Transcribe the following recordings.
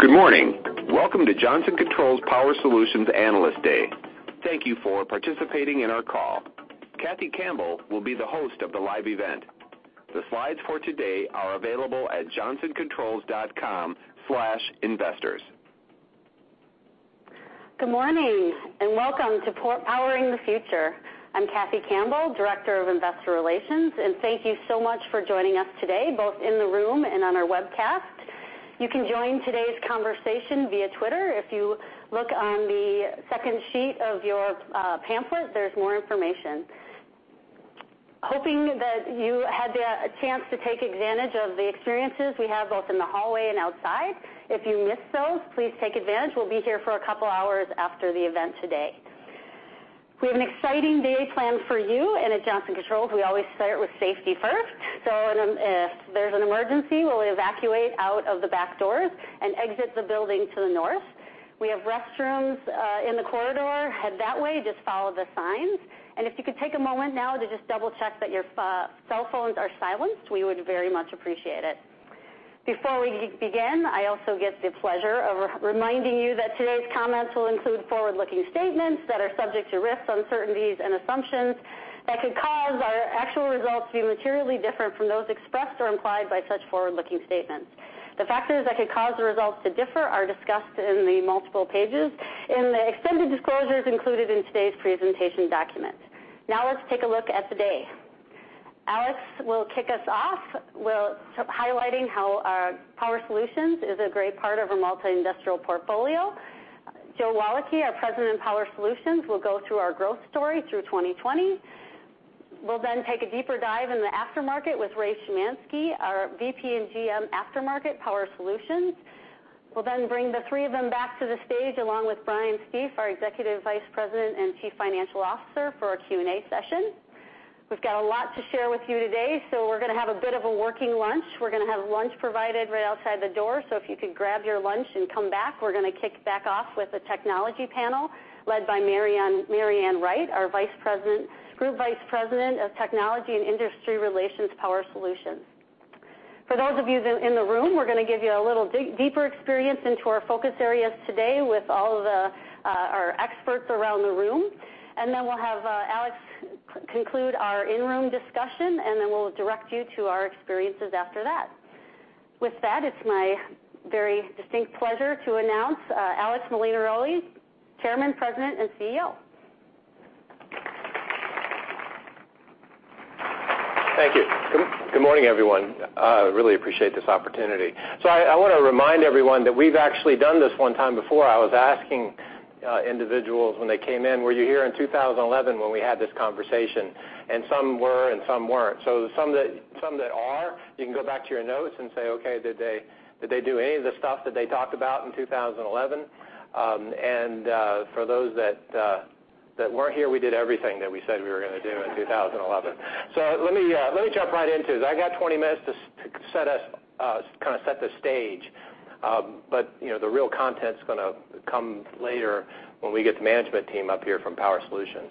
Good morning. Welcome to Johnson Controls Power Solutions Analyst Day. Thank you for participating in our call. Cathy Campbell will be the host of the live event. The slides for today are available at johnsoncontrols.com/investors. Good morning. Welcome to Powering the Future. I'm Cathy Campbell, Director of Investor Relations, and thank you so much for joining us today, both in the room and on our webcast. You can join today's conversation via Twitter. If you look on the second sheet of your pamphlet, there's more information. Hoping that you had the chance to take advantage of the experiences we have both in the hallway and outside. If you missed those, please take advantage. We'll be here for a couple of hours after the event today. We have an exciting day planned for you. At Johnson Controls, we always start with safety first. If there's an emergency, we'll evacuate out of the back doors and exit the building to the north. We have restrooms in the corridor. Head that way, just follow the signs. If you could take a moment now to just double-check that your cell phones are silenced, we would very much appreciate it. Before we begin, I also get the pleasure of reminding you that today's comments will include forward-looking statements that are subject to risks, uncertainties, and assumptions that could cause our actual results to be materially different from those expressed or implied by such forward-looking statements. The factors that could cause the results to differ are discussed in the multiple pages in the extended disclosures included in today's presentation document. Now let's take a look at the day. Alex will kick us off, highlighting how our Power Solutions is a great part of our multi-industrial portfolio. Joe Walicki, our President in Power Solutions, will go through our growth story through 2020. We'll take a deeper dive in the aftermarket with Ray Shemanski, our VP and GM Aftermarket Power Solutions. We'll bring the three of them back to the stage, along with Brian Stief, our Executive Vice President and Chief Financial Officer, for our Q&A session. We've got a lot to share with you today. We're going to have a bit of a working lunch. We're going to have lunch provided right outside the door. If you could grab your lunch and come back, we're going to kick back off with a technology panel led by Mary Ann Wright, our Group Vice President of Technology and Industry Relations Power Solutions. For those of you in the room, we're going to give you a little deeper experience into our focus areas today with all of our experts around the room. We'll have Alex conclude our in-room discussion, then we'll direct you to our experiences after that. With that, it's my very distinct pleasure to announce Alex Molinaroli, Chairman, President, and CEO. Thank you. Good morning, everyone. I really appreciate this opportunity. I want to remind everyone that we've actually done this one time before. I was asking individuals when they came in, "Were you here in 2011 when we had this conversation?" Some were, and some weren't. Some that are, you can go back to your notes and say, okay, did they do any of the stuff that they talked about in 2011? For those that weren't here, we did everything that we said we were going to do in 2011. Let me jump right into this. I got 20 minutes to set the stage, but the real content is going to come later when we get the management team up here from Power Solutions.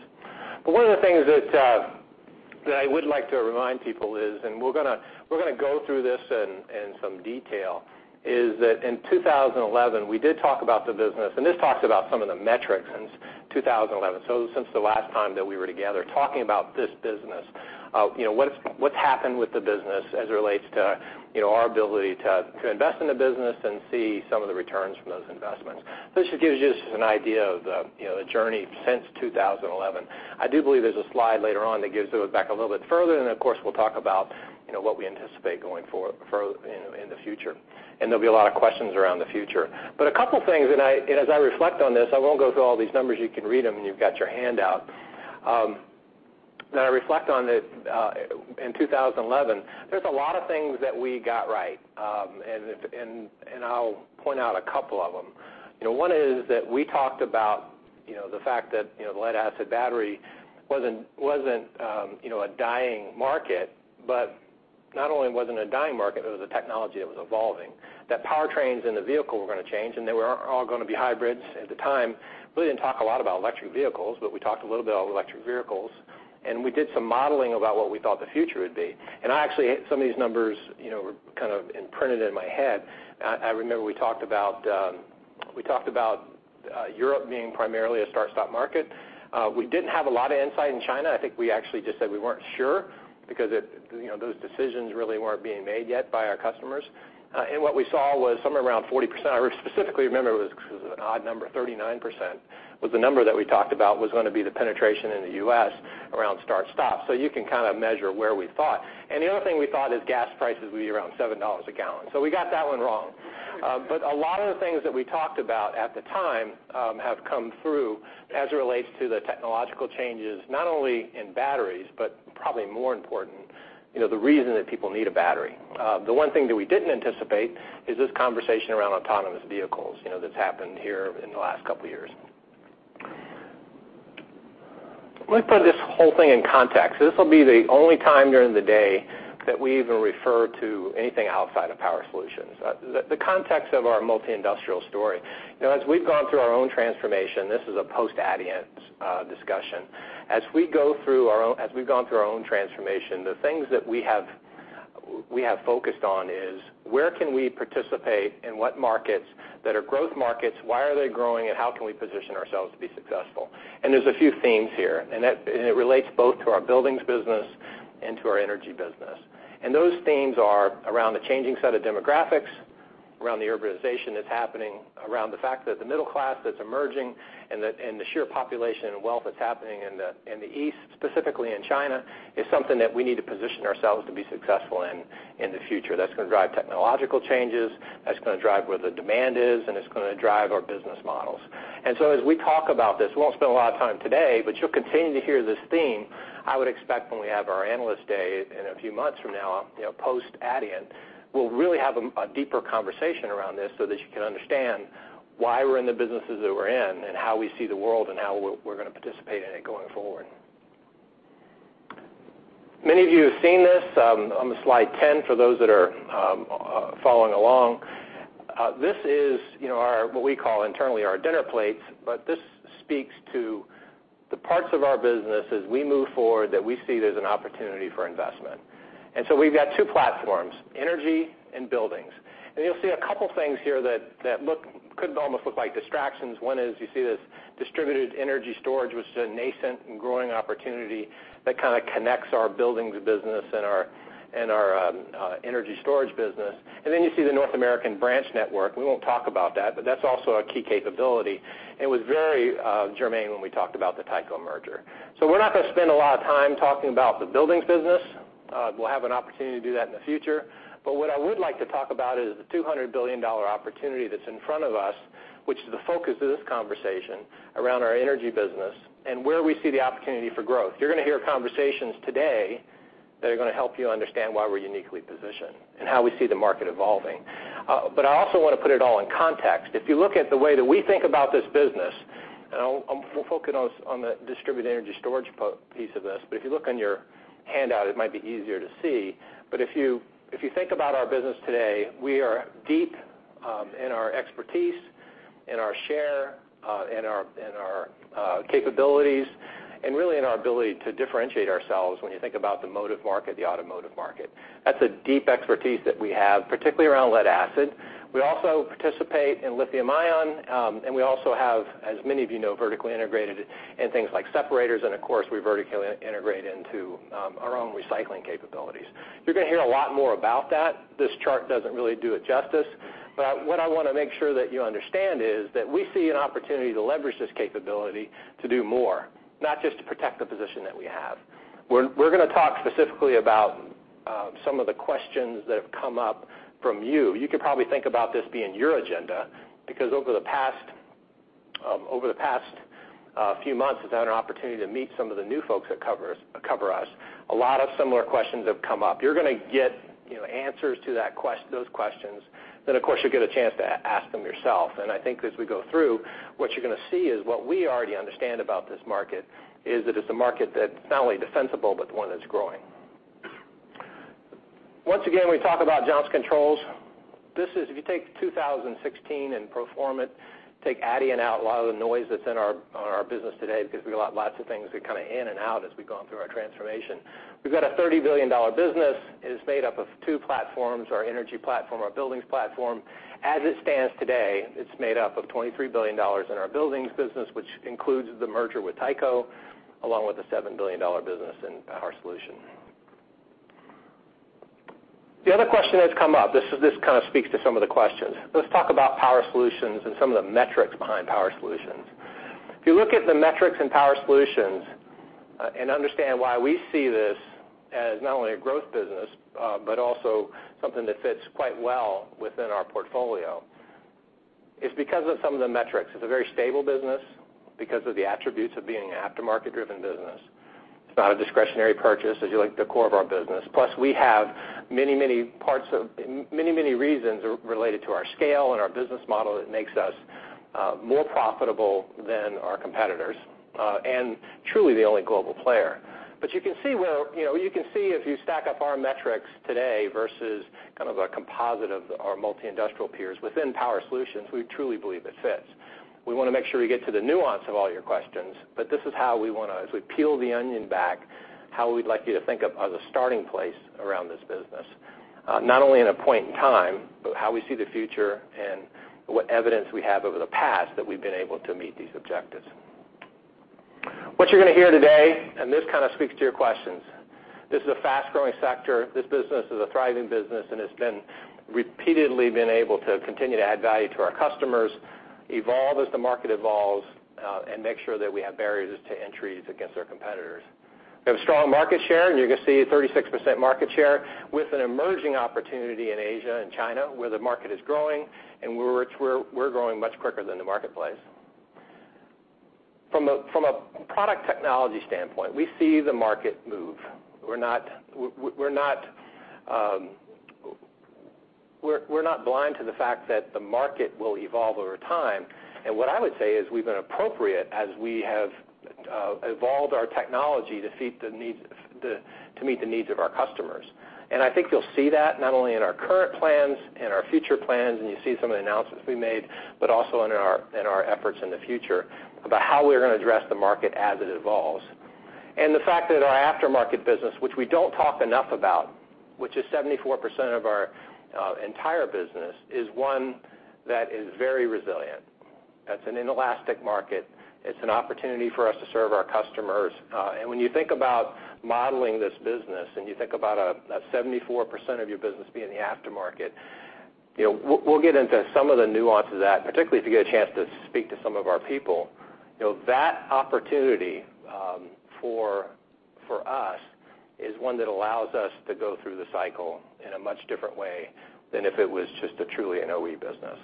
One of the things that I would like to remind people is, we're going to go through this in some detail, is that in 2011, we did talk about the business, this talks about some of the metrics since 2011. Since the last time that we were together, talking about this business. What's happened with the business as it relates to our ability to invest in the business and see some of the returns from those investments. This just gives you an idea of the journey since 2011. I do believe there's a slide later on that goes back a little bit further. Of course, we'll talk about what we anticipate going forward in the future. There'll be a lot of questions around the future. A couple things, as I reflect on this, I won't go through all these numbers. You can read them, you've got your handout. As I reflect on this, in 2011, there's a lot of things that we got right, I'll point out a couple of them. One is that we talked about the fact that the lead-acid battery wasn't a dying market, not only wasn't a dying market, it was a technology that was evolving. That powertrains in the vehicle were going to change, they were all going to be hybrids. At the time, we didn't talk a lot about electric vehicles, we talked a little bit about electric vehicles, we did some modeling about what we thought the future would be. Actually, some of these numbers were imprinted in my head. I remember we talked about Europe being primarily a start-stop market. We didn't have a lot of insight in China. I think we actually just said we weren't sure because those decisions really weren't being made yet by our customers. What we saw was somewhere around 40%, I specifically remember it was an odd number, 39% was the number that we talked about was going to be the penetration in the U.S. around start-stop. You can measure where we thought. The other thing we thought is gas prices would be around $7 a gallon. We got that one wrong. A lot of the things that we talked about at the time have come through as it relates to the technological changes, not only in batteries, but probably more important, the reason that people need a battery. The one thing that we didn't anticipate is this conversation around autonomous vehicles that's happened here in the last couple of years. Let me put this whole thing in context. This will be the only time during the day that we even refer to anything outside of Power Solutions. The context of our multi-industrial story. As we've gone through our own transformation, this is a post-Adient discussion. As we've gone through our own transformation, the things that we have focused on is where can we participate and what markets that are growth markets, why are they growing, and how can we position ourselves to be successful? There's a few themes here, and it relates both to our buildings business and to our energy business. Those themes are around the changing set of demographics, around the urbanization that's happening, around the fact that the middle class that's emerging and the sheer population and wealth that's happening in the East, specifically in China, is something that we need to position ourselves to be successful in the future. That's going to drive technological changes, that's going to drive where the demand is, and it's going to drive our business models. As we talk about this, we won't spend a lot of time today, but you'll continue to hear this theme, I would expect when we have our Analyst Day in a few months from now, post-Adient, we'll really have a deeper conversation around this so that you can understand why we're in the businesses that we're in and how we see the world and how we're going to participate in it going forward. Many of you have seen this on slide 10 for those that are following along. This is what we call internally our dinner plates, but this speaks to the parts of our business as we move forward that we see there's an opportunity for investment. We've got two platforms, energy and buildings. You'll see a couple things here that could almost look like distractions. One is you see this distributed energy storage, which is a nascent and growing opportunity that connects our buildings business and our energy storage business. You see the North American branch network. We won't talk about that, but that's also a key capability and was very germane when we talked about the Tyco merger. We're not going to spend a lot of time talking about the buildings business. We'll have an opportunity to do that in the future. What I would like to talk about is the $200 billion opportunity that's in front of us, which is the focus of this conversation around our energy business and where we see the opportunity for growth. You're going to hear conversations today that are going to help you understand why we're uniquely positioned and how we see the market evolving. I also want to put it all in context. If you look at the way that we think about this business, and we'll focus on the distributed energy storage piece of this, but if you look on your handout, it might be easier to see. If you think about our business today, we are deep in our expertise, in our share, in our capabilities, and really in our ability to differentiate ourselves when you think about the motive market, the automotive market. That's a deep expertise that we have, particularly around lead-acid. We also participate in lithium-ion, and we also have, as many of you know, vertically integrated in things like separators, and of course, we vertically integrate into our own recycling capabilities. You're going to hear a lot more about that. This chart doesn't really do it justice. What I want to make sure that you understand is that we see an opportunity to leverage this capability to do more, not just to protect the position that we have. We're going to talk specifically about some of the questions that have come up from you. You can probably think about this being your agenda, because over the past few months, I've had an opportunity to meet some of the new folks that cover us. A lot of similar questions have come up. You're going to get answers to those questions. Of course, you'll get a chance to ask them yourself. I think as we go through, what you're going to see is what we already understand about this market is that it's a market that's not only defensible, but one that's growing. Once again, we talk about Johnson Controls. If you take 2016 and pro forma it, take Adient out, a lot of the noise that's in our business today because we've got lots of things that are in and out as we've gone through our transformation. We've got a $30 billion business. It is made up of two platforms, our energy platform, our buildings platform. As it stands today, it's made up of $23 billion in our buildings business, which includes the merger with Tyco, along with the $7 billion business in Power Solutions. The other question that's come up, this speaks to some of the questions. Let's talk about Power Solutions and some of the metrics behind Power Solutions. If you look at the metrics in Power Solutions and understand why we see this as not only a growth business, but also something that fits quite well within our portfolio, it's because of some of the metrics. It's a very stable business because of the attributes of being an aftermarket-driven business. It's not a discretionary purchase as you look at the core of our business. Plus, we have many reasons related to our scale and our business model that makes us more profitable than our competitors, and truly the only global player. You can see if you stack up our metrics today versus a composite of our multi-industrial peers within Power Solutions, we truly believe it fits. We want to make sure we get to the nuance of all your questions, but this is how we want to, as we peel the onion back, how we'd like you to think of as a starting place around this business. Not only in a point in time, but how we see the future and what evidence we have over the past that we've been able to meet these objectives. What you're going to hear today, and this speaks to your questions. This is a fast-growing sector. This business is a thriving business, and it's repeatedly been able to continue to add value to our customers, evolve as the market evolves, and make sure that we have barriers to entries against our competitors. We have a strong market share, and you can see 36% market share with an emerging opportunity in Asia and China, where the market is growing, and we're growing much quicker than the marketplace. From a product technology standpoint, we see the market move. We're not blind to the fact that the market will evolve over time, and what I would say is we've been appropriate as we have evolved our technology to meet the needs of our customers. I think you'll see that not only in our current plans, in our future plans, and you see some of the announcements we made, but also in our efforts in the future about how we're going to address the market as it evolves. The fact that our aftermarket business, which we don't talk enough about, which is 74% of our entire business, is one that is very resilient. That's an inelastic market. It's an opportunity for us to serve our customers. When you think about modeling this business and you think about a 74% of your business being in the aftermarket, we'll get into some of the nuances of that, particularly if you get a chance to speak to some of our people. That opportunity for us is one that allows us to go through the cycle in a much different way than if it was just truly an OE business.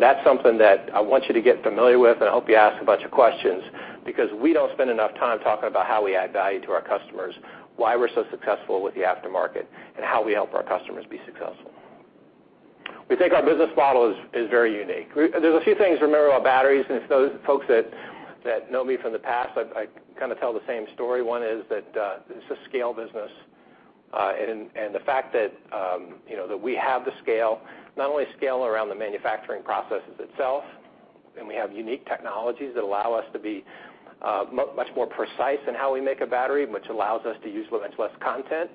That's something that I want you to get familiar with, and I hope you ask a bunch of questions because we don't spend enough time talking about how we add value to our customers, why we're so successful with the aftermarket, and how we help our customers be successful. We think our business model is very unique. There are a few things to remember about batteries, and folks that know me from the past, I tell the same story. One is that this is a scale business, and the fact that we have the scale, not only scale around the manufacturing processes itself, and we have unique technologies that allow us to be much more precise in how we make a battery, which allows us to use much less content,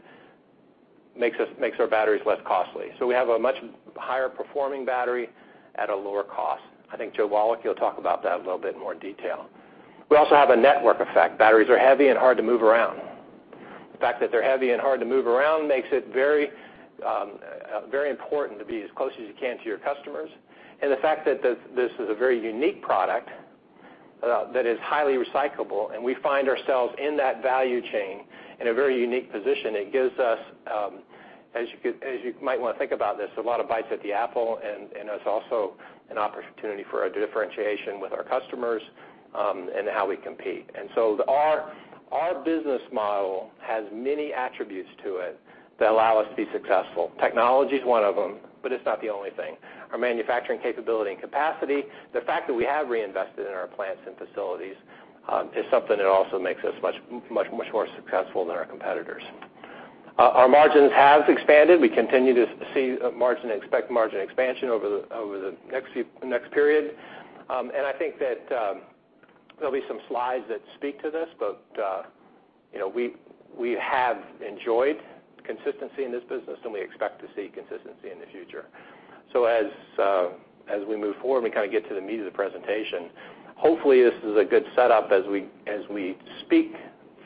makes our batteries less costly. We have a much higher performing battery at a lower cost. I think Joe Walicki will talk about that in a little bit more detail. We also have a network effect. Batteries are heavy and hard to move around. The fact that they're heavy and hard to move around makes it very important to be as close as you can to your customers. The fact that this is a very unique product that is highly recyclable, we find ourselves in that value chain in a very unique position. It gives us, as you might want to think about this, a lot of bites at the apple, it's also an opportunity for a differentiation with our customers in how we compete. Our business model has many attributes to it that allow us to be successful. Technology is one of them, but it's not the only thing. Our manufacturing capability and capacity, the fact that we have reinvested in our plants and facilities is something that also makes us much more successful than our competitors. Our margins have expanded. We continue to see margin and expect margin expansion over the next period. I think that there'll be some slides that speak to this, we have enjoyed consistency in this business, we expect to see consistency in the future. As we move forward and get to the meat of the presentation, hopefully this is a good setup as we speak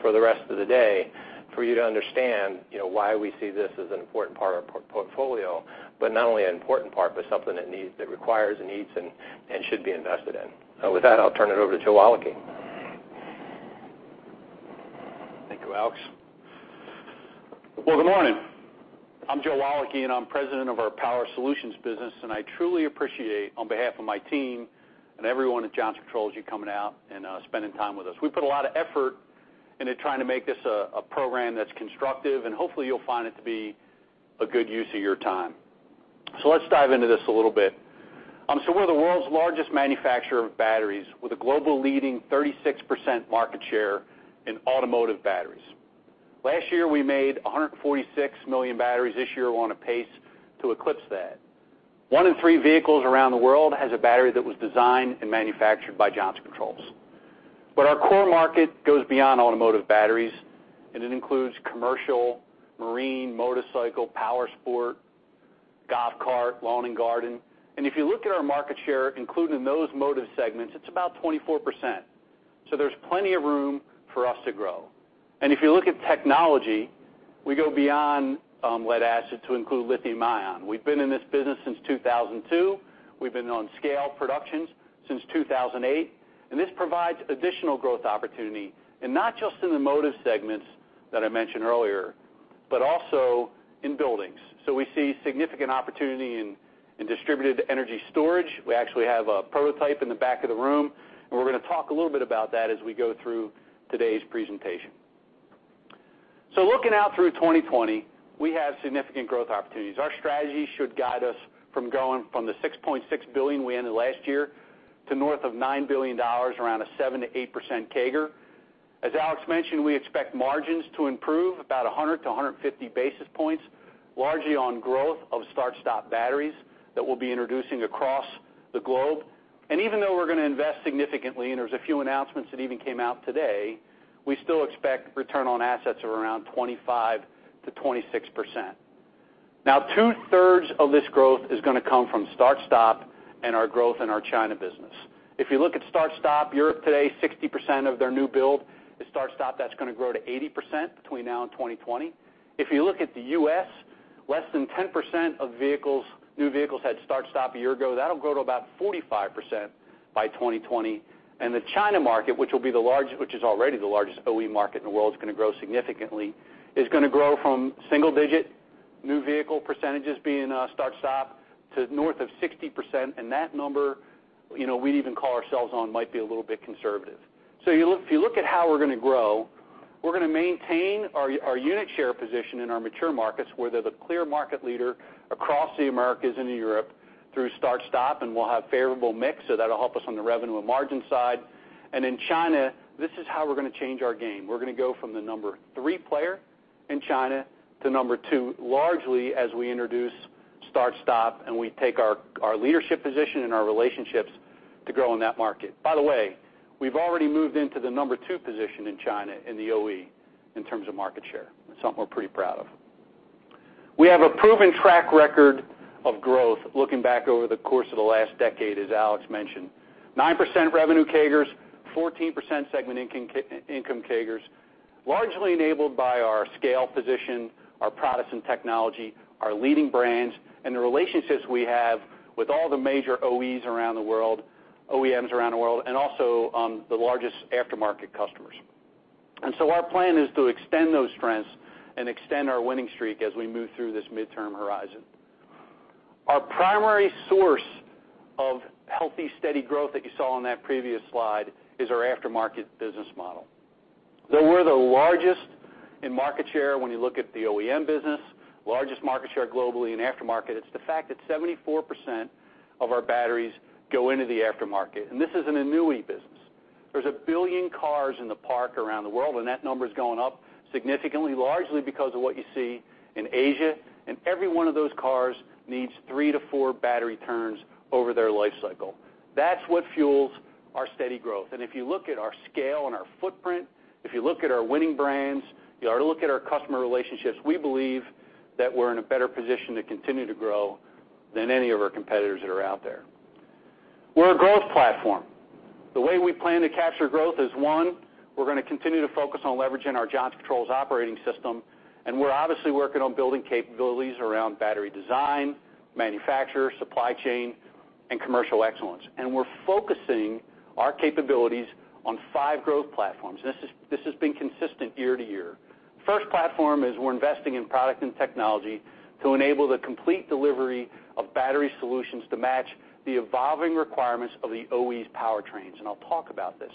for the rest of the day for you to understand why we see this as an important part of our portfolio. Not only an important part, but something that requires and needs and should be invested in. With that, I'll turn it over to Joe Walicki. Thank you, Alex. Well, good morning. I'm Joe Walicki, I'm President of our Power Solutions business, I truly appreciate, on behalf of my team and everyone at Johnson Controls, you coming out and spending time with us. We put a lot of effort into trying to make this a program that's constructive, hopefully you'll find it to be a good use of your time. Let's dive into this a little bit. We're the world's largest manufacturer of batteries with a global leading 36% market share in automotive batteries. Last year, we made 146 million batteries. This year, we're on a pace to eclipse that. One in three vehicles around the world has a battery that was designed and manufactured by Johnson Controls. Our core market goes beyond automotive batteries, it includes commercial, marine, motorcycle, powersports, golf cart, lawn and garden. If you look at our market share, including those motive segments, it's about 24%. There's plenty of room for us to grow. If you look at technology, we go beyond lead-acid to include lithium-ion. We've been in this business since 2002. We've been on scale productions since 2008, this provides additional growth opportunity, not just in the motive segments that I mentioned earlier, but also in buildings. We see significant opportunity in distributed energy storage. We actually have a prototype in the back of the room, we're going to talk a little bit about that as we go through today's presentation. Looking out through 2020, we have significant growth opportunities. Our strategy should guide us from going from the $6.6 billion we ended last year to north of $9 billion, around a 7%-8% CAGR. As Alex mentioned, we expect margins to improve about 100 to 150 basis points, largely on growth of start-stop batteries that we'll be introducing across the globe. Even though we're going to invest significantly, and there's a few announcements that even came out today, we still expect return on assets of around 25%-26%. Two-thirds of this growth is going to come from start-stop and our growth in our China business. If you look at start-stop, Europe today, 60% of their new build is start-stop. That's going to grow to 80% between now and 2020. If you look at the U.S., less than 10% of new vehicles had start-stop a year ago. That'll grow to about 45% by 2020. The China market, which is already the largest OE market in the world, is going to grow significantly. It's going to grow from single-digit new vehicle percentages being start-stop to north of 60%, and that number we'd even call ourselves on might be a little bit conservative. If you look at how we're going to grow, we're going to maintain our unit share position in our mature markets, where they're the clear market leader across the Americas into Europe through start-stop, and we'll have favorable mix, so that'll help us on the revenue and margin side. In China, this is how we're going to change our game. We're going to go from the number 3 player in China to number 2, largely as we introduce start-stop, and we take our leadership position and our relationships to grow in that market. By the way, we've already moved into the number 2 position in China in the OE in terms of market share. It's something we're pretty proud of. We have a proven track record of growth looking back over the course of the last decade, as Alex mentioned. 9% revenue CAGRs, 14% segment income CAGRs, largely enabled by our scale position, our products and technology, our leading brands, and the relationships we have with all the major OEs around the world, OEMs around the world, and also the largest aftermarket customers. Our plan is to extend those strengths and extend our winning streak as we move through this midterm horizon. Our primary source of healthy, steady growth that you saw on that previous slide is our aftermarket business model. Though we're the largest in market share when you look at the OEM business, largest market share globally in aftermarket, it's the fact that 74% of our batteries go into the aftermarket, and this is an annuity business. There's a billion cars in the park around the world, and that number is going up significantly, largely because of what you see in Asia, and every one of those cars needs three to four battery turns over their life cycle. That's what fuels our steady growth. If you look at our scale and our footprint, if you look at our winning brands, if you look at our customer relationships, we believe that we're in a better position to continue to grow than any of our competitors that are out there. We're a growth platform. The way we plan to capture growth is, one, we're going to continue to focus on leveraging our Johnson Controls Operating System, and we're obviously working on building capabilities around battery design, manufacture, supply chain, and commercial excellence. We're focusing our capabilities on five growth platforms. This has been consistent year to year. First platform is we're investing in product and technology to enable the complete delivery of battery solutions to match the evolving requirements of the OEs' powertrains, and I'll talk about this.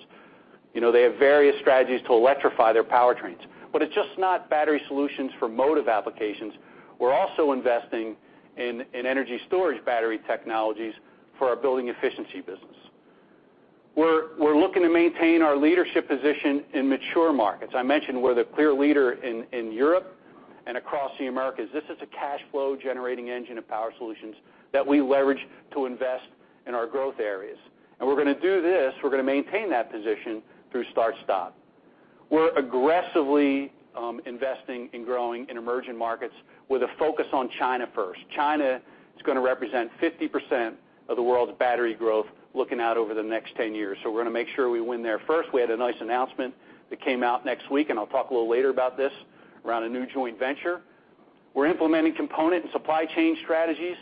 They have various strategies to electrify their powertrains. It's just not battery solutions for motive applications. We're also investing in energy storage battery technologies for our building efficiency business. We're looking to maintain our leadership position in mature markets. I mentioned we're the clear leader in Europe and across the Americas. This is a cash flow-generating engine of Power Solutions that we leverage to invest in our growth areas. We're going to do this, we're going to maintain that position through start-stop. We're aggressively investing in growing in emerging markets with a focus on China first. China is going to represent 50% of the world's battery growth looking out over the next 10 years. We're going to make sure we win there first. We had a nice announcement that came out next week, I'll talk a little later about this, around a new joint venture. We're implementing component and supply chain strategies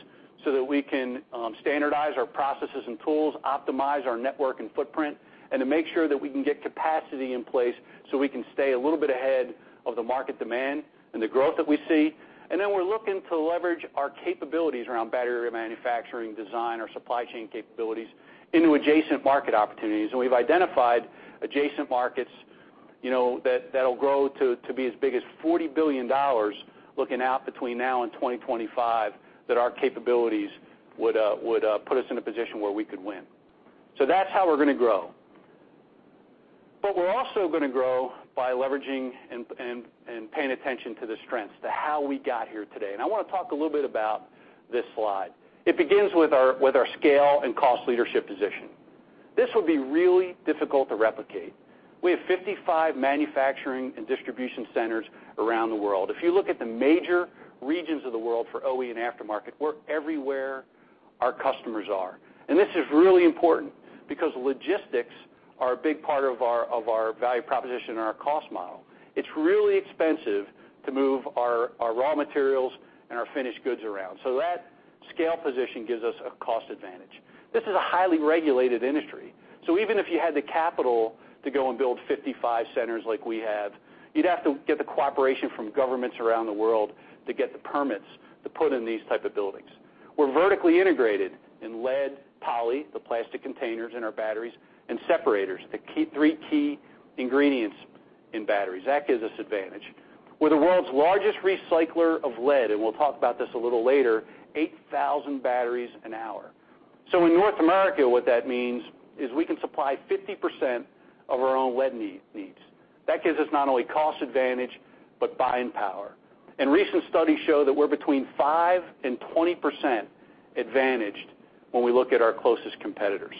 so that we can standardize our processes and tools, optimize our network and footprint, and to make sure that we can get capacity in place so we can stay a little bit ahead of the market demand and the growth that we see. We're looking to leverage our capabilities around battery manufacturing, design, our supply chain capabilities into adjacent market opportunities. We've identified adjacent markets that'll grow to be as big as $40 billion looking out between now and 2025, that our capabilities would put us in a position where we could win. That's how we're going to grow. We're also going to grow by leveraging and paying attention to the strengths, to how we got here today. I want to talk a little bit about this slide. It begins with our scale and cost leadership position. This would be really difficult to replicate. We have 55 manufacturing and distribution centers around the world. If you look at the major regions of the world for OE and aftermarket, we're everywhere our customers are. This is really important because logistics are a big part of our value proposition and our cost model. It's really expensive to move our raw materials and our finished goods around. That scale position gives us a cost advantage. This is a highly regulated industry. Even if you had the capital to go and build 55 centers like we have, you'd have to get the cooperation from governments around the world to get the permits to put in these type of buildings. We're vertically integrated in lead, poly, the plastic containers in our batteries, and separators, the three key ingredients in batteries. That gives us advantage. We're the world's largest recycler of lead, and we'll talk about this a little later, 8,000 batteries an hour. In North America, what that means is we can supply 50% of our own lead needs. That gives us not only cost advantage, but buying power. Recent studies show that we're between 5 and 20% advantaged when we look at our closest competitors.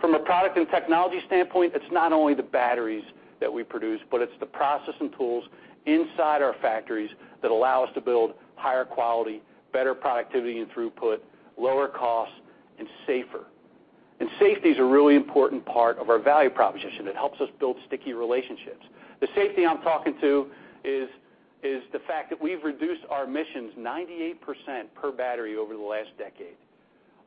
From a product and technology standpoint, it's not only the batteries that we produce, but it's the process and tools inside our factories that allow us to build higher quality, better productivity and throughput, lower cost, and safer. Safety is a really important part of our value proposition that helps us build sticky relationships. The safety I'm talking to is the fact that we've reduced our emissions 98% per battery over the last decade.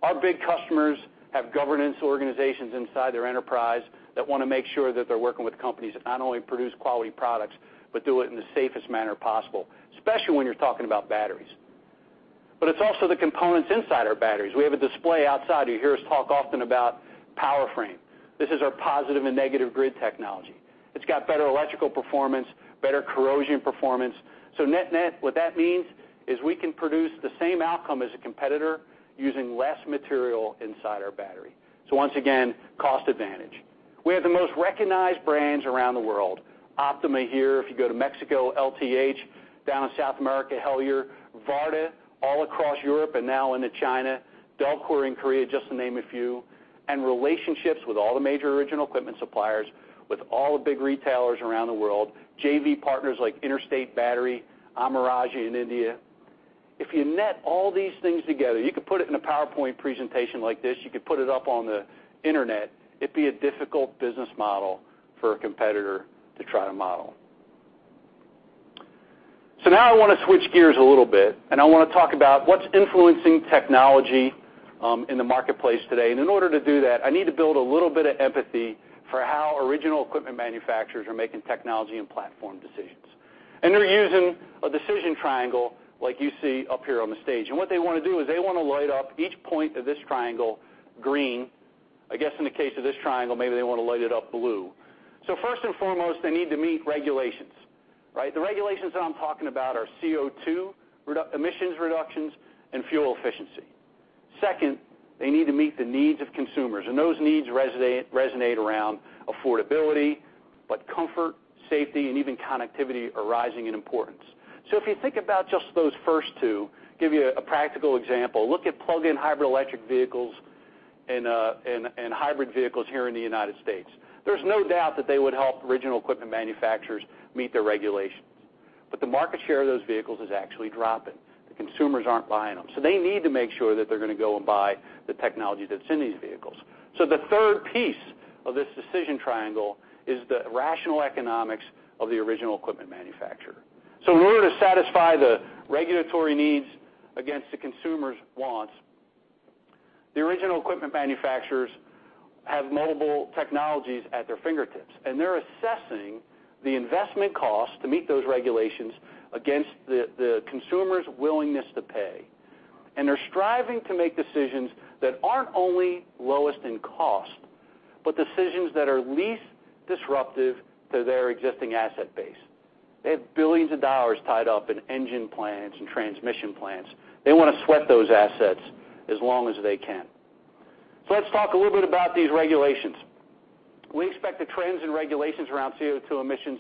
Our big customers have governance organizations inside their enterprise that want to make sure that they're working with companies that not only produce quality products, but do it in the safest manner possible, especially when you're talking about batteries. It's also the components inside our batteries. We have a display outside. You hear us talk often about PowerFrame. This is our positive and negative grid technology. It's got better electrical performance, better corrosion performance. Net-net, what that means is we can produce the same outcome as a competitor using less material inside our battery. Once again, cost advantage. We have the most recognized brands around the world. Optima here. If you go to Mexico, LTH. Down in South America, Heliar. Varta all across Europe and now into China. Delkor in Korea, just to name a few. Relationships with all the major original equipment suppliers, with all the big retailers around the world, JV partners like Interstate Batteries, Amara Raja in India. If you net all these things together, you could put it in a PowerPoint presentation like this, you could put it up on the internet, it'd be a difficult business model for a competitor to try to model. Now I want to switch gears a little bit, and I want to talk about what's influencing technology in the marketplace today. In order to do that, I need to build a little bit of empathy for how original equipment manufacturers are making technology and platform decisions. They're using a decision triangle like you see up here on the stage. What they want to do is they want to light up each point of this triangle green. I guess in the case of this triangle, maybe they want to light it up blue. First and foremost, they need to meet regulations, right? The regulations that I'm talking about are CO2 emissions reductions and fuel efficiency. Second, they need to meet the needs of consumers, and those needs resonate around affordability, but comfort, safety, and even connectivity are rising in importance. If you think about just those first two, give you a practical example. Look at plug-in hybrid electric vehicles and hybrid vehicles here in the United States. There's no doubt that they would help original equipment manufacturers meet their regulations, but the market share of those vehicles is actually dropping. The consumers aren't buying them. They need to make sure that they're going to go and buy the technology that's in these vehicles. The third piece of this decision triangle is the rational economics of the original equipment manufacturer. In order to satisfy the regulatory needs against the consumers' wants, the original equipment manufacturers have multiple technologies at their fingertips, and they're assessing the investment cost to meet those regulations against the consumer's willingness to pay. They're striving to make decisions that aren't only lowest in cost, but decisions that are least disruptive to their existing asset base. They have billions of dollars tied up in engine plants and transmission plants. They want to sweat those assets as long as they can. Let's talk a little bit about these regulations. We expect the trends in regulations around CO2 emissions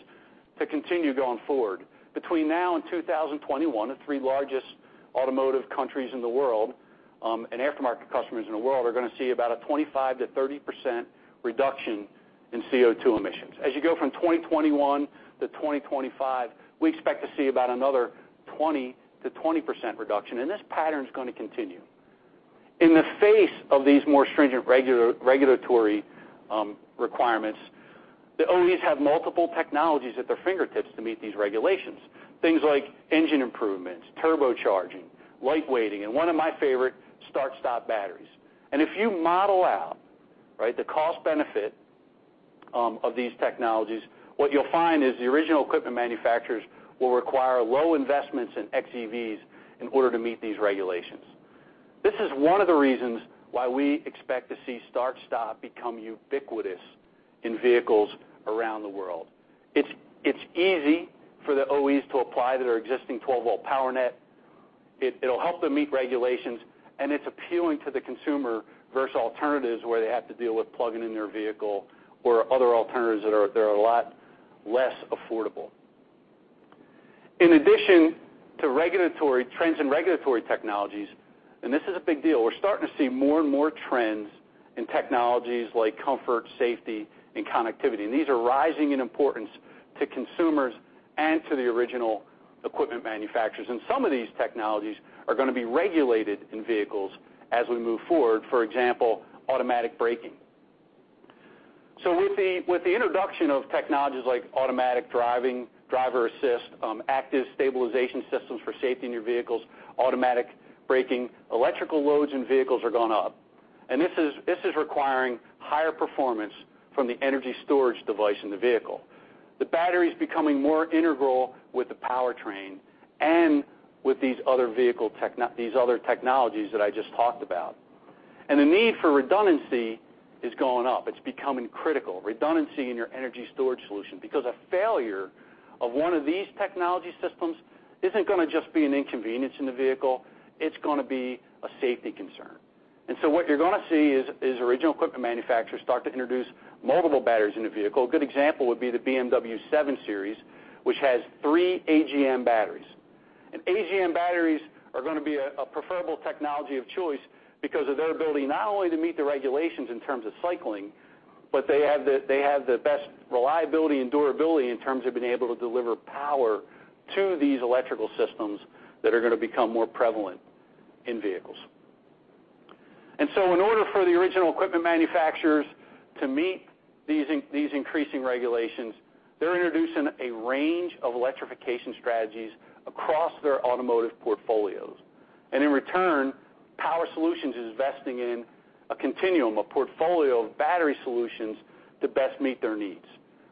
to continue going forward. Between now and 2021, the three largest automotive countries in the world, and aftermarket customers in the world, are going to see about a 25%-30% reduction in CO2 emissions. As you go from 2021 to 2025, we expect to see about another 20% reduction, and this pattern's going to continue. In the face of these more stringent regulatory requirements, the OEs have multiple technologies at their fingertips to meet these regulations. Things like engine improvements, turbocharging, light weighting, and one of my favorite, start-stop batteries. If you model out the cost benefit of these technologies, what you'll find is the original equipment manufacturers will require low investments in XEVs in order to meet these regulations. This is one of the reasons why we expect to see start-stop become ubiquitous in vehicles around the world. It's easy for the OEs to apply to their existing 12-volt power net, it'll help them meet regulations, and it's appealing to the consumer versus alternatives where they have to deal with plugging in their vehicle or other alternatives that are a lot less affordable. In addition to trends in regulatory technologies, and this is a big deal, we're starting to see more and more trends in technologies like comfort, safety, and connectivity. These are rising in importance to consumers and to the original equipment manufacturers. Some of these technologies are going to be regulated in vehicles as we move forward, for example, automatic braking. With the introduction of technologies like automatic driving, driver assist, active stabilization systems for safety in your vehicles, automatic braking, electrical loads in vehicles are going up. This is requiring higher performance from the energy storage device in the vehicle. The battery's becoming more integral with the powertrain and with these other technologies that I just talked about. The need for redundancy is going up. It's becoming critical, redundancy in your energy storage solution, because a failure of one of these technology systems isn't going to just be an inconvenience in the vehicle, it's going to be a safety concern. What you're going to see is original equipment manufacturers start to introduce multiple batteries in a vehicle. A good example would be the BMW 7 Series, which has three AGM batteries. AGM batteries are going to be a preferable technology of choice because of their ability not only to meet the regulations in terms of cycling, but they have the best reliability and durability in terms of being able to deliver power to these electrical systems that are going to become more prevalent in vehicles. In order for the original equipment manufacturers to meet these increasing regulations, they're introducing a range of electrification strategies across their automotive portfolios. In return, Power Solutions is investing in a continuum, a portfolio of battery solutions to best meet their needs,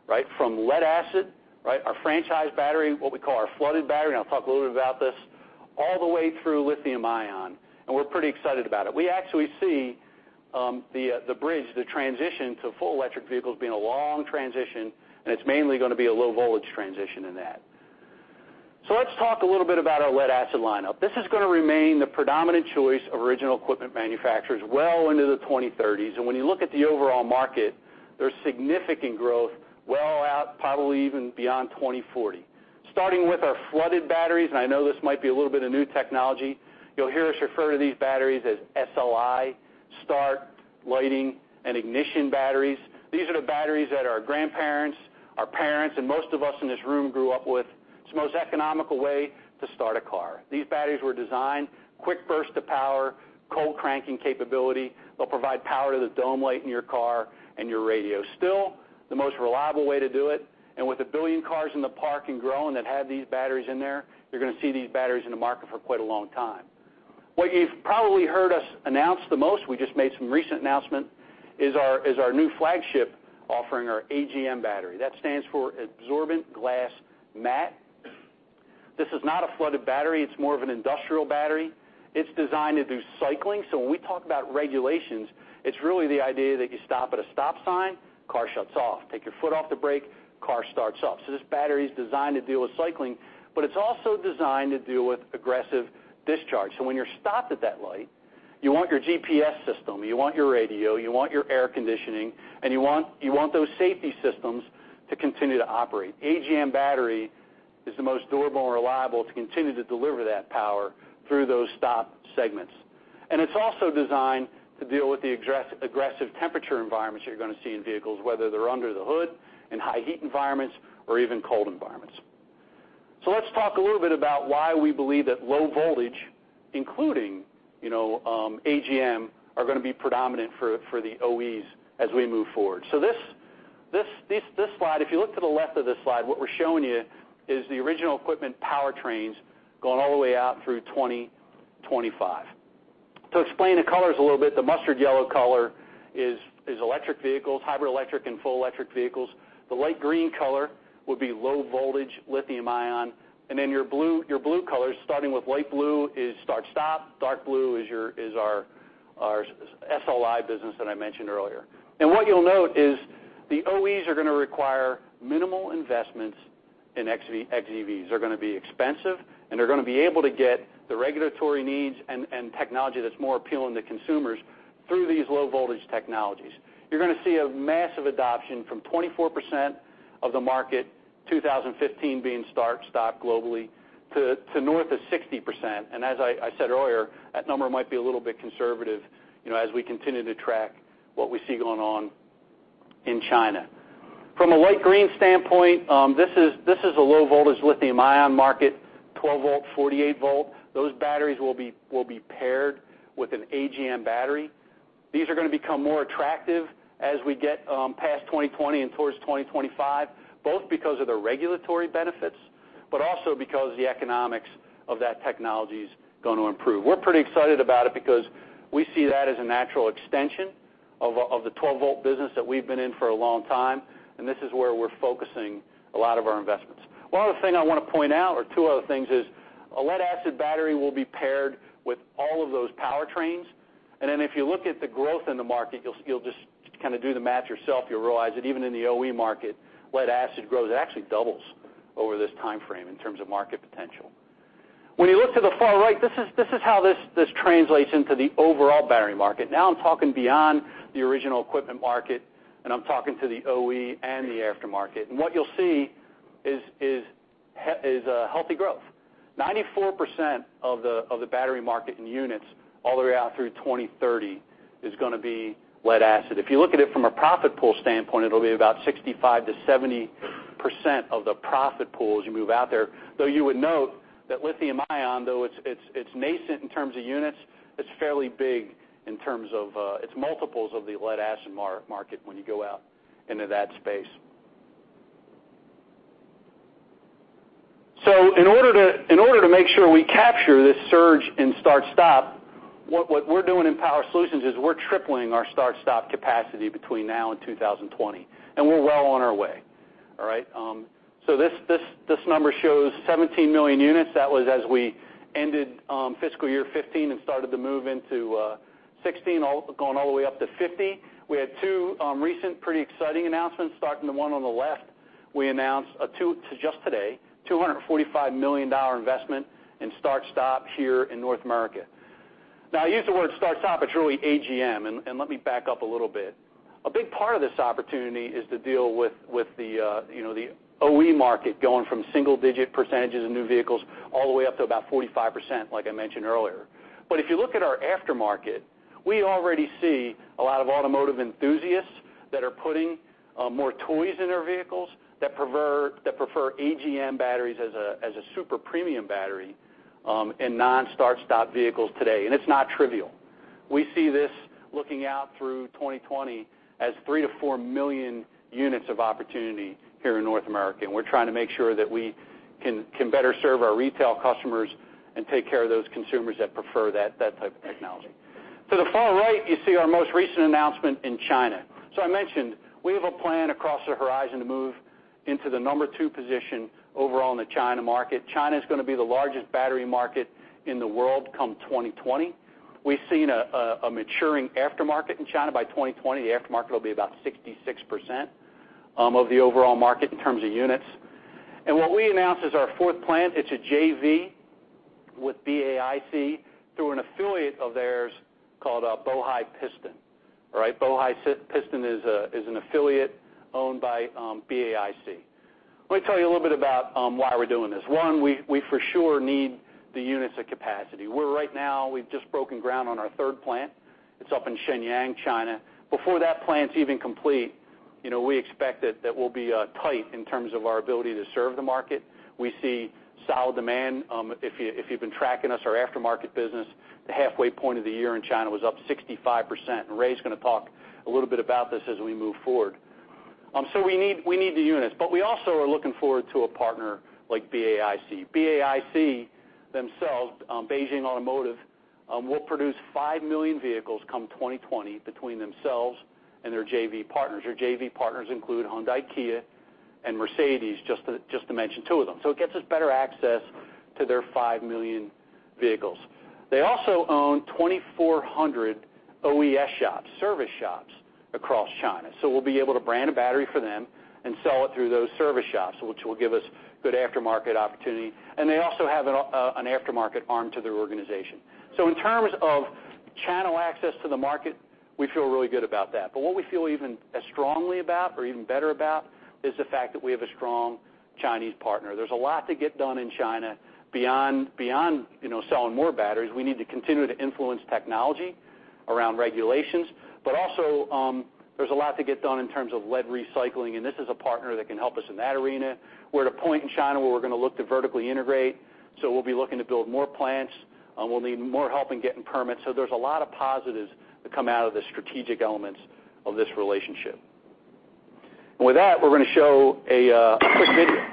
right? From lead-acid, our franchise battery, what we call our flooded battery, and I'll talk a little bit about this, all the way through lithium-ion, and we're pretty excited about it. We actually see the bridge, the transition to full electric vehicles being a long transition, and it's mainly going to be a low-voltage transition in that. Let's talk a little bit about our lead-acid lineup. This is going to remain the predominant choice of original equipment manufacturers well into the 2030s. When you look at the overall market, there's significant growth well out probably even beyond 2040. Starting with our flooded batteries, and I know this might be a little bit of new technology, you'll hear us refer to these batteries as SLI, start, lighting, and ignition batteries. These are the batteries that our grandparents, our parents, and most of us in this room grew up with. It's the most economical way to start a car. These batteries were designed quick burst to power, cold cranking capability. They'll provide power to the dome light in your car and your radio. Still, the most reliable way to do it. With 1 billion cars in the park and growing that have these batteries in there, you're going to see these batteries in the market for quite a long time. What you've probably heard us announce the most, we just made some recent announcement, is our new flagship offering, our AGM battery. That stands for absorbent glass mat. This is not a flooded battery. It's more of an industrial battery. It's designed to do cycling. When we talk about regulations, it's really the idea that you stop at a stop sign, car shuts off, take your foot off the brake, car starts up. This battery is designed to deal with cycling, but it's also designed to deal with aggressive discharge. When you're stopped at that light, you want your GPS system, you want your radio, you want your air conditioning, and you want those safety systems to continue to operate. AGM battery is the most durable and reliable to continue to deliver that power through those stop segments. It's also designed to deal with the aggressive temperature environments you're going to see in vehicles, whether they're under the hood in high heat environments or even cold environments. Let's talk a little bit about why we believe that low-voltage, including AGM, are going to be predominant for the OEs as we move forward. This slide, if you look to the left of this slide, what we're showing you is the original equipment powertrains going all the way out through 2025. To explain the colors a little bit, the mustard yellow color is electric vehicles, hybrid electric, and full electric vehicles. The light green color would be low-voltage lithium-ion, then your blue colors, starting with light blue is start-stop, dark blue is our SLI business that I mentioned earlier. What you'll note is the OEs are going to require minimal investments in xEVs. They're going to be expensive, and they're going to be able to get the regulatory needs and technology that's more appealing to consumers through these low-voltage technologies. You're going to see a massive adoption from 24% of the market, 2015 being start stop globally to north of 60%. As I said earlier, that number might be a little bit conservative as we continue to track what we see going on in China. From a light green standpoint, this is a low voltage lithium-ion market, 12-volt, 48-volt. Those batteries will be paired with an AGM battery. These are going to become more attractive as we get past 2020 and towards 2025, both because of the regulatory benefits, but also because the economics of that technology is going to improve. We're pretty excited about it because we see that as a natural extension of the 12-volt business that we've been in for a long time, and this is where we're focusing a lot of our investments. One other thing I want to point out, or two other things, is a lead-acid battery will be paired with all of those powertrains. Then if you look at the growth in the market, you'll just kind of do the math yourself. You'll realize that even in the OE market, lead-acid grows, it actually doubles over this time frame in terms of market potential. When you look to the far right, this is how this translates into the overall battery market. Now I'm talking beyond the original equipment market, and I'm talking to the OE and the aftermarket. What you'll see is a healthy growth. 94% of the battery market in units all the way out through 2030 is going to be lead-acid. If you look at it from a profit pool standpoint, it'll be about 65%-70% of the profit pool as you move out there. Though you would note that lithium-ion, though it's nascent in terms of units, it's fairly big in terms of its multiples of the lead-acid market when you go out into that space. In order to make sure we capture this surge in start stop, what we're doing in Power Solutions is we're tripling our start stop capacity between now and 2020, and we're well on our way. All right? This number shows 17 million units. That was as we ended FY 2015 and started to move into 2016, going all the way up to 50. We had two recent pretty exciting announcements. Starting with the one on the left, we announced just today, a $245 million investment in start stop here in North America. Now I use the word start stop, but truly AGM, and let me back up a little bit. A big part of this opportunity is to deal with the OE market going from single digit % of new vehicles all the way up to about 45%, like I mentioned earlier. If you look at our aftermarket, we already see a lot of automotive enthusiasts that are putting more toys in their vehicles that prefer AGM batteries as a super premium battery in non-start-stop vehicles today, and it's not trivial. We see this looking out through 2020 as 3-4 million units of opportunity here in North America, we're trying to make sure that we can better serve our retail customers and take care of those consumers that prefer that type of technology. To the far right, you see our most recent announcement in China. I mentioned we have a plan across the horizon to move into the number 2 position overall in the China market. China is going to be the largest battery market in the world come 2020. We've seen a maturing aftermarket in China. By 2020, the aftermarket will be about 66% of the overall market in terms of units. What we announced is our fourth plant, it's a JV with BAIC through an affiliate of theirs called Bohai Piston. All right? Bohai Piston is an affiliate owned by BAIC. Let me tell you a little bit about why we're doing this. One, we for sure need the units of capacity. We've just broken ground on our third plant. It's up in Shenyang, China. Before that plant's even complete, we expect that we'll be tight in terms of our ability to serve the market. We see solid demand. If you've been tracking us, our aftermarket business, the halfway point of the year in China was up 65%, Ray's going to talk a little bit about this as we move forward. We need the units. We also are looking forward to a partner like BAIC. BAIC themselves, Beijing Automotive, will produce 5 million vehicles come 2020 between themselves and their JV partners. Their JV partners include Hyundai, Kia, and Mercedes, just to mention two of them. It gets us better access to their 5 million vehicles. They also own 2,400 OES shops, service shops across China. We'll be able to brand a battery for them and sell it through those service shops, which will give us good aftermarket opportunity, they also have an aftermarket arm to their organization. In terms of channel access to the market, we feel really good about that. What we feel even as strongly about or even better about is the fact that we have a strong Chinese partner. There's a lot to get done in China beyond selling more batteries. We need to continue to influence technology around regulations, there's a lot to get done in terms of lead recycling, this is a partner that can help us in that arena. We're at a point in China where we're going to look to vertically integrate, so we'll be looking to build more plants. We'll need more help in getting permits. There's a lot of positives that come out of the strategic elements of this relationship. With that, we're going to show a quick video.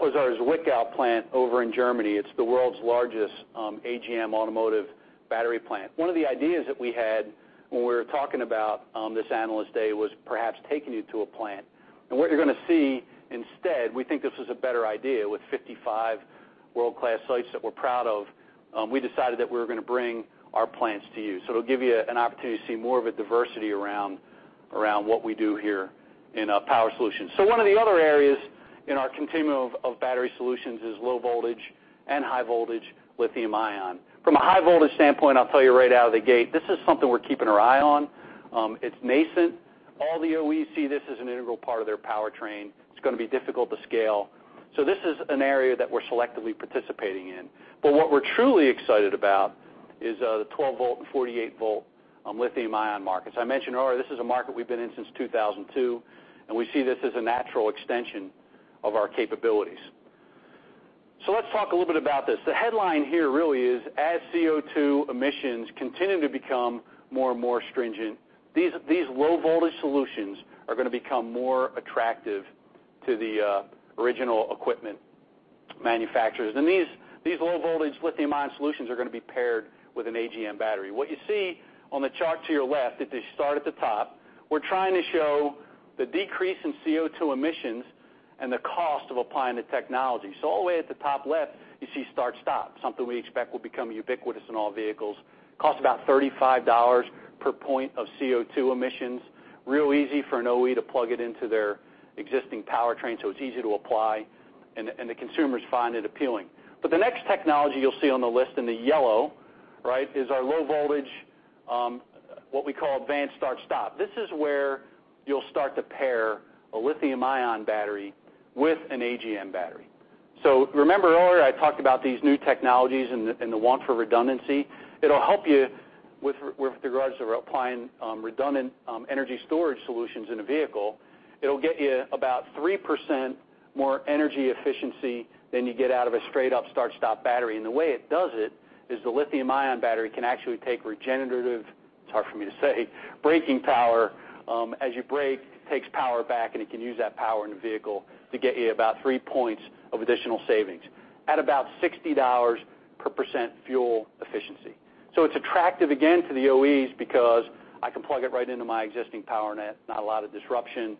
I could have done a little bit of better job setting that up. That was our Zwickau plant over in Germany. It's the world's largest AGM automotive battery plant. One of the ideas that we had when we were talking about this Analyst Day was perhaps taking you to a plant. What you're going to see instead, we think this was a better idea with 55 world-class sites that we're proud of, we decided that we were going to bring our plants to you. It'll give you an opportunity to see more of a diversity around what we do here in Power Solutions. One of the other areas in our continuum of battery solutions is low voltage and high voltage lithium-ion. From a high voltage standpoint, I'll tell you right out of the gate, this is something we're keeping our eye on. It's nascent. All the OEs see this as an integral part of their powertrain. It's going to be difficult to scale. This is an area that we're selectively participating in. What we're truly excited about is the 12-volt and 48-volt lithium-ion markets. I mentioned earlier, this is a market we've been in since 2002, and we see this as a natural extension of our capabilities. Let's talk a little bit about this. The headline here really is as CO2 emissions continue to become more and more stringent, these low voltage solutions are going to become more attractive to the original equipment manufacturers. These low voltage lithium-ion solutions are going to be paired with an AGM battery. What you see on the chart to your left, if you start at the top, we're trying to show the decrease in CO2 emissions and the cost of applying the technology. All the way at the top left, you see start-stop, something we expect will become ubiquitous in all vehicles. Costs about $35 per point of CO2 emissions. Real easy for an OE to plug it into their existing powertrain, so it's easy to apply and the consumers find it appealing. The next technology you'll see on the list in the yellow is our low voltage, what we call advanced start-stop. This is where you'll start to pair a lithium-ion battery with an AGM battery. Remember earlier I talked about these new technologies and the want for redundancy. It'll help you with regards to applying redundant energy storage solutions in a vehicle. It'll get you about 3% more energy efficiency than you get out of a straight up start-stop battery. The way it does it is the lithium-ion battery can actually take regenerative, it's hard for me to say, braking power. As you brake, it takes power back, and it can use that power in the vehicle to get you about 3 points of additional savings at about $60 per % fuel efficiency. It's attractive again to the OEs because I can plug it right into my existing power net, not a lot of disruption.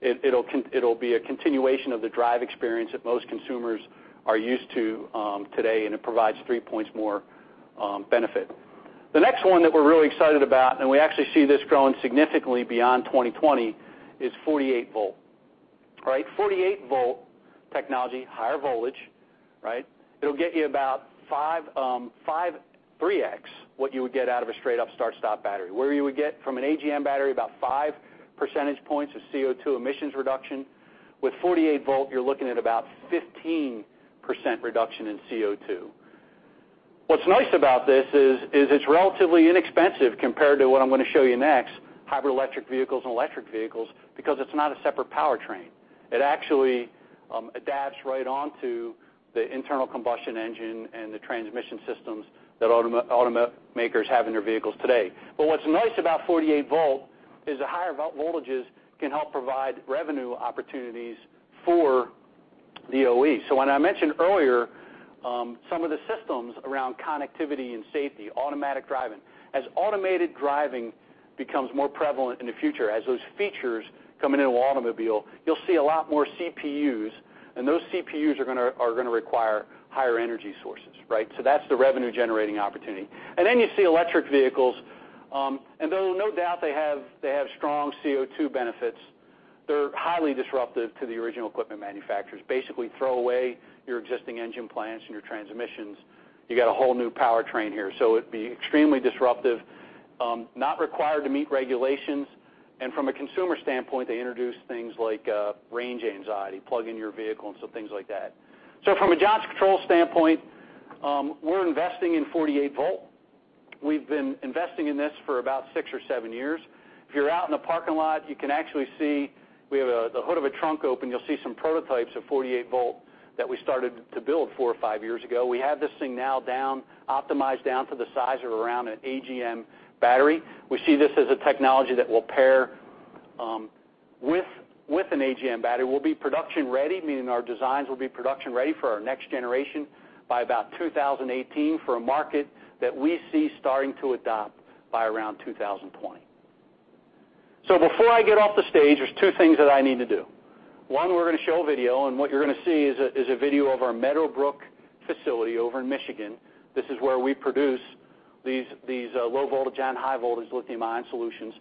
It'll be a continuation of the drive experience that most consumers are used to today, and it provides 3 points more benefit. The next one that we're really excited about, and we actually see this growing significantly beyond 2020, is 48 volt. 48-volt technology, higher voltage, right? It'll get you about 3x what you would get out of a straight up start-stop battery. Where you would get from an AGM battery about 5 percentage points of CO2 emissions reduction, with 48 volt, you're looking at about 15% reduction in CO2. What's nice about this is it's relatively inexpensive compared to what I'm going to show you next, hybrid electric vehicles and electric vehicles, because it's not a separate powertrain. It actually adapts right onto the internal combustion engine and the transmission systems that automakers have in their vehicles today. What's nice about 48 volt is the higher voltages can help provide revenue opportunities for the OE. When I mentioned earlier some of the systems around connectivity and safety, automated driving. As automated driving becomes more prevalent in the future, as those features come into an automobile, you'll see a lot more CPUs, and those CPUs are going to require higher energy sources, right? That's the revenue-generating opportunity. Then you see electric vehicles. Though no doubt they have strong CO2 benefits, they're highly disruptive to the original equipment manufacturers. Throw away your existing engine plans and your transmissions. You got a whole new powertrain here. It'd be extremely disruptive, not required to meet regulations. From a consumer standpoint, they introduce things like range anxiety, plug in your vehicle and some things like that. From a Johnson Controls standpoint, we're investing in 48 volt. We've been investing in this for about six or seven years. If you're out in the parking lot, you can actually see we have the hood of a trunk open. You'll see some prototypes of 48 volt that we started to build four or five years ago. We have this thing now optimized down to the size of around an AGM battery. We see this as a technology that will pair with an AGM battery. We'll be production ready, meaning our designs will be production ready for our next generation by about 2018 for a market that we see starting to adopt by around 2020. Before I get off the stage, there's two things that I need to do. One, we're going to show a video, what you're going to see is a video of our Meadowbrook facility over in Michigan. This is where we produce these low voltage and high voltage lithium-ion solutions.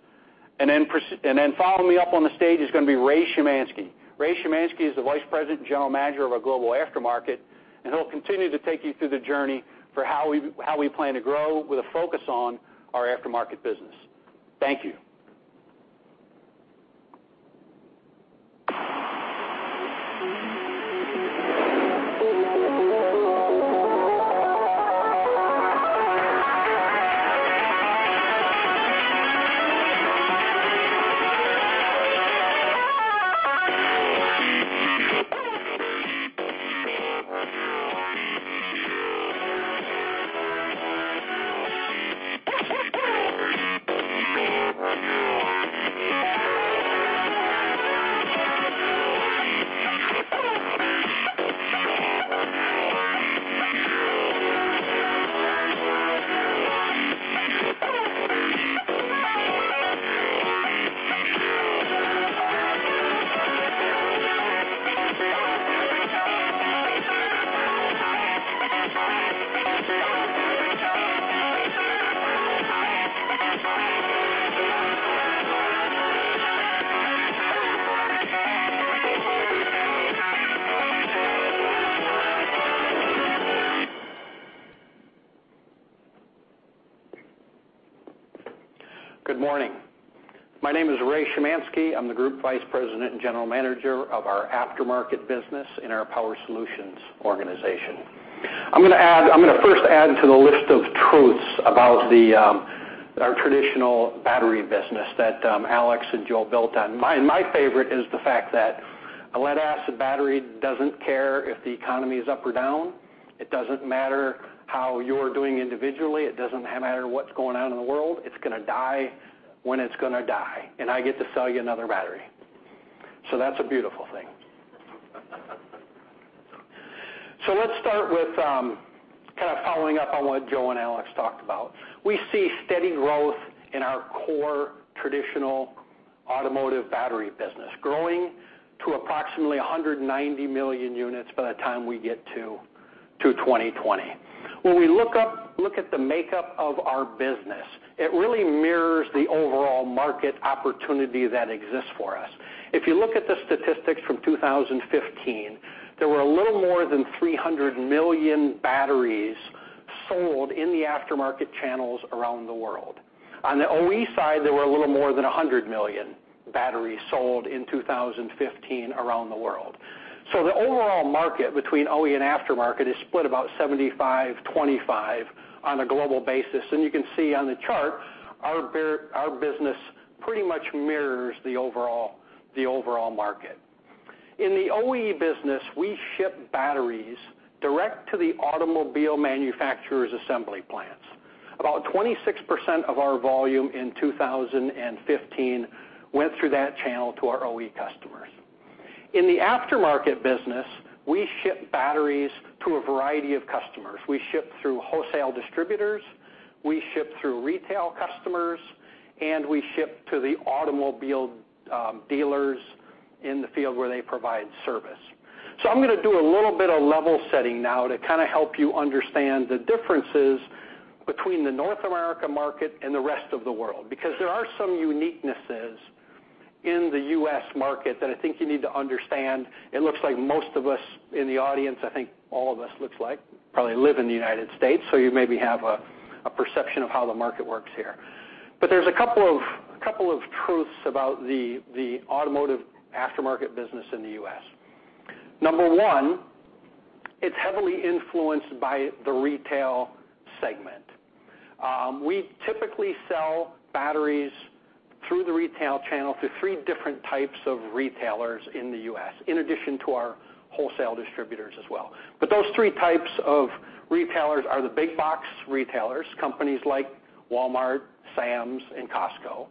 Following me up on the stage is going to be Ray Shemanski. Ray Shemanski is the Vice President and General Manager of our Global Aftermarket, he'll continue to take you through the journey for how we plan to grow with a focus on our Aftermarket business. Thank you. Good morning. My name is Ray Shemanski. I'm the Group Vice President and General Manager of our Aftermarket business in our Power Solutions organization. I'm going to first add to the list of truths about our traditional battery business that Alex and Joe built on. My favorite is the fact that a lead acid battery doesn't care if the economy is up or down. It doesn't matter how you're doing individually. It doesn't matter what's going on in the world. It's going to die when it's going to die, I get to sell you another battery. That's a beautiful thing. Let's start with kind of following up on what Joe and Alex talked about. We see steady growth in our core traditional automotive battery business, growing to approximately 190 million units by the time we get to 2020. When we look at the makeup of our business, it really mirrors the overall market opportunity that exists for us. If you look at the statistics from 2015, there were a little more than 300 million batteries sold in the aftermarket channels around the world. On the OE side, there were a little more than 100 million batteries sold in 2015 around the world. The overall market between OE and aftermarket is split about 75/25 on a global basis. You can see on the chart, our business pretty much mirrors the overall market. In the OE business, we ship batteries direct to the automobile manufacturer's assembly plants. About 26% of our volume in 2015 went through that channel to our OE customers. In the aftermarket business, we ship batteries to a variety of customers. We ship through wholesale distributors, we ship through retail customers, and we ship to the automobile dealers in the field where they provide service. I'm going to do a little bit of level setting now to kind of help you understand the differences between the North America market and the rest of the world. There are some uniquenesses in the U.S. market that I think you need to understand. It looks like most of us in the audience, I think all of us, looks like probably live in the United States, you maybe have a perception of how the market works here. There's a couple of truths about the automotive aftermarket business in the U.S. Number 1, it's heavily influenced by the retail segment. We typically sell batteries through the retail channel through 3 different types of retailers in the U.S., in addition to our wholesale distributors as well. Those 3 types of retailers are the big box retailers, companies like Walmart, Sam's, and Costco.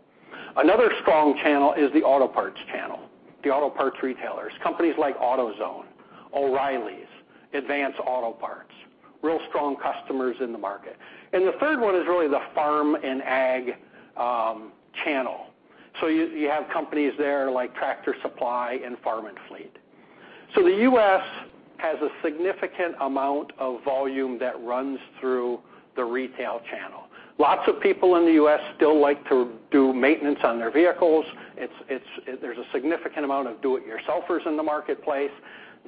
Another strong channel is the auto parts channel, the auto parts retailers. Companies like AutoZone, O'Reilly's, Advance Auto Parts. Real strong customers in the market. The third one is really the farm and ag channel. You have companies there like Tractor Supply and Farm and Fleet. The U.S. has a significant amount of volume that runs through the retail channel. Lots of people in the U.S. still like to do maintenance on their vehicles. There's a significant amount of do-it-yourselfers in the marketplace.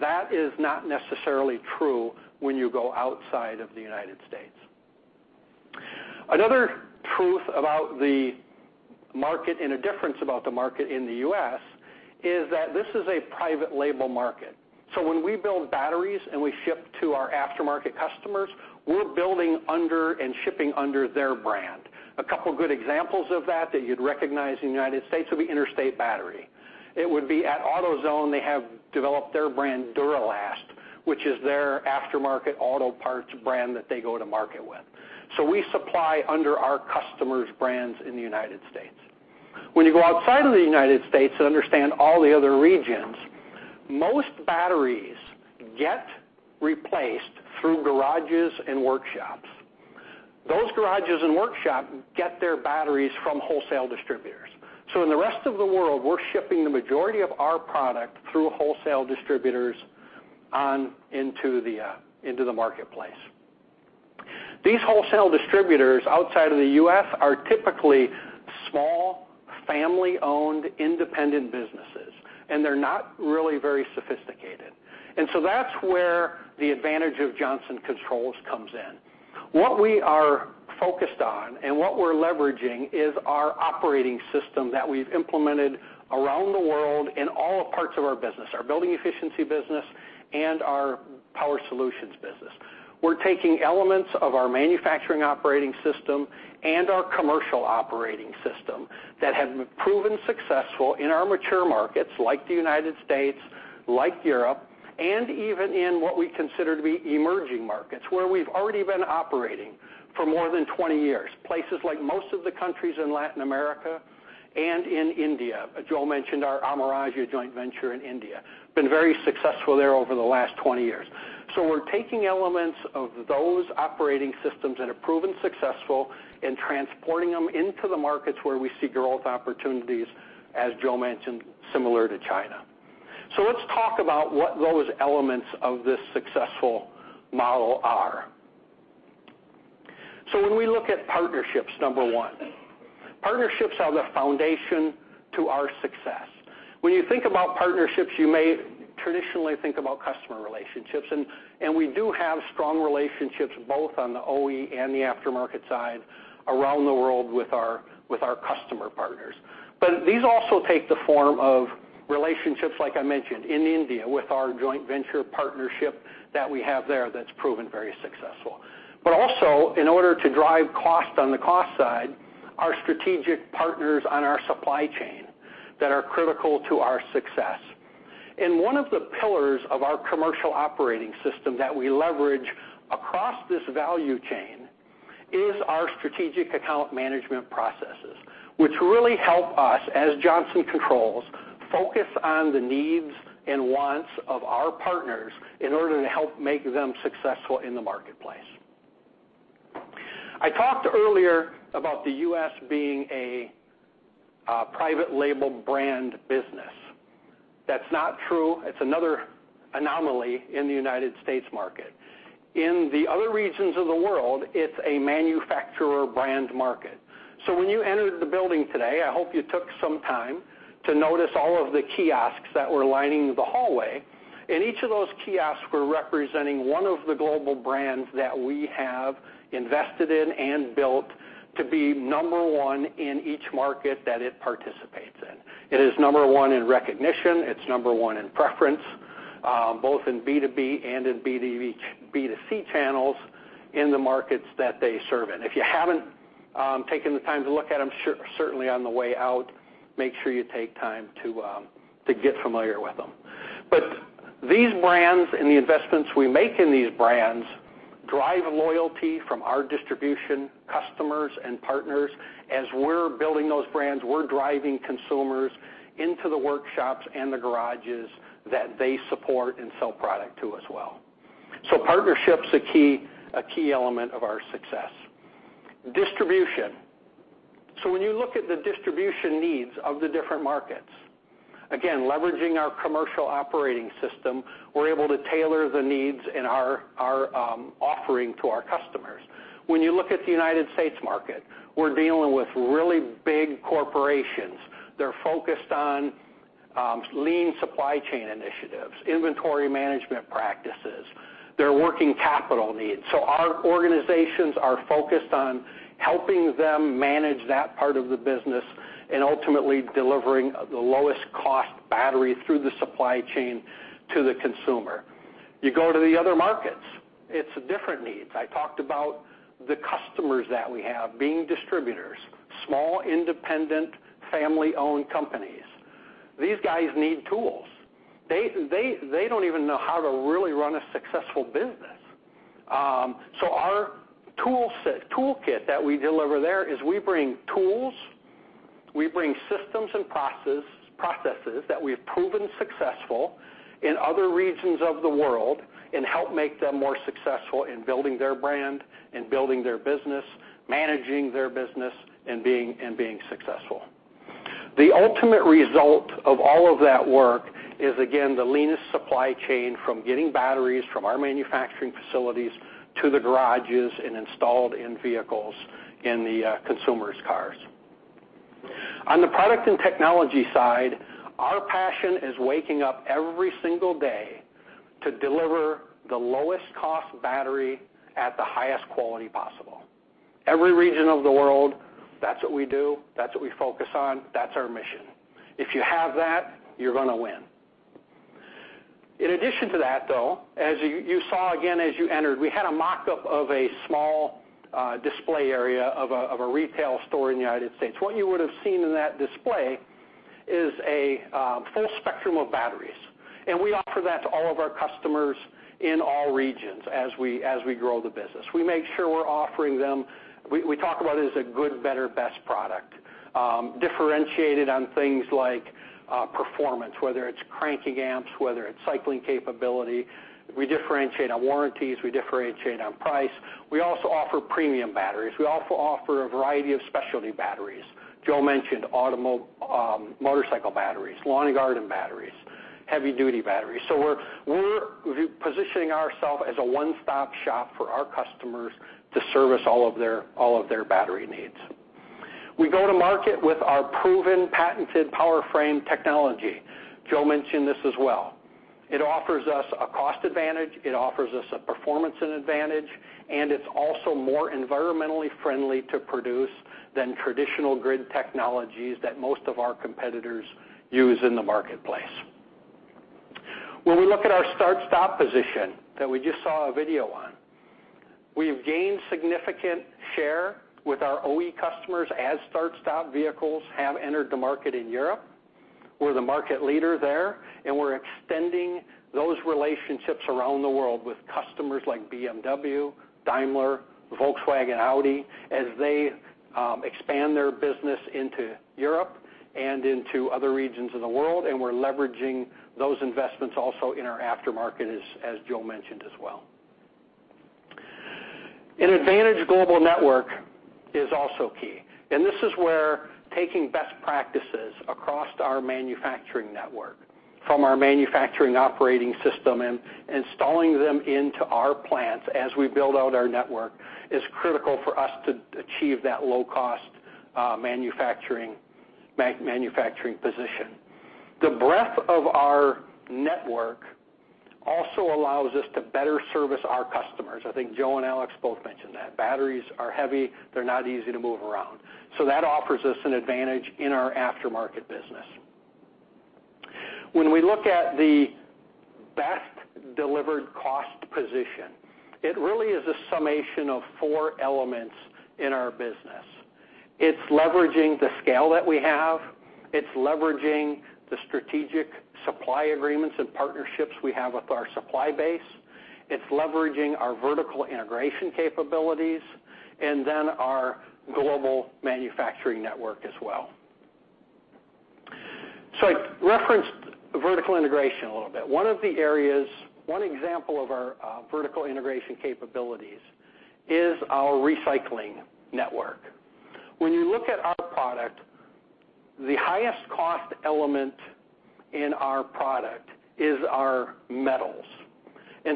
That is not necessarily true when you go outside of the United States. Another truth about the market and a difference about the market in the U.S. is that this is a private label market. When we build batteries and we ship to our aftermarket customers, we're building under and shipping under their brand. A couple good examples of that that you'd recognize in the United States would be Interstate Battery. It would be at AutoZone, they have developed their brand Duralast, which is their aftermarket auto parts brand that they go to market with. We supply under our customers' brands in the United States. When you go outside of the United States and understand all the other regions, most batteries get replaced through garages and workshops. Those garages and workshop get their batteries from wholesale distributors. In the rest of the world, we're shipping the majority of our product through wholesale distributors into the marketplace. These wholesale distributors outside of the U.S. are typically small, family-owned, independent businesses, and they're not really very sophisticated. That's where the advantage of Johnson Controls comes in. What we are focused on and what we're leveraging is our operating system that we've implemented around the world in all parts of our business, our Building Efficiency business and our Power Solutions business. We're taking elements of our manufacturing operating system and our commercial operating system that have proven successful in our mature markets like the United States, like Europe, and even in what we consider to be emerging markets, where we've already been operating for more than 20 years. Places like most of the countries in Latin America and in India. Joe mentioned our Amara Raja joint venture in India. Been very successful there over the last 20 years. We're taking elements of those operating systems that have proven successful and transporting them into the markets where we see growth opportunities, as Joe mentioned, similar to China. Let's talk about what those elements of this successful model are. When we look at partnerships, number 1. Partnerships are the foundation to our success. When you think about partnerships, you may traditionally think about customer relationships, and we do have strong relationships both on the OE and the aftermarket side around the world with our customer partners. These also take the form of relationships, like I mentioned, in India with our joint venture partnership that we have there that's proven very successful. Also, in order to drive cost on the cost side, our strategic partners on our supply chain that are critical to our success. One of the pillars of our commercial operating system that we leverage across this value chain is our strategic account management processes, which really help us, as Johnson Controls, focus on the needs and wants of our partners in order to help make them successful in the marketplace. I talked earlier about the U.S. being a private label brand business. That's not true. It's another anomaly in the United States market. In the other regions of the world, it's a manufacturer brand market. When you entered the building today, I hope you took some time to notice all of the kiosks that were lining the hallway. Each of those kiosks were representing one of the global brands that we have invested in and built to be number 1 in each market that it participates in. It is number 1 in recognition. It's number 1 in preference, both in B2B and in B2C channels in the markets that they serve in. If you haven't taken the time to look at them, certainly on the way out, make sure you take time to get familiar with them. These brands and the investments we make in these brands drive loyalty from our distribution, customers, and partners. As we're building those brands, we're driving consumers into the workshops and the garages that they support and sell product to as well. Partnership's a key element of our success. Distribution When you look at the distribution needs of the different markets, again, leveraging our commercial operating system, we're able to tailor the needs in our offering to our customers. When you look at the United States market, we're dealing with really big corporations. They're focused on lean supply chain initiatives, inventory management practices, their working capital needs. Our organizations are focused on helping them manage that part of the business and ultimately delivering the lowest cost battery through the supply chain to the consumer. You go to the other markets, it's different needs. I talked about the customers that we have being distributors, small, independent, family-owned companies. These guys need tools. They don't even know how to really run a successful business. Our toolkit that we deliver there is we bring tools, we bring systems and processes that we have proven successful in other regions of the world and help make them more successful in building their brand, in building their business, managing their business, and being successful. The ultimate result of all of that work is, again, the leanest supply chain from getting batteries from our manufacturing facilities to the garages and installed in vehicles in the consumers' cars. On the product and technology side, our passion is waking up every single day to deliver the lowest cost battery at the highest quality possible. Every region of the world, that's what we do, that's what we focus on. That's our mission. If you have that, you're going to win. In addition to that, though, as you saw again as you entered, we had a mock-up of a small display area of a retail store in the U.S. What you would have seen in that display is a full spectrum of batteries, and we offer that to all of our customers in all regions as we grow the business. We talk about it as a good, better, best product, differentiated on things like performance, whether it's cranking amps, whether it's cycling capability. We differentiate on warranties. We differentiate on price. We also offer premium batteries. We also offer a variety of specialty batteries. Joe mentioned motorcycle batteries, lawn and garden batteries, heavy-duty batteries. We're positioning ourself as a one-stop shop for our customers to service all of their battery needs. We go to market with our proven patented PowerFrame technology. Joe mentioned this as well. It offers us a cost advantage, it offers us a performance advantage, and it's also more environmentally friendly to produce than traditional grid technologies that most of our competitors use in the marketplace. When we look at our start-stop position that we just saw a video on, we have gained significant share with our OE customers as start-stop vehicles have entered the market in Europe. We're the market leader there. We're extending those relationships around the world with customers like BMW, Daimler, Volkswagen, Audi, as they expand their business into Europe and into other regions of the world. We're leveraging those investments also in our aftermarket, as Joe mentioned as well. An advantage global network is also key. This is where taking best practices across our manufacturing network from our manufacturing operating system and installing them into our plants as we build out our network is critical for us to achieve that low-cost manufacturing position. The breadth of our network also allows us to better service our customers. I think Joe and Alex both mentioned that. Batteries are heavy. They're not easy to move around. That offers us an advantage in our aftermarket business. When we look at the best delivered cost position, it really is a summation of four elements in our business. It's leveraging the scale that we have. It's leveraging the strategic supply agreements and partnerships we have with our supply base. It's leveraging our vertical integration capabilities and then our global manufacturing network as well. I referenced vertical integration a little bit. One example of our vertical integration capabilities is our recycling network. When you look at our product, the highest cost element in our product is our metals.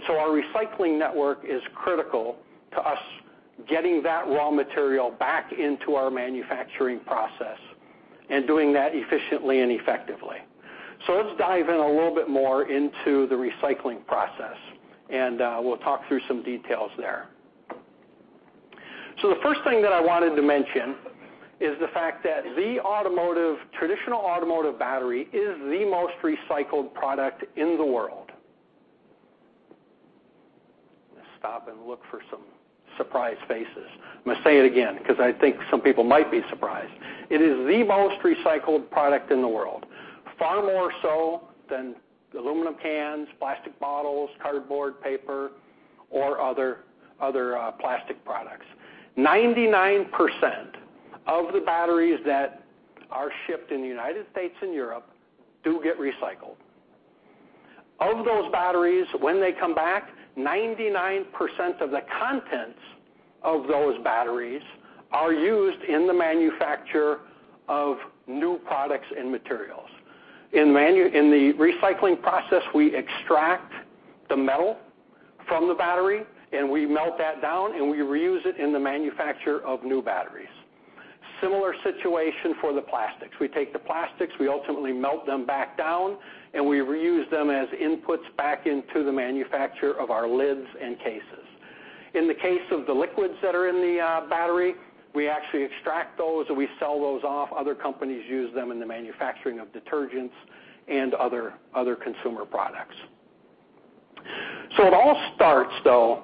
Our recycling network is critical to us getting that raw material back into our manufacturing process and doing that efficiently and effectively. Let's dive in a little bit more into the recycling process, and we'll talk through some details there. The first thing that I wanted to mention is the fact that the traditional automotive battery is the most recycled product in the world. I'm going to stop and look for some surprised faces. I'm going to say it again because I think some people might be surprised. It is the most recycled product in the world, far more so than aluminum cans, plastic bottles, cardboard, paper, or other plastic products. 99% of the batteries that are shipped in the U.S. and Europe do get recycled. Of those batteries, when they come back, 99% of the contents of those batteries are used in the manufacture of new products and materials. In the recycling process, we extract the metal from the battery, and we melt that down, and we reuse it in the manufacture of new batteries. Similar situation for the plastics. We take the plastics, we ultimately melt them back down, and we reuse them as inputs back into the manufacture of our lids and cases. In the case of the liquids that are in the battery, we actually extract those, and we sell those off. Other companies use them in the manufacturing of detergents and other consumer products. It all starts, though,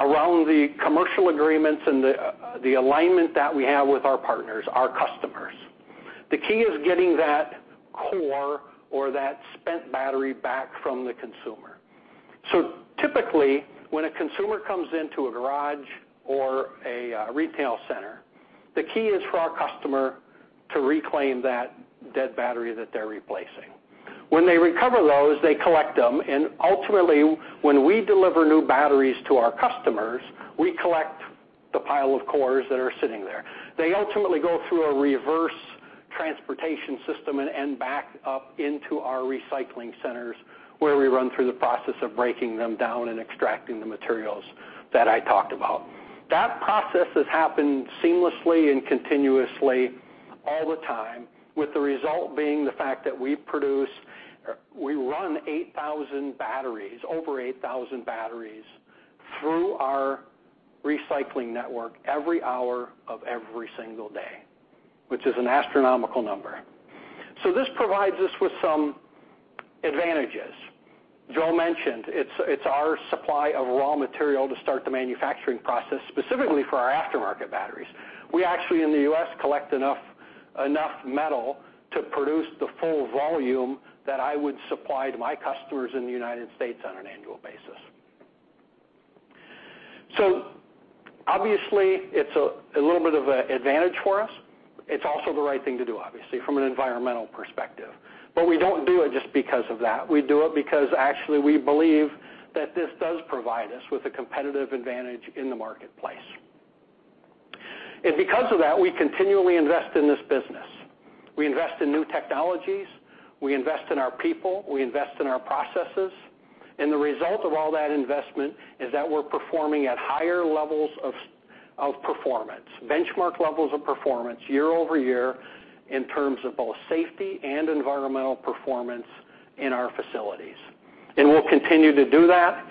around the commercial agreements and the alignment that we have with our partners, our customers. The key is getting that core or that spent battery back from the consumer. Typically, when a consumer comes into a garage or a retail center, the key is for our customer to reclaim that dead battery that they're replacing. When they recover those, they collect them, and ultimately, when we deliver new batteries to our customers, we collect the pile of cores that are sitting there. They ultimately go through a reverse transportation system and end back up into our recycling centers, where we run through the process of breaking them down and extracting the materials that I talked about. That process has happened seamlessly and continuously all the time, with the result being the fact that we run over 8,000 batteries through our recycling network every hour of every single day, which is an astronomical number. This provides us with some advantages. Joe mentioned it's our supply of raw material to start the manufacturing process, specifically for our aftermarket batteries. We actually, in the U.S., collect enough metal to produce the full volume that I would supply to my customers in the U.S. on an annual basis. Obviously, it's a little bit of an advantage for us. It's also the right thing to do, obviously, from an environmental perspective. We don't do it just because of that. We do it because actually we believe that this does provide us with a competitive advantage in the marketplace. Because of that, we continually invest in this business. We invest in new technologies. We invest in our people. We invest in our processes. The result of all that investment is that we're performing at higher levels of performance, benchmark levels of performance year-over-year in terms of both safety and environmental performance in our facilities. We'll continue to do that.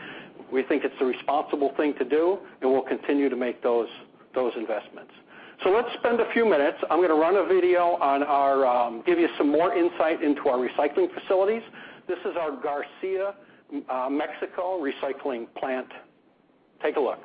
We think it's the responsible thing to do, and we'll continue to make those investments. Let's spend a few minutes. I'm going to run a video, give you some more insight into our recycling facilities. This is our Garcia Mexico recycling plant. Take a look.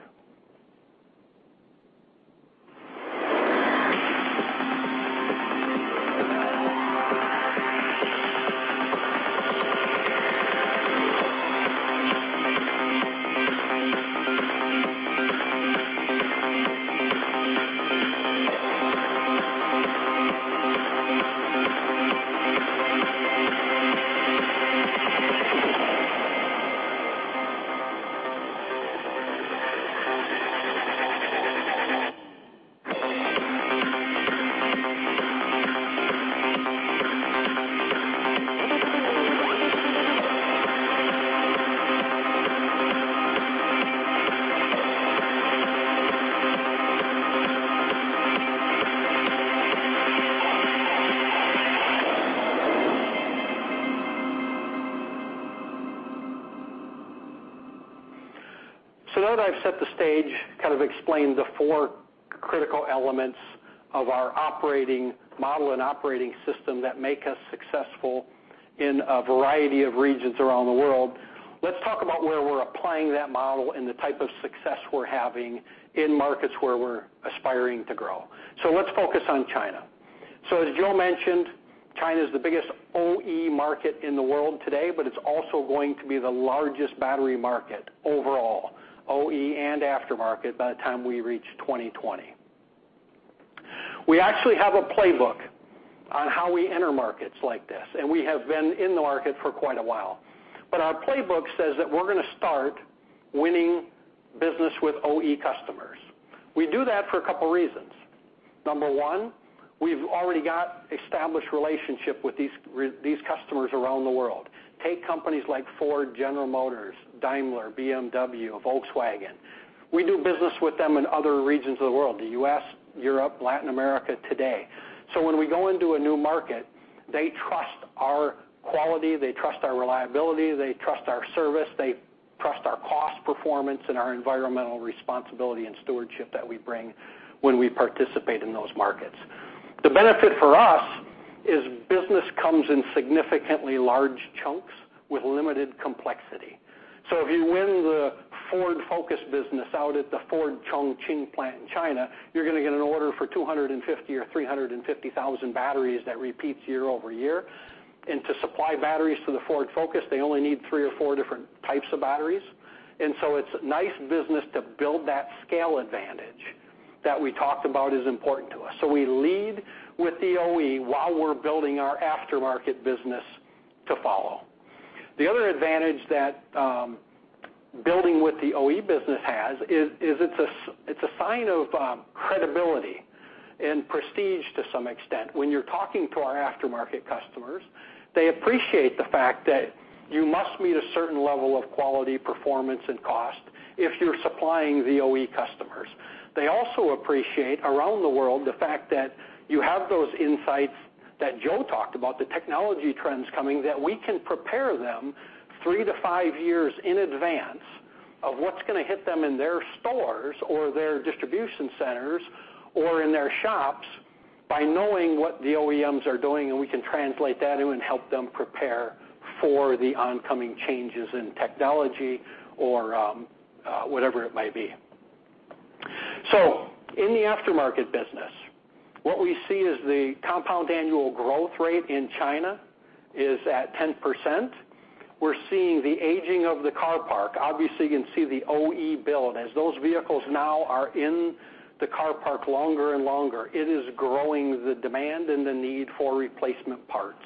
Now that I've set the stage, kind of explained the four critical elements of our operating model and operating system that make us successful in a variety of regions around the world, let's talk about where we're applying that model and the type of success we're having in markets where we're aspiring to grow. Let's focus on China. As Joe mentioned, China is the biggest OE market in the world today, but it's also going to be the largest battery market overall, OE and aftermarket, by the time we reach 2020. We actually have a playbook on how we enter markets like this, and we have been in the market for quite a while. Our playbook says that we're going to start winning business with OE customers. We do that for a couple reasons. Number 1, we've already got established relationship with these customers around the world. Take companies like Ford, General Motors, Daimler, BMW, Volkswagen. We do business with them in other regions of the world, the U.S., Europe, Latin America today. When we go into a new market, they trust our quality, they trust our reliability, they trust our service, they trust our cost performance and our environmental responsibility and stewardship that we bring when we participate in those markets. The benefit for us is business comes in significantly large chunks with limited complexity. If you win the Ford Focus business out at the Ford Chongqing plant in China, you're going to get an order for 250,000 or 350,000 batteries that repeats year-over-year. To supply batteries to the Ford Focus, they only need 3 or 4 different types of batteries. It's nice business to build that scale advantage That we talked about is important to us. We lead with the OE while we're building our aftermarket business to follow. The other advantage that building with the OE business has is it's a sign of credibility and prestige to some extent. When you're talking to our aftermarket customers, they appreciate the fact that you must meet a certain level of quality, performance, and cost if you're supplying the OE customers. They also appreciate around the world the fact that you have those insights that Joe talked about, the technology trends coming, that we can prepare them three to five years in advance of what's going to hit them in their stores or their distribution centers or in their shops by knowing what the OEMs are doing, and we can translate that and help them prepare for the oncoming changes in technology or whatever it might be. In the aftermarket business, what we see is the compound annual growth rate in China is at 10%. We're seeing the aging of the car park. Obviously, you can see the OE build. As those vehicles now are in the car park longer and longer, it is growing the demand and the need for replacement parts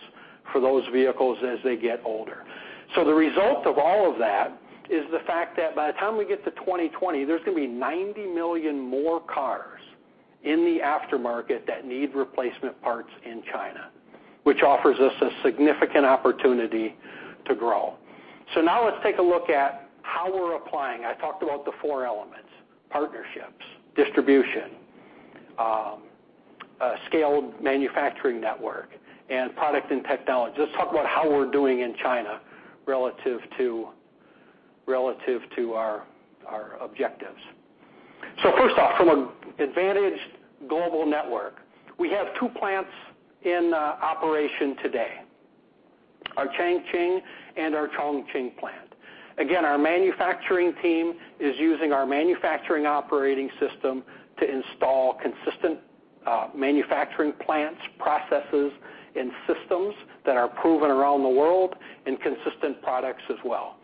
for those vehicles as they get older. The result of all of that is the fact that by the time we get to 2020, there's going to be 90 million more cars in the aftermarket that need replacement parts in China, which offers us a significant opportunity to grow. Now let's take a look at how we're applying. I talked about the four elements, partnerships, distribution, scaled manufacturing network, and product and technology. Let's talk about how we're doing in China relative to our objectives. First off, from an advantaged global network, we have two plants in operation today, our Changchun and our Chongqing plant. Again, our manufacturing team is using our manufacturing operating system to install consistent manufacturing plants, processes, and systems that are proven around the world and consistent products as well.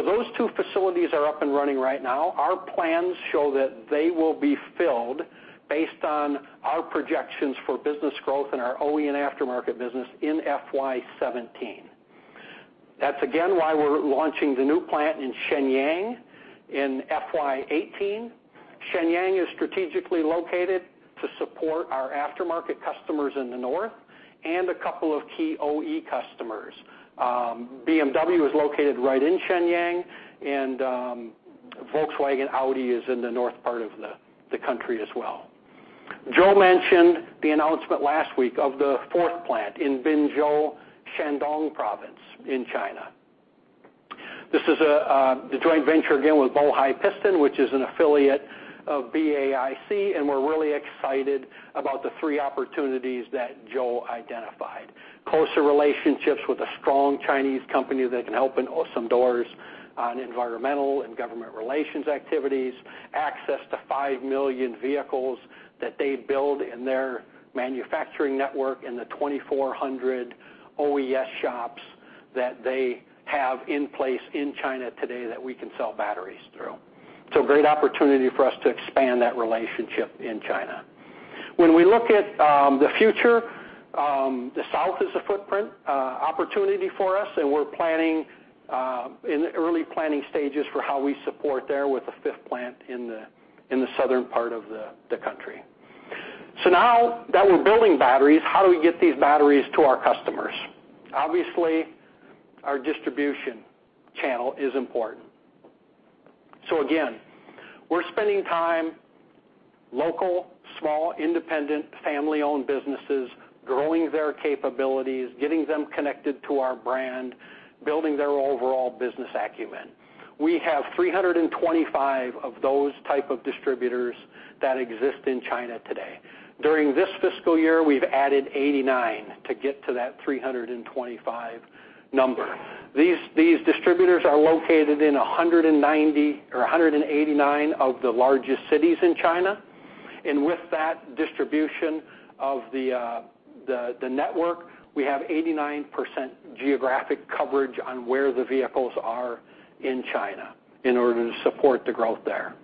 Those two facilities are up and running right now. Our plans show that they will be filled based on our projections for business growth in our OE and aftermarket business in FY 2017. That's again, why we're launching the new plant in Shenyang in FY 2018. Shenyang is strategically located to support our aftermarket customers in the north and a couple of key OE customers. BMW is located right in Shenyang, and Volkswagen Audi is in the north part of the country as well. Joe mentioned the announcement last week of the fourth plant in Binzhou, Shandong Province in China. This is a joint venture again with Bohai Piston, which is an affiliate of BAIC, and we're really excited about the three opportunities that Joe identified. Closer relationships with a strong Chinese company that can help open some doors on environmental and government relations activities, access to five million vehicles that they build in their manufacturing network, and the 2,400 OES shops that they have in place in China today that we can sell batteries through. A great opportunity for us to expand that relationship in China. When we look at the future, the south is a footprint opportunity for us, and we're in the early planning stages for how we support there with a fifth plant in the southern part of the country. Now that we're building batteries, how do we get these batteries to our customers? Obviously, our distribution channel is important. Again, we're spending time, local, small, independent, family-owned businesses, growing their capabilities, getting them connected to our brand, building their overall business acumen. We have 325 of those type of distributors that exist in China today. During this fiscal year, we've added 89 to get to that 325 number. These distributors are located in 190 or 189 of the largest cities in China. With that distribution of the network, we have 89% geographic coverage on where the vehicles are in China in order to support the growth there.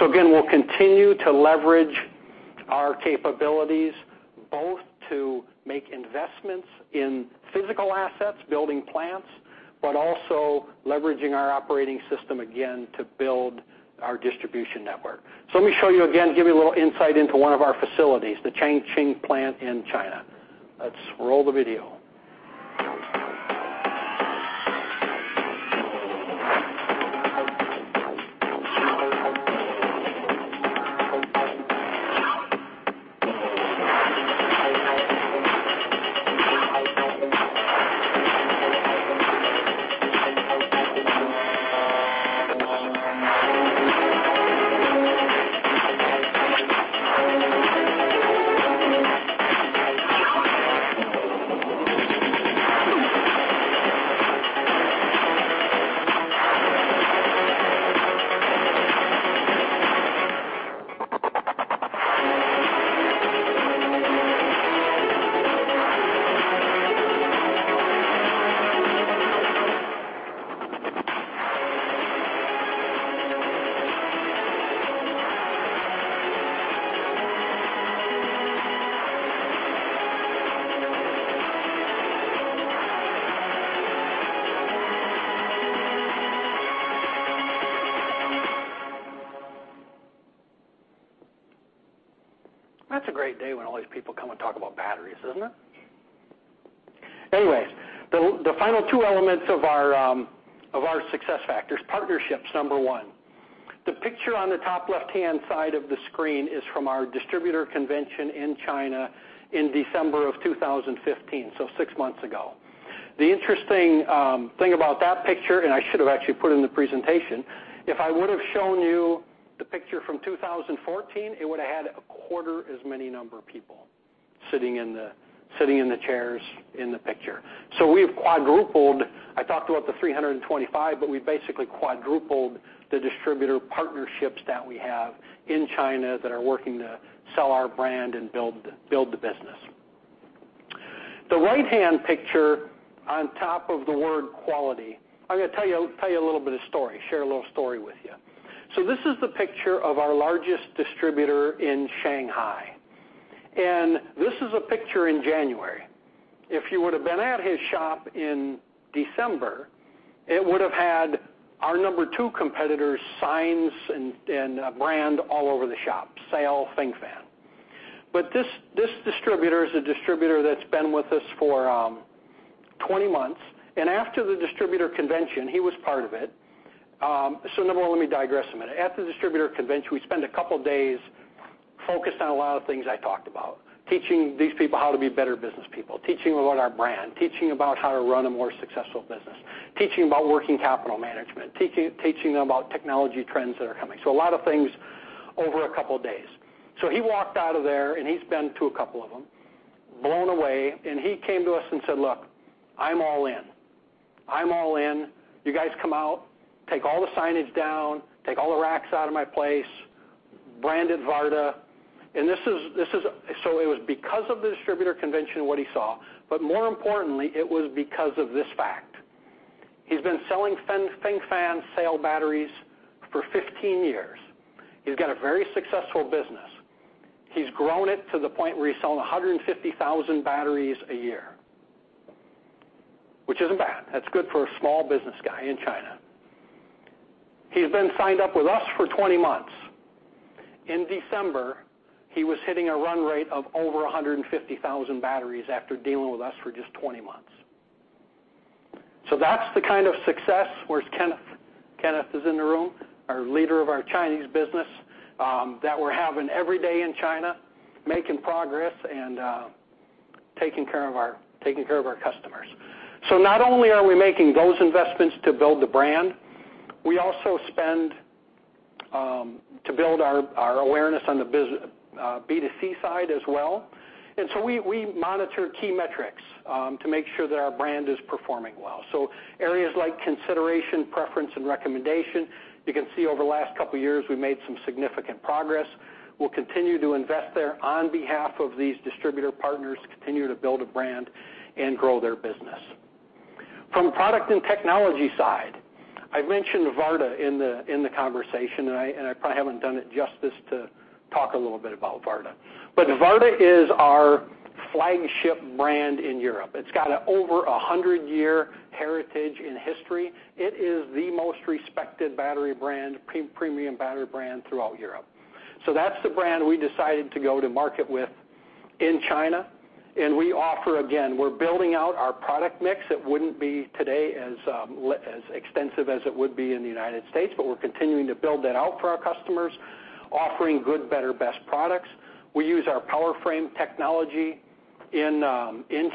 We'll continue to leverage our capabilities, both to make investments in physical assets, building plants, but also leveraging our operating system again to build our distribution network. Let me show you again, give you a little insight into one of our facilities, the Changchun plant in China. Let's roll the video. That's a great day when all these people come and talk about batteries, isn't it? The final two elements of our success factors. Partnership's number one. The picture on the top left-hand side of the screen is from our distributor convention in China in December of 2015, so six months ago. The interesting thing about that picture, and I should have actually put it in the presentation, if I would have shown you the picture from 2014, it would have had a quarter as many number of people sitting in the chairs in the picture. We've quadrupled. I talked about the 325, but we basically quadrupled the distributor partnerships that we have in China that are working to sell our brand and build the business. The right-hand picture on top of the word quality. I'm going to tell you a little bit of story, share a little story with you. This is the picture of our largest distributor in Shanghai, and this is a picture in January. If you would have been at his shop in December, it would have had our number 2 competitor's signs and brand all over the shop, Sail, Fengfan. This distributor is a distributor that's been with us for 20 months. After the distributor convention, he was part of it. Number one, let me digress a minute. At the distributor convention, we spend a couple of days focused on a lot of things I talked about, teaching these people how to be better business people, teaching them about our brand, teaching about how to run a more successful business, teaching about working capital management, teaching them about technology trends that are coming. A lot of things over a couple of days. He walked out of there, and he's been to a couple of them, blown away, and he came to us and said, "Look, I'm all in. I'm all in. You guys come out, take all the signage down, take all the racks out of my place, brand it Varta." It was because of the distributor convention and what he saw, but more importantly, it was because of this fact. He's been selling Fengfan Sail batteries for 15 years. He's got a very successful business. He's grown it to the point where he's selling 150,000 batteries a year, which isn't bad. That's good for a small business guy in China. He's been signed up with us for 20 months. In December, he was hitting a run rate of over 150,000 batteries after dealing with us for just 20 months. That's the kind of success. Where's Kenneth? Kenneth is in the room, our leader of our Chinese business, that we're having every day in China, making progress and taking care of our customers. Not only are we making those investments to build the brand, we also spend to build our awareness on the B2C side as well. We monitor key metrics to make sure that our brand is performing well. Areas like consideration, preference, and recommendation. You can see over the last couple of years, we've made some significant progress. We'll continue to invest there on behalf of these distributor partners to continue to build a brand and grow their business. From product and technology side, I mentioned Varta in the conversation, and I probably haven't done it justice to talk a little bit about Varta. Varta is our flagship brand in Europe. It's got over 100-year heritage and history. It is the most respected battery brand, premium battery brand throughout Europe. That's the brand we decided to go to market with in China. We offer, again, we're building out our product mix. It wouldn't be today as extensive as it would be in the United States, but we're continuing to build that out for our customers, offering good, better, best products. We use our PowerFrame technology in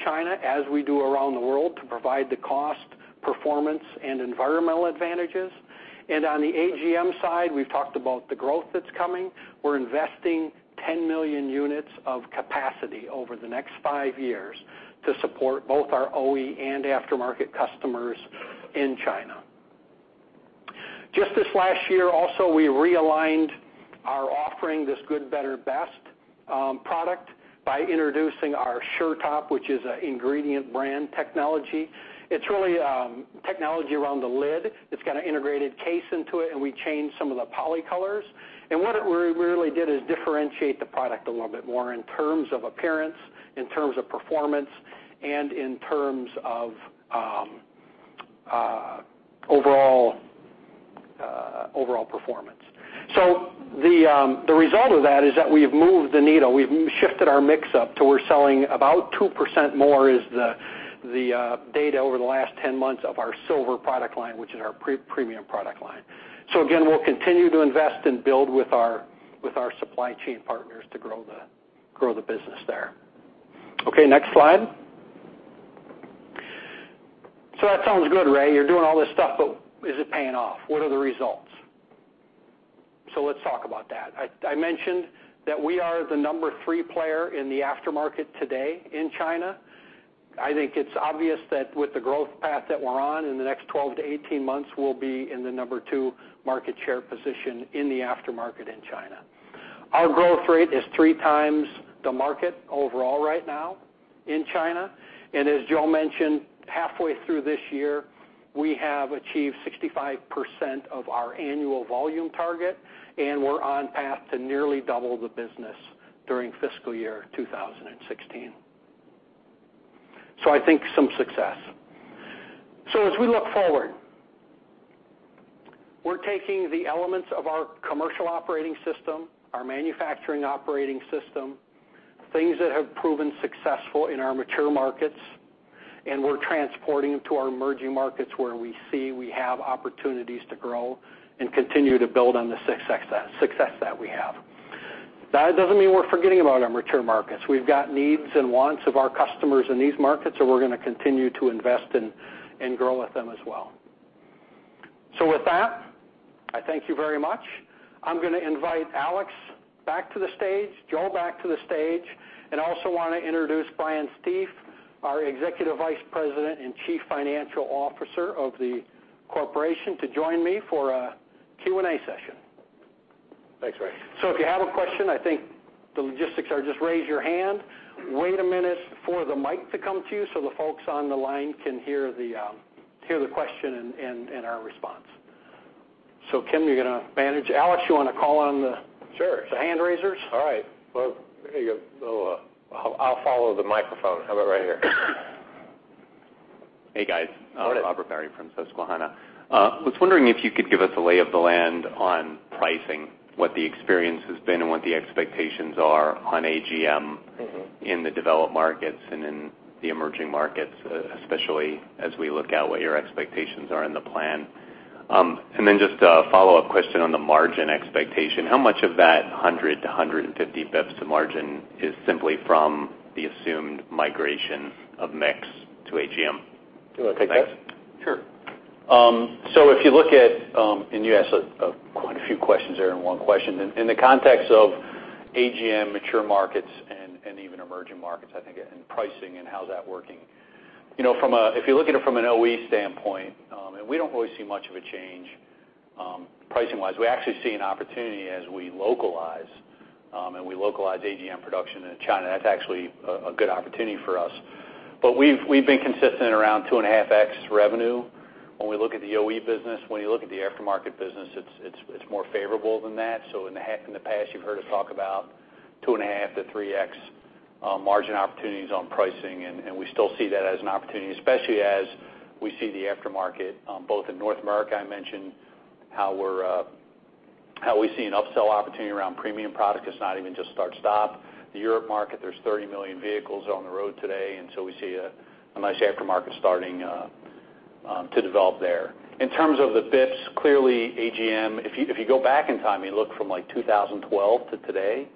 China as we do around the world to provide the cost, performance, and environmental advantages. On the AGM side, we've talked about the growth that's coming. We're investing 10 million units of capacity over the next five years to support both our OE and aftermarket customers in China. Just this last year also, we realigned our offering, this good, better, best product by introducing our SureTop, which is an ingredient brand technology. It's really technology around the lid. It's got an integrated case into it, and we changed some of the poly colors. What it really did is differentiate the product a little bit more in terms of appearance, in terms of performance, and in terms of overall performance. The result of that is that we've moved the needle. We've shifted our mix up to we're selling about 2% more is the data over the last 10 months of our silver product line, which is our premium product line. Again, we'll continue to invest and build with our supply chain partners to grow the business there. Okay, next slide. That sounds good, Ray. You're doing all this stuff, is it paying off? What are the results? Let's talk about that. I mentioned that we are the number three player in the aftermarket today in China. I think it's obvious that with the growth path that we're on, in the next 12 to 18 months, we'll be in the number two market share position in the aftermarket in China. Our growth rate is three times the market overall right now in China. As Joe mentioned, halfway through this year, we have achieved 65% of our annual volume target, and we're on path to nearly double the business during fiscal year 2016. I think some success. As we look forward, we're taking the elements of our commercial operating system, our manufacturing operating system, things that have proven successful in our mature markets, and we're transporting them to our emerging markets where we see we have opportunities to grow and continue to build on the success that we have. That doesn't mean we're forgetting about our mature markets. We've got needs and wants of our customers in these markets, so we're going to continue to invest and grow with them as well. With that, I thank you very much. I'm going to invite Alex back to the stage, Joe back to the stage, and also want to introduce Brian Stief, our Executive Vice President and Chief Financial Officer of the corporation, to join me for a Q&A session. Thanks, Ray. If you have a question, I think the logistics are just raise your hand, wait a minute for the mic to come to you so the folks on the line can hear the question and our response. Kenneth, you're going to manage. Alex, you want to call on Sure the hand raisers? All right. Well, there you go. I'll follow the microphone. How about right here? Hey, guys. How it is? Robert Barry from Susquehanna. I was wondering if you could give us a lay of the land on pricing, what the experience has been and what the expectations are on AGM in the developed markets and in the emerging markets, especially as we look at what your expectations are in the plan. Just a follow-up question on the margin expectation. How much of that 100-150 basis points to margin is simply from the assumed migration of mix to AGM? Do you want to take that? Sure. If you look at, you asked quite a few questions there in one question, in the context of AGM mature markets and even emerging markets, I think, and pricing and how's that working. If you look at it from an OE standpoint, we don't really see much of a change pricing wise. We actually see an opportunity as we localize AGM production in China. That's actually a good opportunity for us. We've been consistent around 2.5x revenue when we look at the OE business. When you look at the aftermarket business, it's more favorable than that. In the past, you've heard us talk about 2.5x-3x margin opportunities on pricing, and we still see that as an opportunity, especially as we see the aftermarket both in North America, I mentioned how we see an upsell opportunity around premium product. It's not even just start-stop. The Europe market, there's 30 million vehicles on the road today, we see a nice aftermarket starting to develop there. In terms of the bits, clearly AGM, if you go back in time, you look from 2012 to today,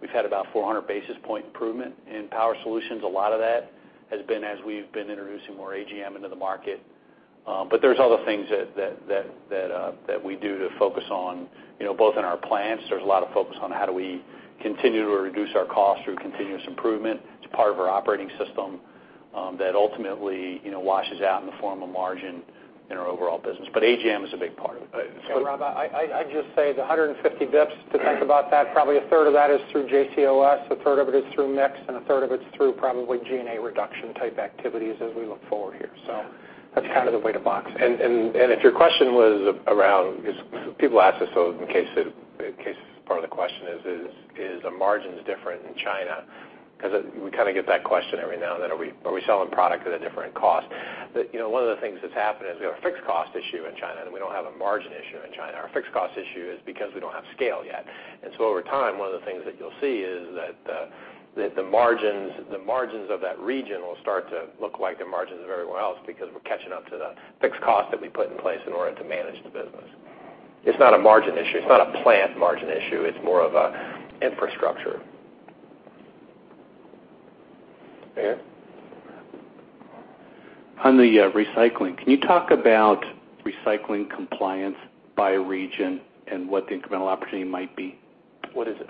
we've had about 400 basis point improvement in Power Solutions. A lot of that has been as we've been introducing more AGM into the market. There's other things that we do to focus on both in our plants. There's a lot of focus on how do we continue to reduce our costs through continuous improvement. It's part of our Operating System that ultimately washes out in the form of margin in our overall business. AGM is a big part of it. Rob, I'd just say the 150 basis points, to think about that, probably a third of that is through JCOS, a third of it is through mix, and a third of it's through probably G&A reduction type activities as we look forward here. That's kind of the way to box it. If your question was around, because people ask this, in case part of the question is the margins different in China? Because we get that question every now and then. Are we selling product at a different cost? One of the things that's happened is we have a fixed cost issue in China. We don't have a margin issue in China. Our fixed cost issue is because we don't have scale yet. Over time, one of the things that you'll see is that the margins of that region will start to look like the margins of everywhere else because we're catching up to the fixed cost that we put in place in order to manage the business. It's not a margin issue. It's not a plant margin issue. It's more of a infrastructure. On the recycling, can you talk about recycling compliance by region and what the incremental opportunity might be? What is it?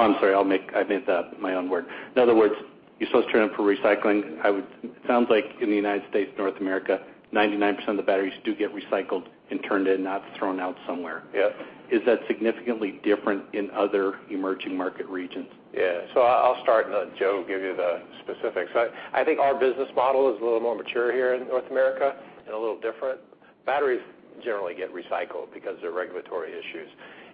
I'm sorry, I made that my own word. In other words, you source term for recycling. It sounds like in the United States, North America, 99% of the batteries do get recycled and turned in, not thrown out somewhere. Yes. Is that significantly different in other emerging market regions? I'll start and let Joe give you the specifics. I think our business model is a little more mature here in North America and a little different. Batteries generally get recycled because of regulatory issues.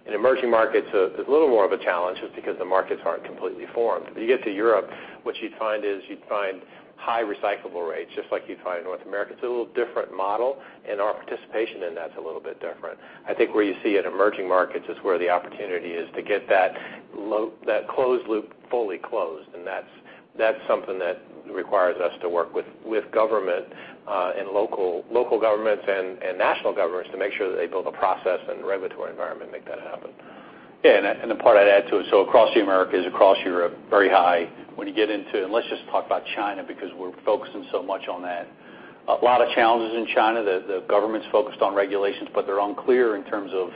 In emerging markets, it's a little more of a challenge just because the markets aren't completely formed. You get to Europe, what you'd find is you'd find high recyclable rates, just like you'd find in North America. It's a little different model, and our participation in that's a little bit different. I think where you see in emerging markets is where the opportunity is to get that closed loop fully closed, and that's something that requires us to work with government and local governments and national governments to make sure that they build a process and regulatory environment to make that happen. The part I'd add to it, across the Americas, across Europe, very high. When you get into, let's just talk about China, because we're focusing so much on that. A lot of challenges in China. The government's focused on regulations, but they're unclear in terms of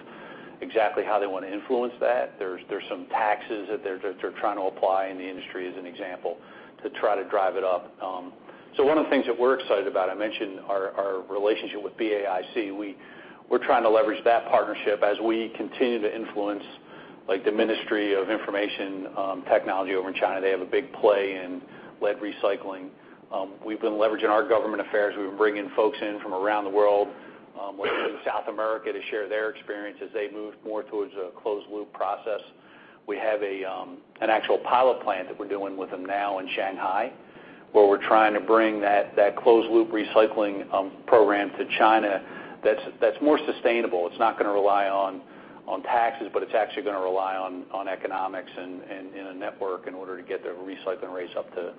exactly how they want to influence that. There's some taxes that they're trying to apply in the industry as an example to try to drive it up. One of the things that we're excited about, I mentioned our relationship with BAIC. We We're trying to leverage that partnership as we continue to influence the Ministry of Information Technology over in China. They have a big play in lead recycling. We've been leveraging our government affairs. We've been bringing folks in from around the world, including South America, to share their experience as they move more towards a closed-loop process. We have an actual pilot plant that we're doing with them now in Shanghai, where we're trying to bring that closed-loop recycling program to China that's more sustainable. It's not going to rely on taxes, but it's actually going to rely on economics and a network in order to get their recycling rates up to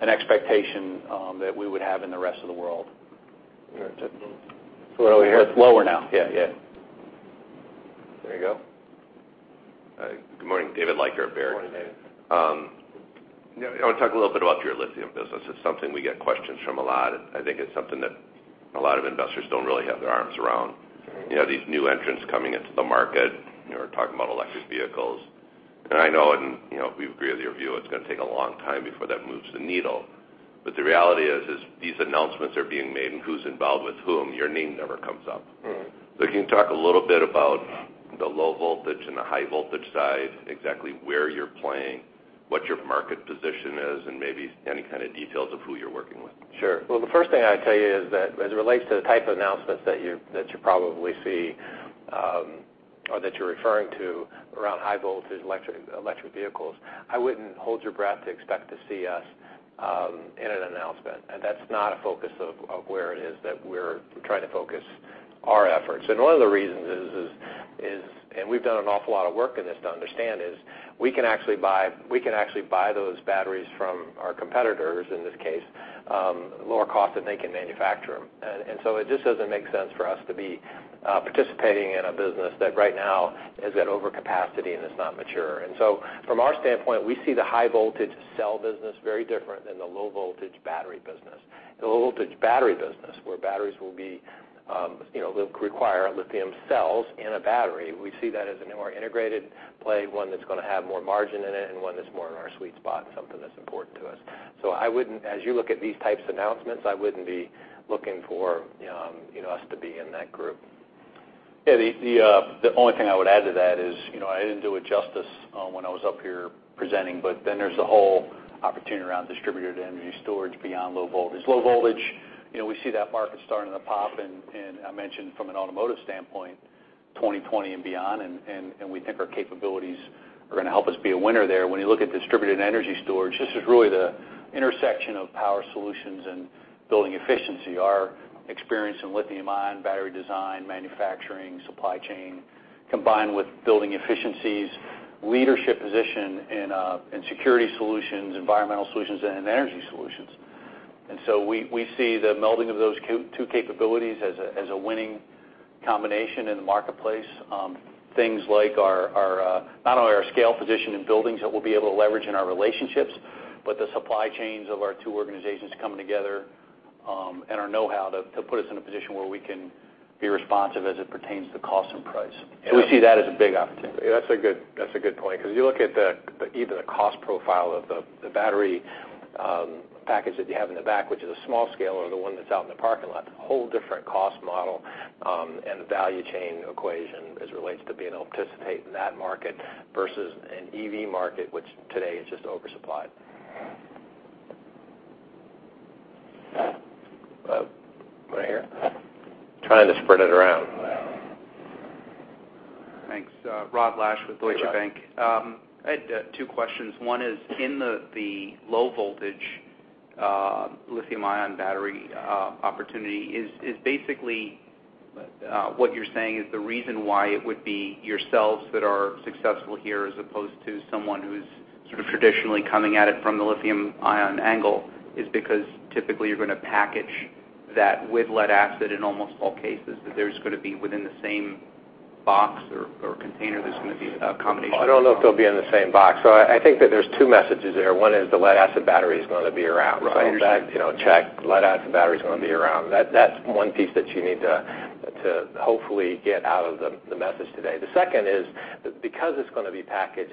an expectation that we would have in the rest of the world. Right. It's lower now. Yeah. There you go. Good morning. David Leiker at Baird. Good morning, David. I want to talk a little bit about your lithium business. It's something we get questions from a lot, and I think it's something that a lot of investors don't really have their arms around. These new entrants coming into the market, talking about electric vehicles. I know, and we agree with your view, it's going to take a long time before that moves the needle. The reality is these announcements are being made, and who's involved with whom, your name never comes up. Can you talk a little bit about the low voltage and the high voltage side, exactly where you're playing, what your market position is, and maybe any kind of details of who you're working with? Sure. Well, the first thing I'd tell you is that as it relates to the type of announcements that you probably see or that you're referring to around high-voltage electric vehicles, I wouldn't hold your breath to expect to see us in an announcement. That's not a focus of where it is that we're trying to focus our efforts. One of the reasons is, and we've done an awful lot of work in this to understand, is we can actually buy those batteries from our competitors, in this case, at a lower cost than they can manufacture them. It just doesn't make sense for us to be participating in a business that right now is at overcapacity and is not mature. From our standpoint, we see the high voltage cell business very different than the low voltage battery business. The low voltage battery business, where batteries will require lithium cells in a battery, we see that as a more integrated play, one that's going to have more margin in it, and one that's more in our sweet spot, something that's important to us. As you look at these types of announcements, I wouldn't be looking for us to be in that group. The only thing I would add to that is, I didn't do it justice when I was up here presenting, there's the whole opportunity around distributed energy storage beyond low voltage. Low voltage, we see that market starting to pop, and I mentioned from an automotive standpoint, 2020 and beyond, we think our capabilities are going to help us be a winner there. When you look at distributed energy storage, this is really the intersection of Power Solutions and building efficiency. Our experience in lithium-ion battery design, manufacturing, supply chain, combined with building efficiencies, leadership position in security solutions, environmental solutions, and energy solutions. We see the melding of those two capabilities as a winning combination in the marketplace. Things like not only our scale position in buildings that we'll be able to leverage in our relationships, but the supply chains of our two organizations coming together, and our know-how to put us in a position where we can be responsive as it pertains to cost and price. We see that as a big opportunity. That's a good point, because you look at even the cost profile of the battery package that you have in the back, which is a small scale, or the one that's out in the parking lot, whole different cost model and value chain equation as it relates to being able to participate in that market versus an EV market, which today is just oversupplied. Right here. Trying to spread it around. Thanks. Rod Lache with Deutsche Bank. Hey, Rod. I had two questions. One is in the low voltage lithium-ion battery opportunity, is basically what you're saying is the reason why it would be your cells that are successful here, as opposed to someone who's sort of traditionally coming at it from the lithium-ion angle, is because typically you're going to package that with lead acid in almost all cases, that there's going to be within the same box or container there's going to be a combination- I don't know if they'll be in the same box. I think that there's two messages there. One is the lead acid battery is going to be around. Right. Understood. That, check, lead acid battery is going to be around. That's one piece that you need to hopefully get out of the message today. The second is because it's going to be packaged,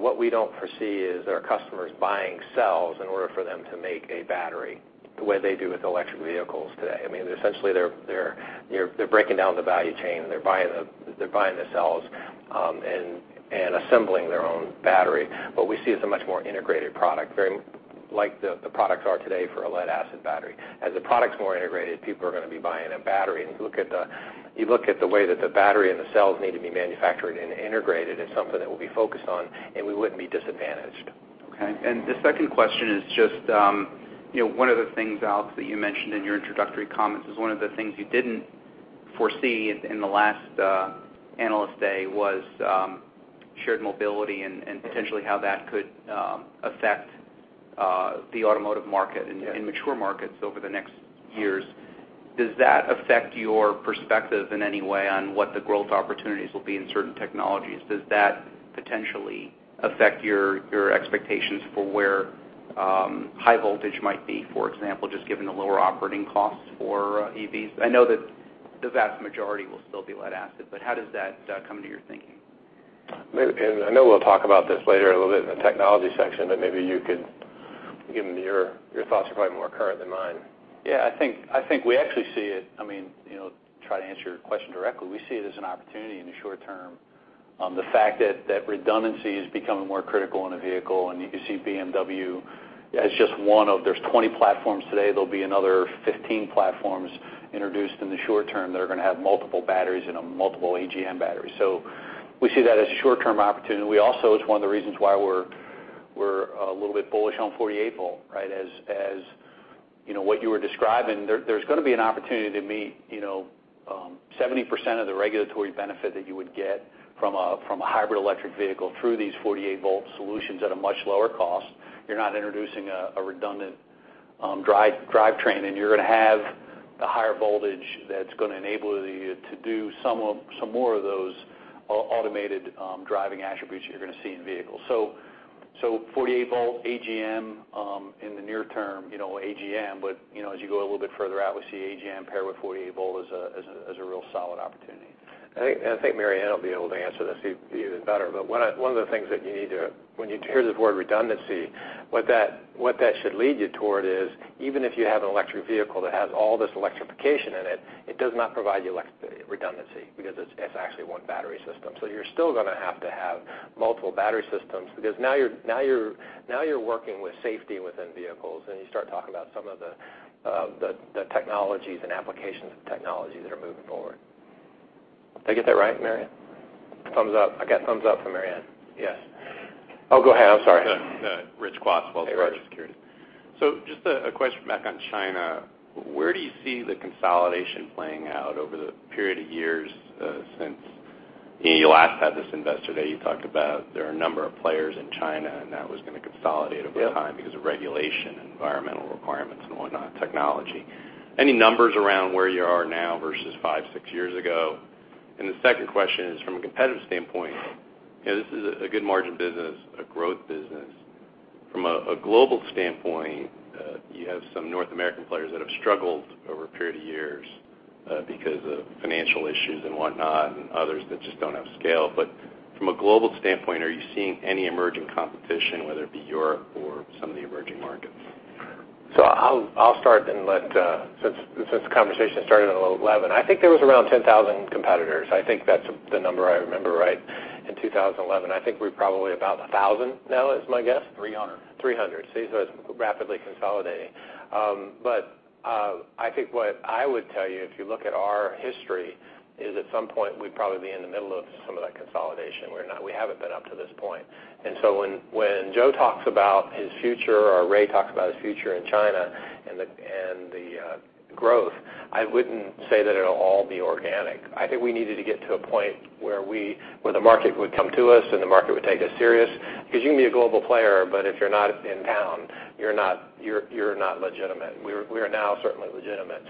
what we don't foresee is our customers buying cells in order for them to make a battery the way they do with electric vehicles today. I mean, essentially they're breaking down the value chain, they're buying the cells and assembling their own battery. What we see is a much more integrated product, very like the products are today for a lead acid battery. As the product's more integrated, people are going to be buying a battery. You look at the way that the battery and the cells need to be manufactured and integrated as something that we'll be focused on, and we wouldn't be disadvantaged. Okay. The second question is just one of the things, Alex, that you mentioned in your introductory comments is one of the things you didn't foresee in the last Analyst Day was shared mobility and potentially how that could affect the automotive market in mature markets over the next years. Does that affect your perspective in any way on what the growth opportunities will be in certain technologies? Does that potentially affect your expectations for where high voltage might be, for example, just given the lower operating costs for EVs? I know that the vast majority will still be lead acid, but how does that come into your thinking? I know we'll talk about this later a little bit in the technology section, maybe you could give them your thoughts, they're probably more current than mine. Yeah, I think we actually see it, to try to answer your question directly, we see it as an opportunity in the short term. The fact that that redundancy is becoming more critical in a vehicle, you can see BMW as just one of There's 20 platforms today, there'll be another 15 platforms introduced in the short term that are going to have multiple batteries in them, multiple AGM batteries. We see that as a short-term opportunity. It's one of the reasons why we're a little bit bullish on 48 volt. As what you were describing, there's going to be an opportunity to meet 70% of the regulatory benefit that you would get from a hybrid electric vehicle through these 48-volt solutions at a much lower cost. You're not introducing a redundant drivetrain, you're going to have the higher voltage that's going to enable you to do some more of those automated driving attributes that you're going to see in vehicles. 48 volt AGM in the near term, AGM. As you go a little bit further out, we see AGM paired with 48 volt as a real solid opportunity. I think MaryAnn will be able to answer this even better. When you hear the word redundancy, what that should lead you toward is, even if you have an electric vehicle that has all this electrification in it does not provide you redundancy because it's actually one battery system. You're still going to have to have multiple battery systems because now you're working with safety within vehicles, you start talking about some of the technologies and applications of technology that are moving forward. Did I get that right, MaryAnn? Thumbs up. I got thumbs up from MaryAnn. Yes. Go ahead. I'm sorry. Rich Kwatinetz with Research Securities. Just a question back on China. Where do you see the consolidation playing out over the period of years since you last had this investor day? You talked about there are a number of players in China, and that was going to consolidate over time because of regulation and environmental requirements and whatnot, technology. Any numbers around where you are now versus five, six years ago? The second question is from a competitive standpoint, this is a good margin business, a growth business. From a global standpoint, you have some North American players that have struggled over a period of years because of financial issues and whatnot, and others that just don't have scale. From a global standpoint, are you seeing any emerging competition, whether it be Europe or some of the emerging markets? I'll start then since the conversation started in 2011. I think there was around 10,000 competitors. I think that's the number I remember right in 2011. I think we're probably about 1,000 now is my guess. 300. 300. See, it's rapidly consolidating. I think what I would tell you, if you look at our history, is at some point, we'd probably be in the middle of some of that consolidation. We haven't been up to this point. When Joe talks about his future or Ray talks about his future in China and the growth, I wouldn't say that it'll all be organic. I think we needed to get to a point where the market would come to us, and the market would take us serious. Because you can be a global player, but if you're not in town, you're not legitimate. We are now certainly legitimate.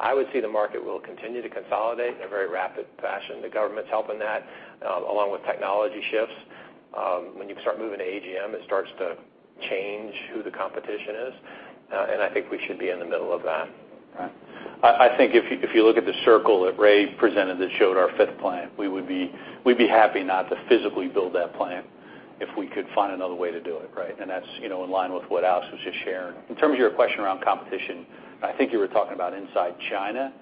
I would see the market will continue to consolidate in a very rapid fashion. The government's helping that along with technology shifts. When you start moving to AGM, it starts to change who the competition is. I think we should be in the middle of that. Right. I think if you look at the circle that Ray presented that showed our fifth plant, we'd be happy not to physically build that plant if we could find another way to do it. That's in line with what Alex was just sharing. In terms of your question around competition, I think you were talking about inside China?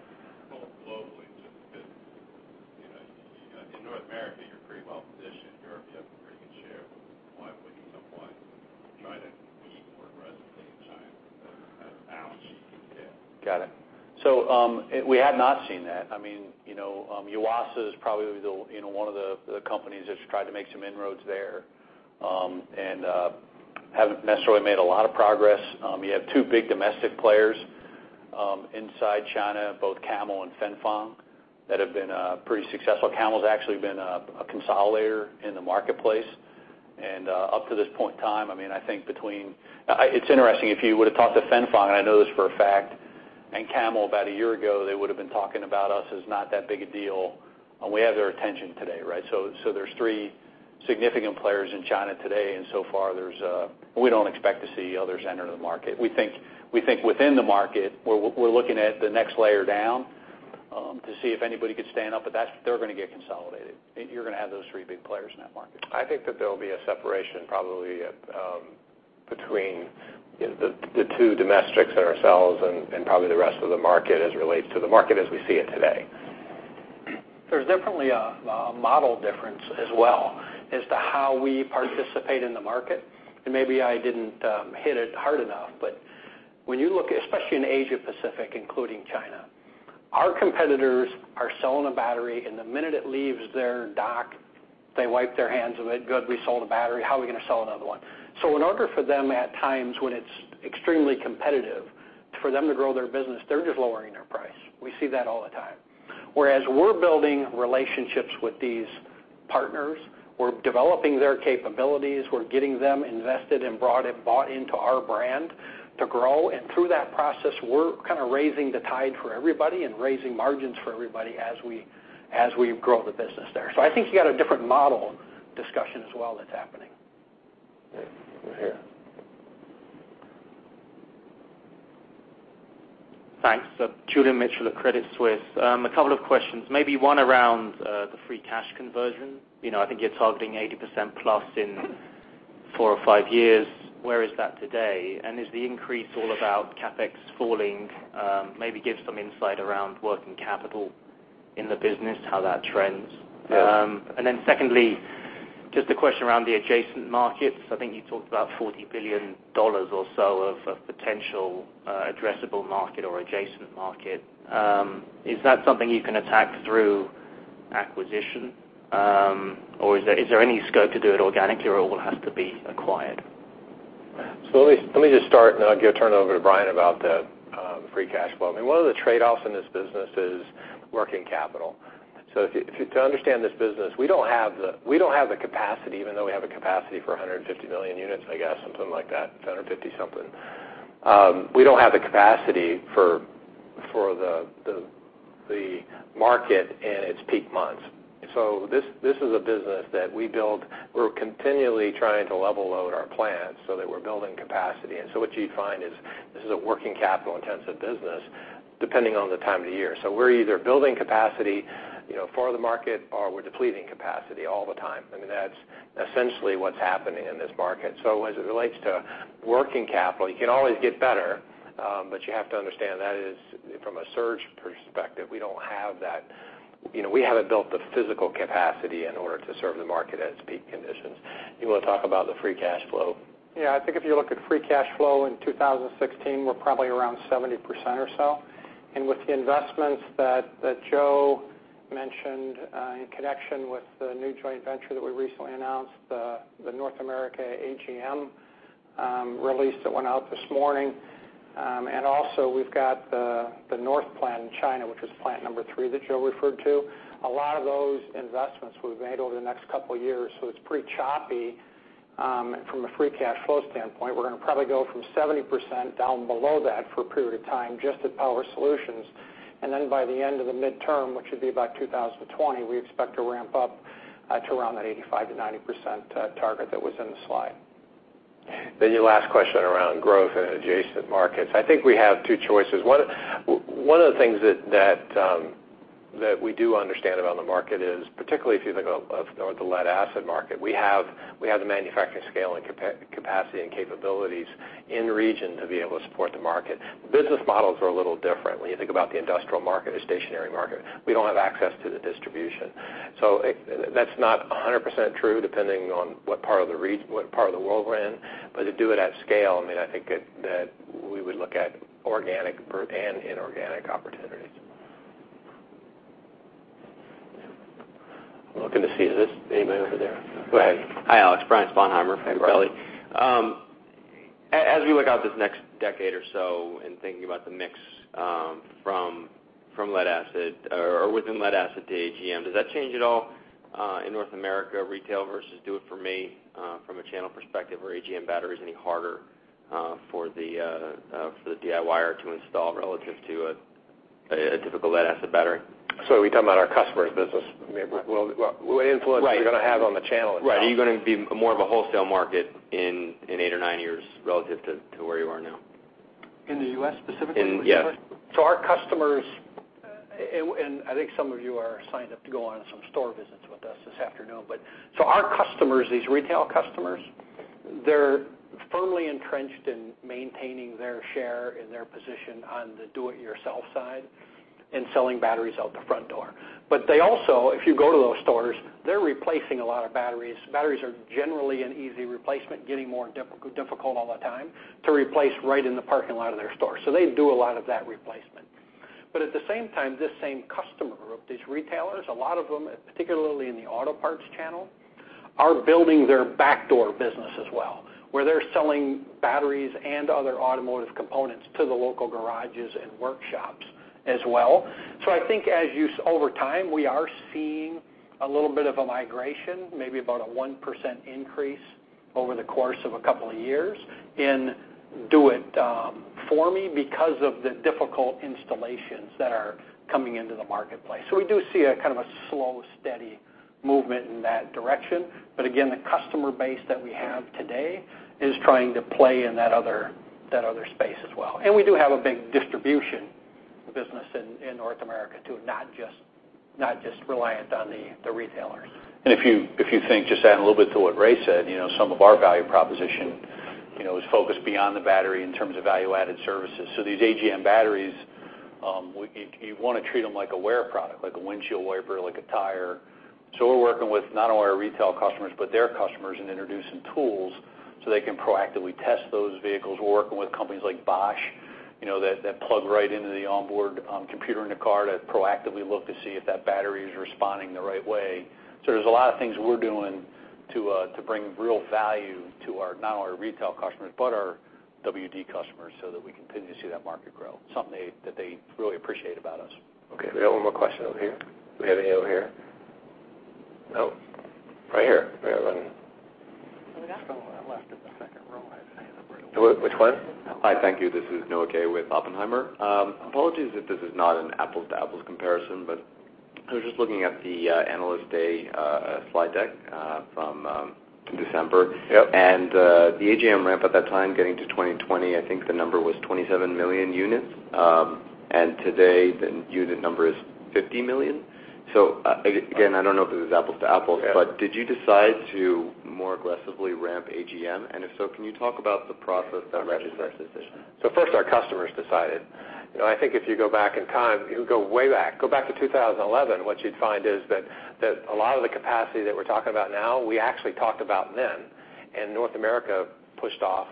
Globally too because in North America, you're pretty well-positioned. Europe, you have a pretty good share. When you come to China, we need more presence in China. How much do you think you can get? Got it. We have not seen that. Yuasa is probably one of the companies that's tried to make some inroads there and haven't necessarily made a lot of progress. You have two big domestic players inside China, both Camel and Fengfan, that have been pretty successful. Camel's actually been a consolidator in the marketplace. Up to this point in time, It's interesting, if you would've talked to Fengfan, and I know this for a fact, and Camel about a year ago, they would've been talking about us as not that big a deal, and we have their attention today. There's three significant players in China today, and so far, we don't expect to see others enter the market. We think within the market, we're looking at the next layer down to see if anybody could stand up, but they're going to get consolidated. You're going to have those three big players in that market. I think that there'll be a separation probably between the two domestics and ourselves and probably the rest of the market as it relates to the market as we see it today. There's definitely a model difference as well as to how we participate in the market. Maybe I didn't hit it hard enough, but when you look, especially in Asia Pacific, including China, our competitors are selling a battery, and the minute it leaves their dock, they wipe their hands of it. "Good, we sold a battery. How are we going to sell another one?" In order for them at times when it's extremely competitive for them to grow their business, they're just lowering their price. We see that all the time. Whereas we're building relationships with these partners. We're developing their capabilities. We're getting them invested and bought into our brand to grow. Through that process, we're raising the tide for everybody and raising margins for everybody as we grow the business there. I think you got a different model discussion as well that's happening. Yeah. Julian Mitchell of Credit Suisse. A couple of questions, maybe one around the free cash conversion. I think you're targeting 80%+ in four or five years. Where is that today? Is the increase all about CapEx falling? Maybe give some insight around working capital in the business, how that trends. Yeah. Then secondly, just a question around the adjacent markets. I think you talked about $40 billion or so of potential addressable market or adjacent market. Is that something you can attack through acquisition? Is there any scope to do it organically or will it have to be acquired? Let me just start. Then I'll turn it over to Brian about the free cash flow. I mean, one of the trade-offs in this business is working capital. To understand this business, we don't have the capacity, even though we have a capacity for 150 million units, I guess, something like that, 150 something. We don't have the capacity for the market in its peak months. This is a business that we build. We're continually trying to level load our plants so that we're building capacity. What you'd find is this is a working capital intensive business, depending on the time of the year. We're either building capacity for the market or we're depleting capacity all the time. I mean, that's essentially what's happening in this market. As it relates to working capital, you can always get better. You have to understand that is from a surge perspective, we don't have that. We haven't built the physical capacity in order to serve the market at its peak conditions. You want to talk about the free cash flow? I think if you look at free cash flow in 2016, we're probably around 70% or so. With the investments that Joe mentioned in connection with the new joint venture that we recently announced, the North America AGM release that went out this morning. Also we've got the north plant in China, which was plant number 3 that Joe referred to. A lot of those investments we've made over the next couple of years. It's pretty choppy from a free cash flow standpoint. We're going to probably go from 70% down below that for a period of time just at Power Solutions. Then by the end of the midterm, which would be about 2020, we expect to ramp up to around that 85%-90% target that was in the slide. Your last question around growth in adjacent markets. I think we have two choices. One of the things that we do understand about the market is particularly if you think of the lead-acid market, we have the manufacturing scale and capacity and capabilities in region to be able to support the market. Business models are a little different when you think about the industrial market or stationary market. We don't have access to the distribution. That's not 100% true, depending on what part of the world we're in. To do it at scale, I mean, I think that we would look at organic and inorganic opportunities. Looking to see, is anybody over there? Go ahead. Hi, Alex. Brian Sponheimer, BMO. Hi, Brian. We look out this next decade or so and thinking about the mix from lead-acid or within lead-acid to AGM, does that change at all in North America retail versus do it for me from a channel perspective? Are AGM batteries any harder for the DIYer to install relative to a difficult lead-acid battery? Are we talking about our customer's business? I mean, what influence- Right You're going to have on the channel itself. Right. Are you going to be more of a wholesale market in eight or nine years relative to where you are now? In the U.S. specifically? Yes. Our customers, and I think some of you are signed up to go on some store visits with us this afternoon, our customers, these retail customers, they're firmly entrenched in maintaining their share and their position on the do-it-yourself side and selling batteries out the front door. They also, if you go to those stores, they're replacing a lot of batteries. Batteries are generally an easy replacement, getting more difficult all the time to replace right in the parking lot of their store. They do a lot of that replacement. At the same time, this same customer group, these retailers, a lot of them, particularly in the auto parts channel, are building their backdoor business as well, where they're selling batteries and other automotive components to the local garages and workshops as well. I think over time, we are seeing a little bit of a migration, maybe about a 1% increase over the course of a couple of years in do it for me because of the difficult installations that are coming into the marketplace. We do see a kind of a slow, steady movement in that direction. Again, the customer base that we have today is trying to play in that other space as well. We do have a big distribution business in North America, too, not just reliant on the retailers. If you think, just adding a little bit to what Ray said, some of our value proposition is focused beyond the battery in terms of value-added services. These AGM batteries you want to treat them like a wear product, like a windshield wiper, like a tire. We're working with not only our retail customers, but their customers and introducing tools so they can proactively test those vehicles. We're working with companies like Bosch that plug right into the onboard computer in the car to proactively look to see if that battery is responding the right way. There's a lot of things we're doing to bring real value to not only our retail customers, but our WD customers so that we continue to see that market grow, something that they really appreciate about us. Okay, we got one more question over here. Do we have any over here? No. Right here. Right here, Lennon. We got one left in the second row. I have nowhere to walk. Which one? Hi, thank you. This is Noah Kaye with Oppenheimer & Co. Apologies if this is not an apples to apples comparison. I was just looking at the Analyst Day slide deck from December. Yep. The AGM ramp at that time getting to 2020, I think the number was 27 million units. Today, the unit number is 50 million. Again, I don't know if it is apples to apples. Yeah Did you decide to more aggressively ramp AGM? If so, can you talk about the process that led to that decision? First our customers decided. I think if you go back in time, you go way back, go back to 2011, what you'd find is that a lot of the capacity that we're talking about now, we actually talked about then, and North America pushed off.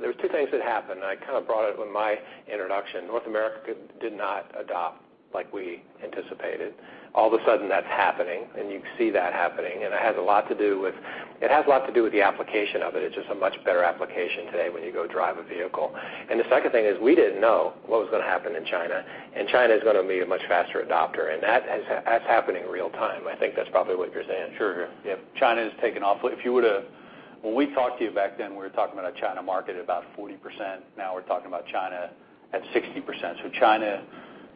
There were two things that happened, and I kind of brought it with my introduction. North America did not adopt like we anticipated. All of a sudden, that's happening, and you can see that happening, and it has a lot to do with the application of it. It's just a much better application today when you go drive a vehicle. The second thing is we didn't know what was going to happen in China, and China's going to be a much faster adopter, and that's happening real time. I think that's probably what you're saying. Sure. Yeah. China has taken off. When we talked to you back then, we were talking about a China market about 40%. Now we're talking about China at 60%. China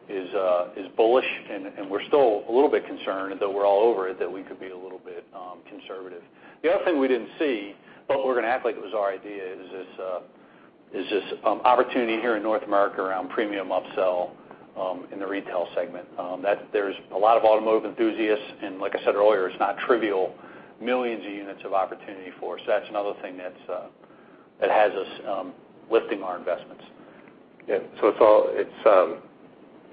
is bullish, and we're still a little bit concerned, though we're all over it, that we could be a little bit conservative. The other thing we didn't see, but we're going to act like it was our idea, is this opportunity here in North America around premium upsell in the retail segment. There's a lot of automotive enthusiasts, and like I said earlier, it's not trivial, millions of units of opportunity for us. That's another thing that has us lifting our investments. Yeah.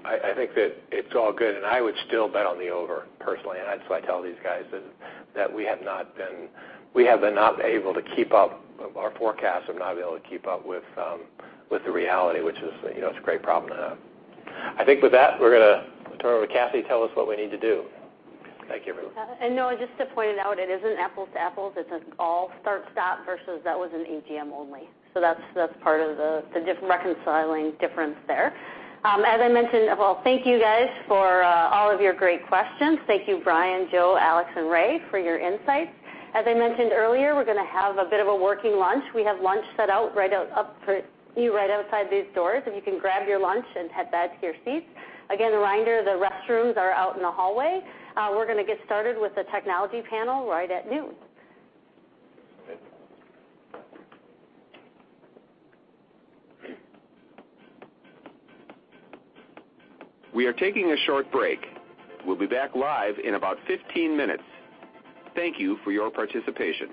I think that it's all good, and I would still bet on the over, personally, and that's what I tell these guys, that our forecasts have not been able to keep up with the reality, which is a great problem to have. I think with that, we're going to turn it over to Cathy to tell us what we need to do. Thank you, everyone. Noah, just to point it out, it isn't apples to apples. This is all start/stop versus that was an AGM only. That's part of the reconciling difference there. Thank you guys for all of your great questions. Thank you, Brian, Joe, Alex, and Ray for your insights. As I mentioned earlier, we're going to have a bit of a working lunch. We have lunch set out right up for you right outside these doors, and you can grab your lunch and head back to your seats. Again, a reminder, the restrooms are out in the hallway. We're going to get started with the technology panel right at noon. Thank you. We are taking a short break. We'll be back live in about 15 minutes. Thank you for your participation.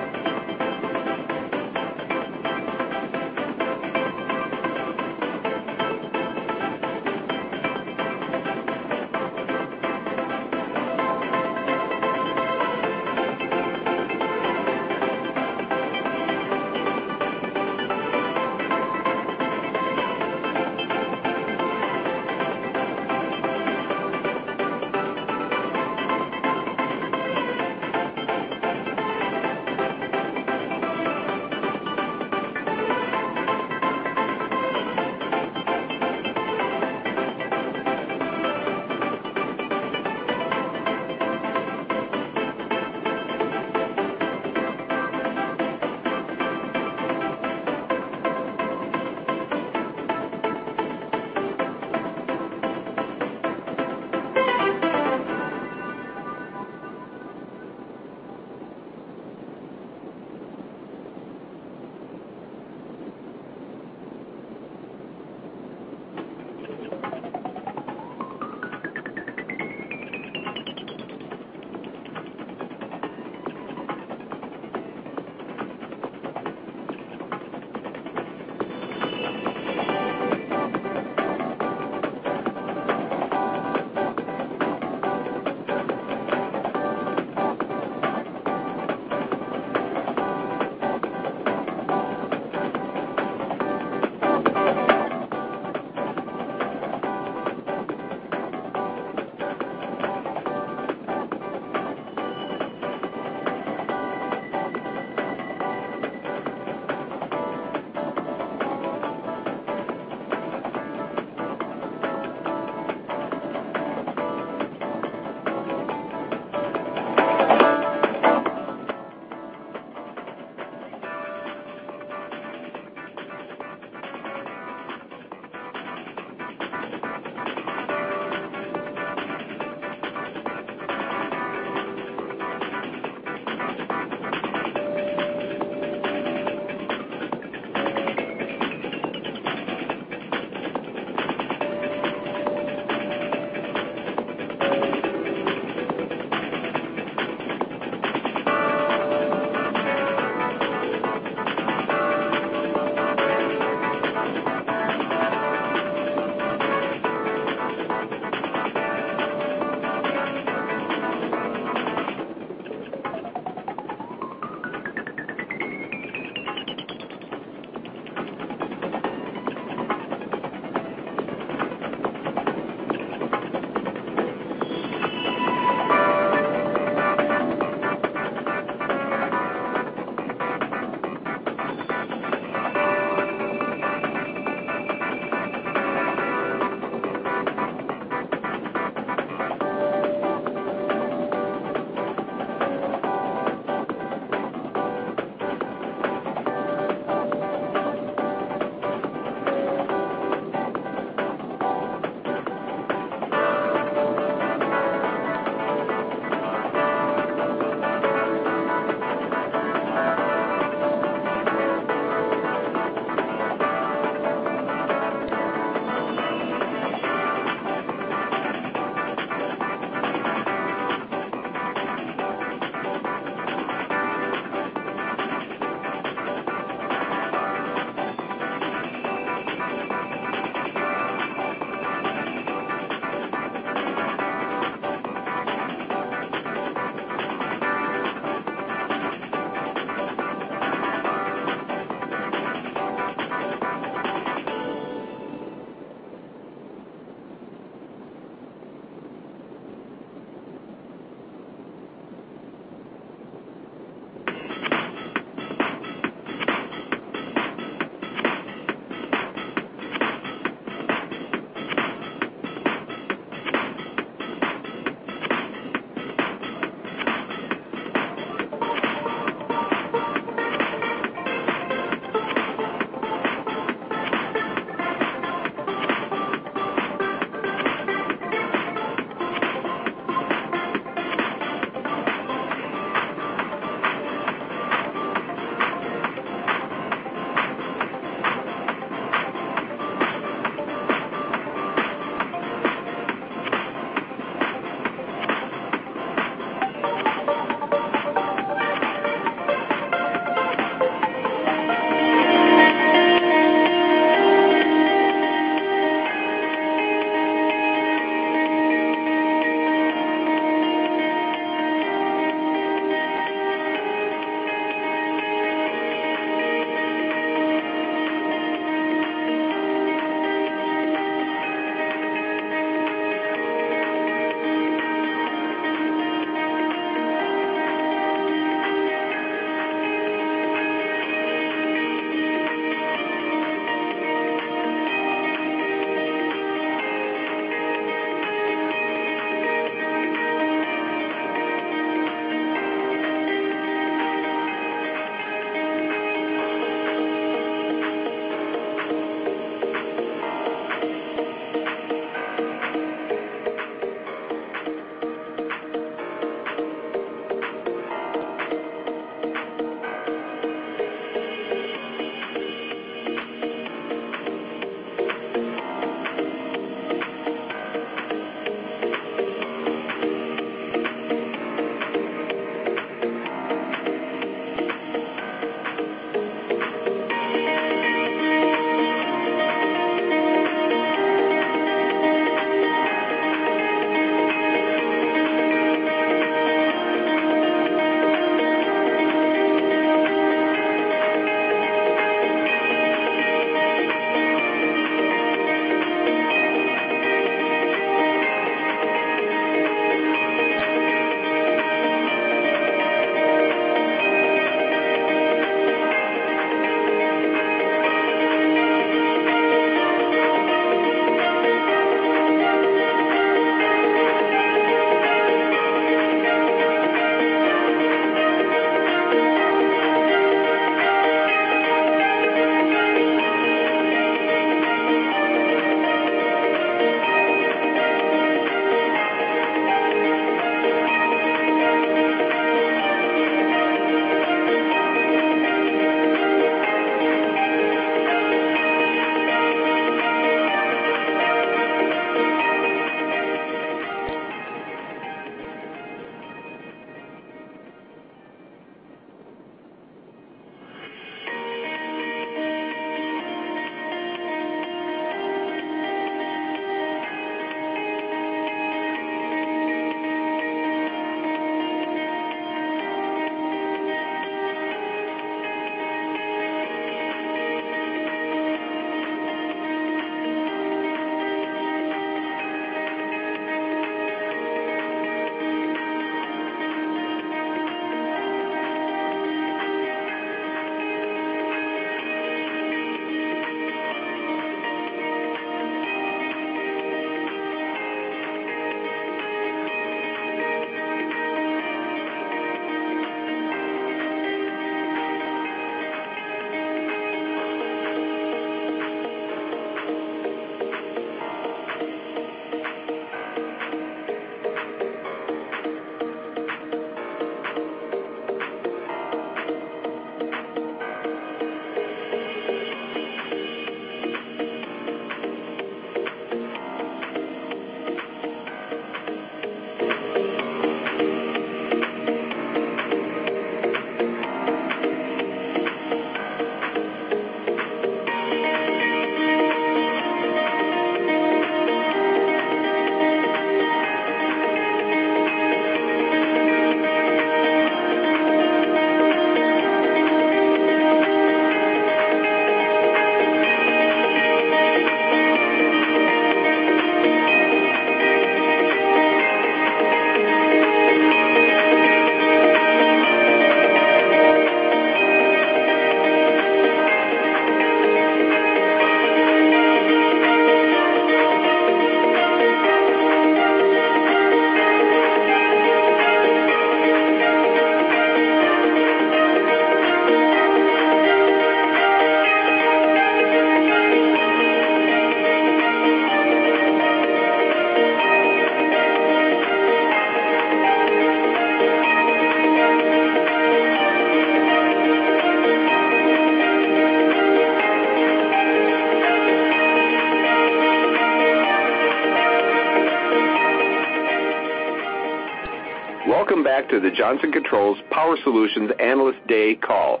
Welcome back to the Johnson Controls Power Solutions Analyst Day call.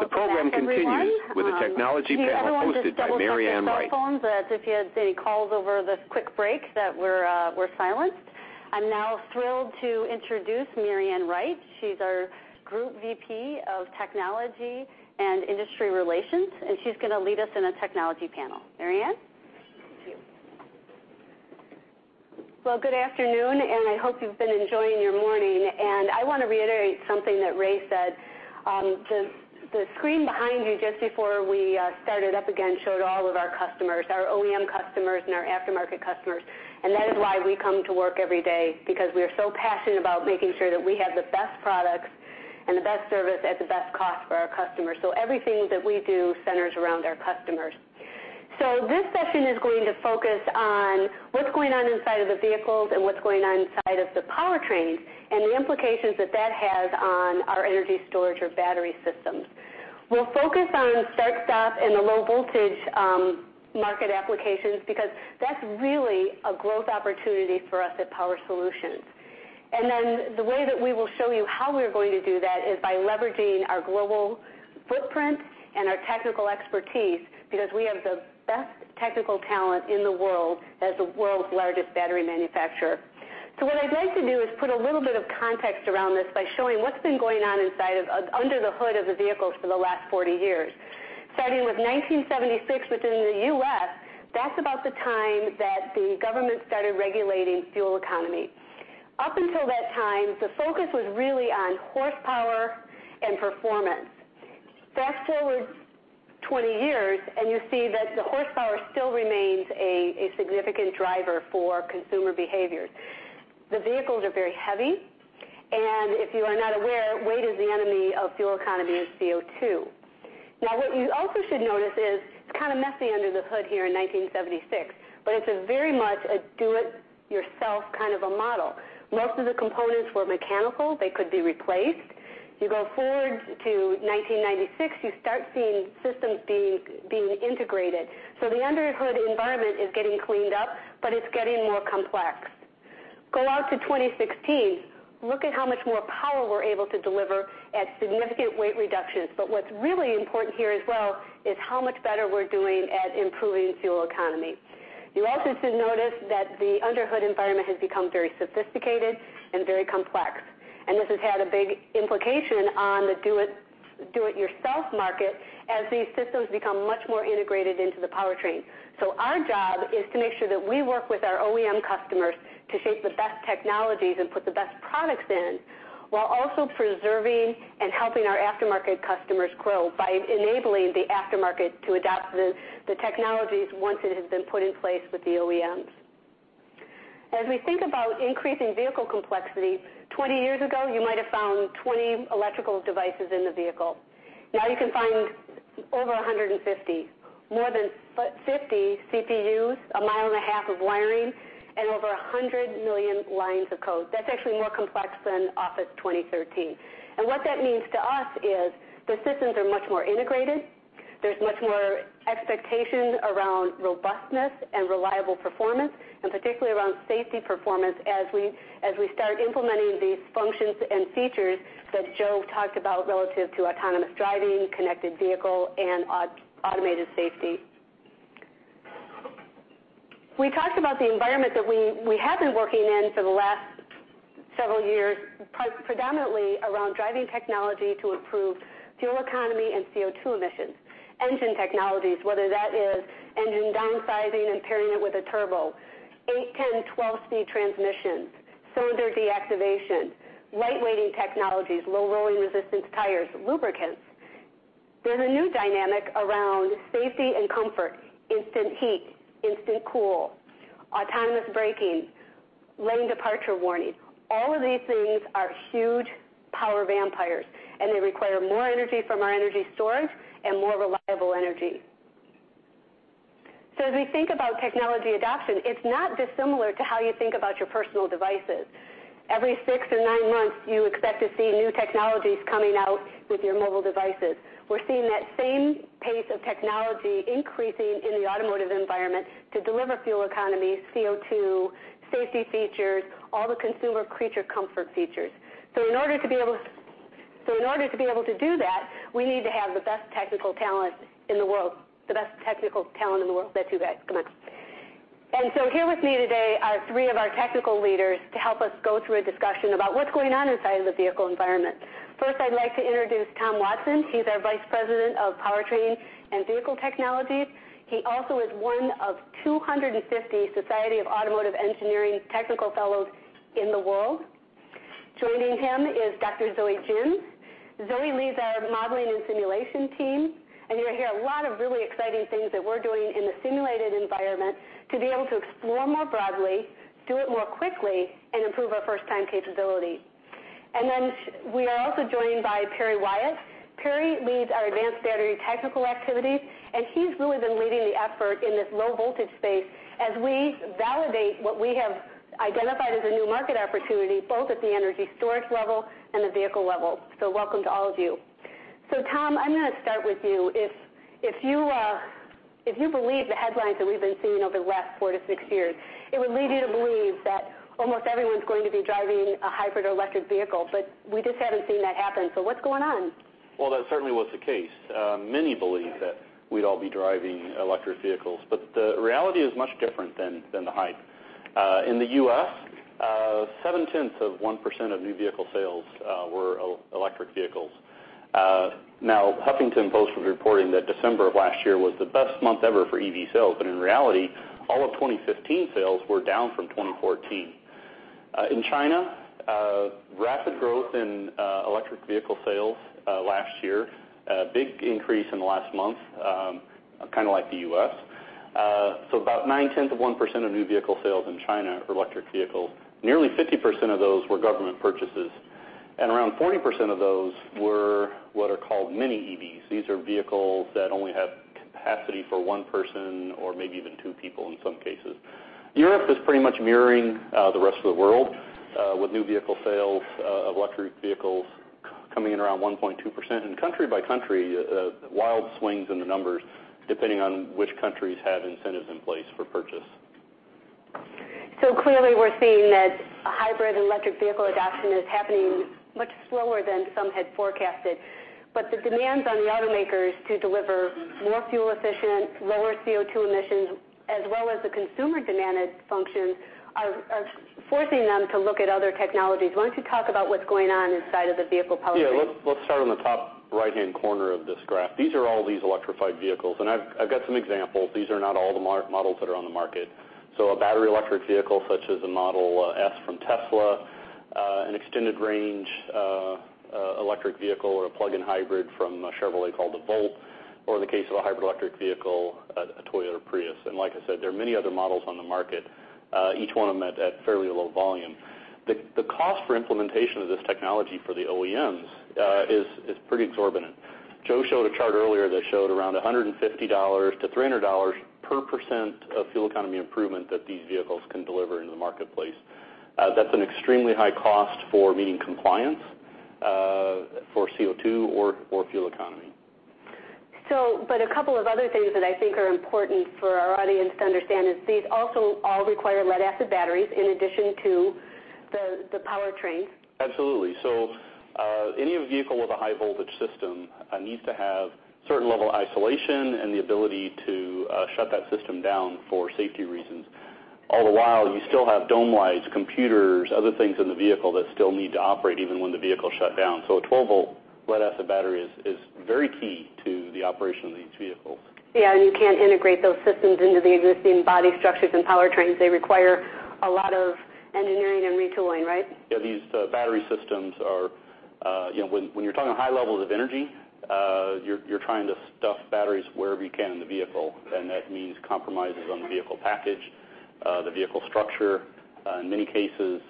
The program continues with a technology panel hosted by Mary Ann Wright. Welcome back, everyone. Can everyone just double-check their cell phones, that if you had any calls over this quick break, that we're silenced. I'm now thrilled to introduce Mary Ann Wright. She's our Group VP of Technology and Industry Relations, and she's going to lead us in a technology panel. Mary Ann? Thank you. Well, good afternoon, I hope you've been enjoying your morning. I want to reiterate something that Ray said. The screen behind you, just before we started up again, showed all of our customers, our OEM customers and our aftermarket customers. That is why we come to work every day, because we are so passionate about making sure that we have the best products and the best service at the best cost for our customers. Everything that we do centers around our customers. This session is going to focus on what's going on inside of the vehicles and what's going on inside of the powertrains, and the implications that that has on our energy storage or battery systems. We'll focus on start-stop and the low-voltage market applications, because that's really a growth opportunity for us at Power Solutions. The way that we will show you how we're going to do that is by leveraging our global footprint and our technical expertise, because we have the best technical talent in the world as the world's largest battery manufacturer. What I'd like to do is put a little bit of context around this by showing what's been going on under the hood of the vehicles for the last 40 years. Starting with 1976 within the U.S., that's about the time that the government started regulating fuel economy. Up until that time, the focus was really on horsepower and performance. Fast-forward 20 years, and you see that the horsepower still remains a significant driver for consumer behavior. The vehicles are very heavy, and if you are not aware, weight is the enemy of fuel economy and CO2. What you also should notice is it's kind of messy under the hood here in 1976, but it's very much a do-it-yourself kind of a model. Most of the components were mechanical. They could be replaced. You go forward to 1996, you start seeing systems being integrated. The under-hood environment is getting cleaned up, but it's getting more complex. Go out to 2016, look at how much more power we're able to deliver at significant weight reductions. What's really important here as well is how much better we're doing at improving fuel economy. You also should notice that the under-hood environment has become very sophisticated and very complex, and this has had a big implication on the do-it-yourself market as these systems become much more integrated into the powertrain. Our job is to make sure that we work with our OEM customers to shape the best technologies and put the best products in, while also preserving and helping our aftermarket customers grow by enabling the aftermarket to adopt the technologies once it has been put in place with the OEMs. As we think about increasing vehicle complexity, 20 years ago, you might have found 20 electrical devices in the vehicle. Now you can find over 150, more than 50 CPUs, a mile and a half of wiring, and over 100 million lines of code. That's actually more complex than Office 2013. What that means to us is the systems are much more integrated. There's much more expectation around robustness and reliable performance, and particularly around safety performance as we start implementing these functions and features that Joe talked about relative to autonomous driving, connected vehicle, and automated safety. We talked about the environment that we have been working in for the last several years, predominantly around driving technology to improve fuel economy and CO2 emissions. Engine technologies, whether that is engine downsizing and pairing it with a turbo, eight, 10, 12-speed transmissions, cylinder deactivation, lightweighting technologies, low rolling resistance tires, lubricants. There's a new dynamic around safety and comfort. Instant heat, instant cool, autonomous braking, lane departure warning. All of these things are huge power vampires, and they require more energy from our energy storage and more reliable energy. As we think about technology adoption, it's not dissimilar to how you think about your personal devices. Every six to nine months, you expect to see new technologies coming out with your mobile devices. We're seeing that same pace of technology increasing in the automotive environment to deliver fuel economy, CO2, safety features, all the consumer creature comfort features. In order to be able to do that, we need to have the best technical talent in the world. That's you guys. Come on. Here with me today are three of our technical leaders to help us go through a discussion about what's going on inside of the vehicle environment. First, I'd like to introduce Tom Watson. He's our Vice President of Powertrain and Vehicle Technologies. He also is one of 250 Society of Automotive Engineers technical fellows in the world. Joining him is Dr. Zoe Jun. Zoe leads our modeling and simulation team, and you'll hear a lot of really exciting things that we're doing in the simulated environment to be able to explore more broadly, do it more quickly, and improve our first-time capability. We are also joined by Perry Wyatt. Perry leads our advanced battery technical activities, and he's really been leading the effort in this low voltage space as we validate what we have identified as a new market opportunity, both at the energy storage level and the vehicle level. Welcome to all of you. Tom, I'm going to start with you. If you believe the headlines that we've been seeing over the last four to six years, it would lead you to believe that almost everyone's going to be driving a hybrid or electric vehicle, but we just haven't seen that happen. What's going on? Well, that certainly was the case. Many believed that we'd all be driving electric vehicles, but the reality is much different than the hype. In the U.S., 0.7% of new vehicle sales were electric vehicles. Huffington Post was reporting that December of last year was the best month ever for EV sales, but in reality, all of 2015 sales were down from 2014. In China, rapid growth in electric vehicle sales last year. A big increase in the last month, kind of like the U.S. About 0.9% of new vehicle sales in China are electric vehicles. Nearly 50% of those were government purchases, and around 40% of those were what are called mini EVs. These are vehicles that only have capacity for one person or maybe even two people in some cases. Europe is pretty much mirroring the rest of the world, with new vehicle sales of electric vehicles coming in around 1.2%. Country by country, wild swings in the numbers, depending on which countries have incentives in place for purchase. Clearly we are seeing that hybrid and electric vehicle adoption is happening much slower than some had forecasted. The demands on the automakers to deliver more fuel efficient, lower CO2 emissions, as well as the consumer demanded functions, are forcing them to look at other technologies. Why don't you talk about what's going on inside of the vehicle powertrain? Let us start on the top right-hand corner of this graph. These are all these electrified vehicles, and I have got some examples. These are not all the models that are on the market. A battery electric vehicle, such as a Model S from Tesla, an extended range electric vehicle or a plug-in hybrid from Chevrolet called the Volt, or in the case of a hybrid electric vehicle, a Toyota Prius. Like I said, there are many other models on the market, each one of them at fairly low volume. The cost for implementation of this technology for the OEMs is pretty exorbitant. Joe showed a chart earlier that showed around $150-$300 per percent of fuel economy improvement that these vehicles can deliver into the marketplace. That is an extremely high cost for meeting compliance for CO2 or fuel economy. A couple of other things that I think are important for our audience to understand is these also all require lead-acid batteries in addition to the powertrain. Absolutely. Any vehicle with a high voltage system needs to have a certain level of isolation and the ability to shut that system down for safety reasons. All the while, you still have dome lights, computers, other things in the vehicle that still need to operate even when the vehicle is shut down. A 12-volt lead-acid battery is very key to the operation of these vehicles. You can't integrate those systems into the existing body structures and powertrains. They require a lot of engineering and retooling, right? Yeah. These battery systems when you're talking high levels of energy, you're trying to stuff batteries wherever you can in the vehicle, and that means compromises on the vehicle package, the vehicle structure. In many cases,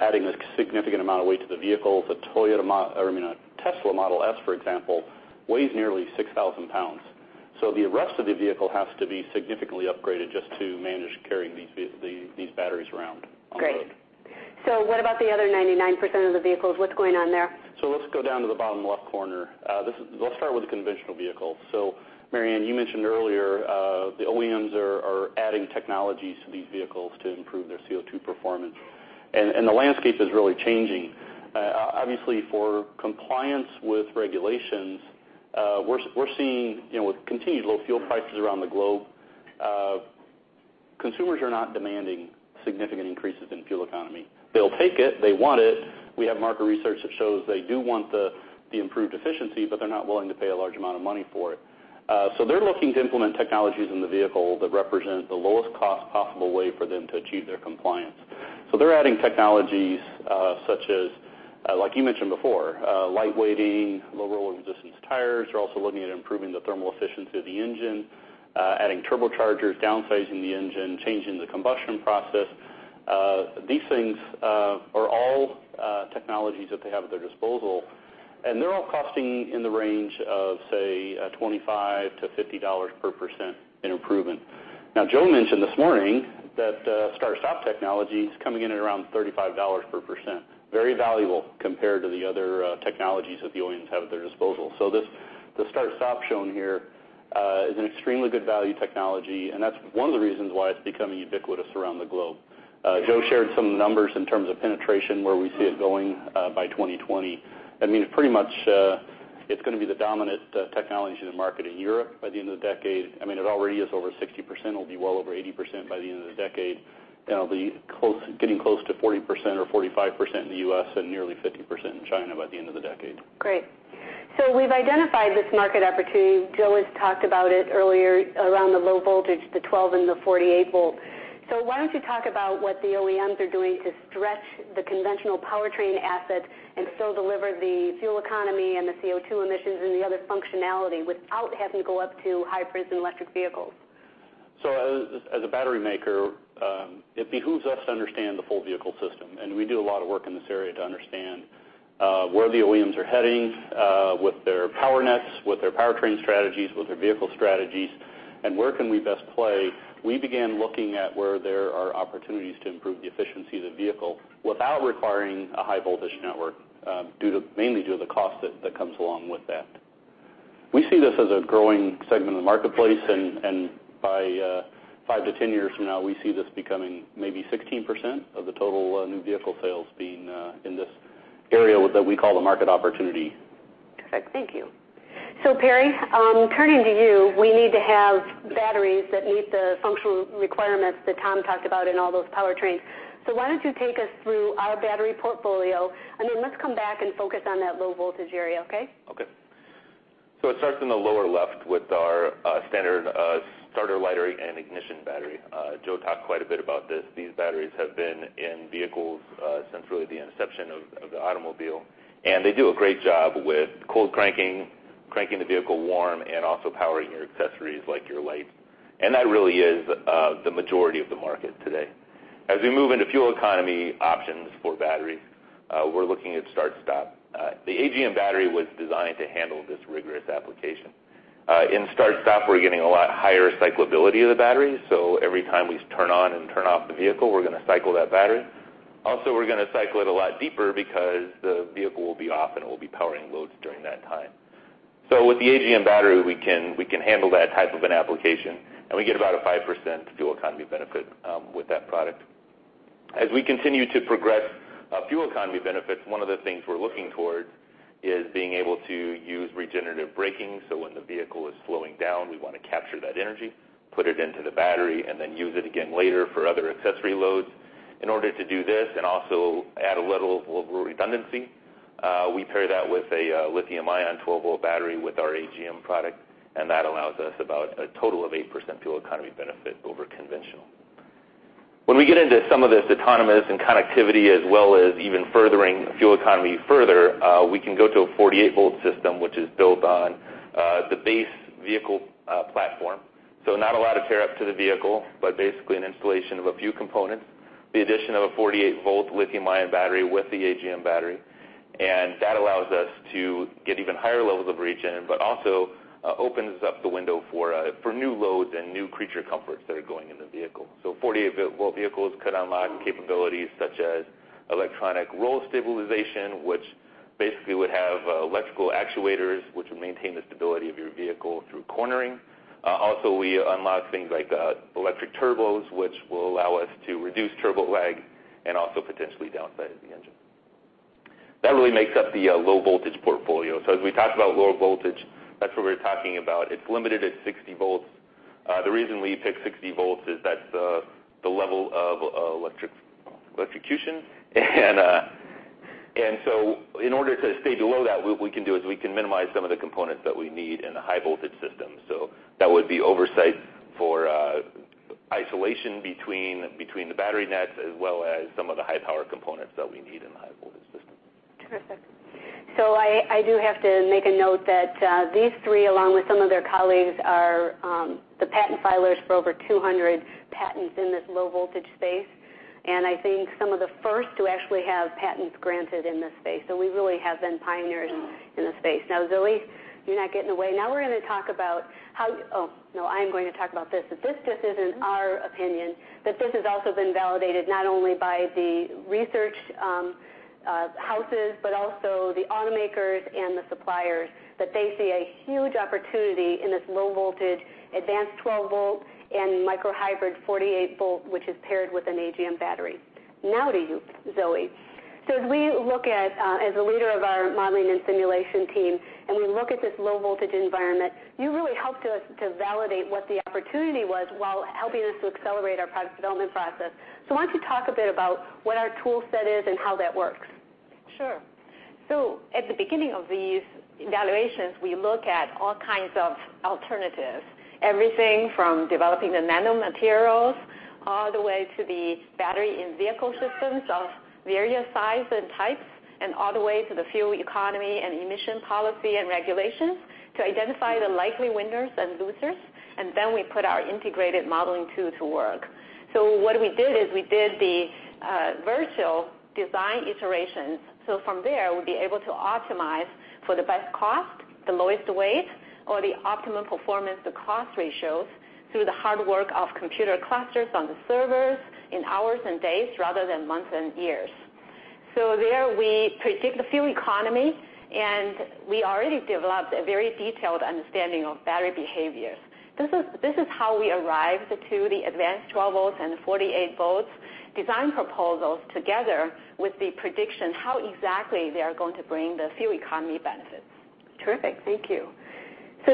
adding a significant amount of weight to the vehicle. The Tesla Model S, for example, weighs nearly 6,000 pounds. The rest of the vehicle has to be significantly upgraded just to manage carrying these batteries around on the road. Great. What about the other 99% of the vehicles? What's going on there? Let's go down to the bottom left corner. Let's start with the conventional vehicle. MaryAnn, you mentioned earlier, the OEMs are adding technologies to these vehicles to improve their CO2 performance. The landscape is really changing. Obviously, for compliance with regulations We're seeing, with continued low fuel prices around the globe, consumers are not demanding significant increases in fuel economy. They'll take it, they want it. We have market research that shows they do want the improved efficiency, but they're not willing to pay a large amount of money for it. They're looking to implement technologies in the vehicle that represent the lowest cost possible way for them to achieve their compliance. They're adding technologies such as, like you mentioned before, lightweighting, low rolling resistance tires. They're also looking at improving the thermal efficiency of the engine, adding turbochargers, downsizing the engine, changing the combustion process. These things are all technologies that they have at their disposal, and they're all costing in the range of, say, $25-$50 per % in improvement. Joe mentioned this morning that start-stop technology is coming in at around $35 per %. Very valuable compared to the other technologies that the OEMs have at their disposal. The start-stop shown here is an extremely good value technology, and that's one of the reasons why it's becoming ubiquitous around the globe. Joe shared some numbers in terms of penetration, where we see it going by 2020. It's going to be the dominant technology in the market in Europe by the end of the decade. It already is over 60%, it'll be well over 80% by the end of the decade. It'll be getting close to 40% or 45% in the U.S. and nearly 50% in China by the end of the decade. Great. We've identified this market opportunity. Joe has talked about it earlier around the low voltage, the 12 and the 48 volt. Why don't you talk about what the OEMs are doing to stretch the conventional powertrain asset and still deliver the fuel economy and the CO2 emissions and the other functionality without having to go up to hybrids and electric vehicles. As a battery maker, it behooves us to understand the full vehicle system, and we do a lot of work in this area to understand where the OEMs are heading with their power nets, with their powertrain strategies, with their vehicle strategies, and where can we best play. We began looking at where there are opportunities to improve the efficiency of the vehicle without requiring a high voltage network, mainly due to the cost that comes along with that. We see this as a growing segment of the marketplace, and by 5-10 years from now, we see this becoming maybe 16% of the total new vehicle sales being in this area that we call the market opportunity. Perfect. Thank you. Perry, turning to you, we need to have batteries that meet the functional requirements that Tom talked about in all those powertrains. Why don't you take us through our battery portfolio. Let's come back and focus on that low voltage area, okay? Okay. It starts in the lower left with our standard starter, lighter, and ignition battery. Joe talked quite a bit about this. These batteries have been in vehicles since really the inception of the automobile, and they do a great job with cold cranking the vehicle warm, and also powering your accessories like your lights. That really is the majority of the market today. As we move into fuel economy options for batteries, we're looking at start-stop. The AGM battery was designed to handle this rigorous application. In start-stop, we're getting a lot higher cyclability of the battery. Every time we turn on and turn off the vehicle, we're going to cycle that battery. Also, we're going to cycle it a lot deeper because the vehicle will be off, and it will be powering loads during that time. With the AGM battery, we can handle that type of an application, and we get about a 5% fuel economy benefit with that product. As we continue to progress fuel economy benefits, one of the things we're looking towards is being able to use regenerative braking. When the vehicle is slowing down, we want to capture that energy, put it into the battery, and then use it again later for other accessory loads. In order to do this and also add a little redundancy, we pair that with a lithium-ion 12-volt battery with our AGM product, and that allows us about a total of 8% fuel economy benefit over conventional. When we get into some of this autonomous and connectivity as well as even furthering fuel economy further, we can go to a 48-volt system, which is built on the base vehicle platform. Not a lot of tear-up to the vehicle, but basically an installation of a few components. The addition of a 48-volt lithium-ion battery with the AGM battery, and that allows us to get even higher levels of regen, but also opens up the window for new loads and new creature comforts that are going in the vehicle. 48-volt vehicles could unlock capabilities such as electronic roll stabilization, which basically would have electrical actuators, which would maintain the stability of your vehicle through cornering. Also, we unlock things like electric turbos, which will allow us to reduce turbo lag and also potentially downsize the engine. That really makes up the low voltage portfolio. As we talked about low voltage, that's what we were talking about. It's limited at 60 volts. The reason we pick 60 volts is that's the level of electrocution and in order to stay below that, what we can do is we can minimize some of the components that we need in a high voltage system. That would be oversight for isolation between the battery nets as well as some of the high power components that we need in the high-voltage system. Terrific. I do have to make a note that these three, along with some of their colleagues, are the patent filers for over 200 patents in this low voltage space, and I think some of the first to actually have patents granted in this space. We really have been pioneers in this space. Now, Zoe, you're not getting away. Now I'm going to talk about this, that this just isn't our opinion, that this has also been validated not only by the research houses, but also the automakers and the suppliers, that they see a huge opportunity in this low voltage advanced 12-volt and micro hybrid 48-volt, which is paired with an AGM battery. Now to you, Zoe. As we look at, as a leader of our modeling and simulation team, and we look at this low voltage environment, you really helped us to validate what the opportunity was while helping us to accelerate our product development process. Why don't you talk a bit about what our tool set is and how that works? Sure. At the beginning of these evaluations, we look at all kinds of alternatives. Everything from developing the nanomaterials all the way to the battery and vehicle systems of various sizes and types, and all the way to the fuel economy and emission policy and regulations to identify the likely winners and losers. Then we put our integrated modeling tool to work. What we did is we did the virtual design iterations. From there, we'll be able to optimize for the best cost, the lowest weight, or the optimum performance to cost ratios through the hard work of computer clusters on the servers in hours and days rather than months and years. There we predict the fuel economy, we already developed a very detailed understanding of battery behavior. This is how we arrived to the advanced 12 volts and 48 volts design proposals together with the prediction how exactly they are going to bring the fuel economy benefits. Terrific. Thank you.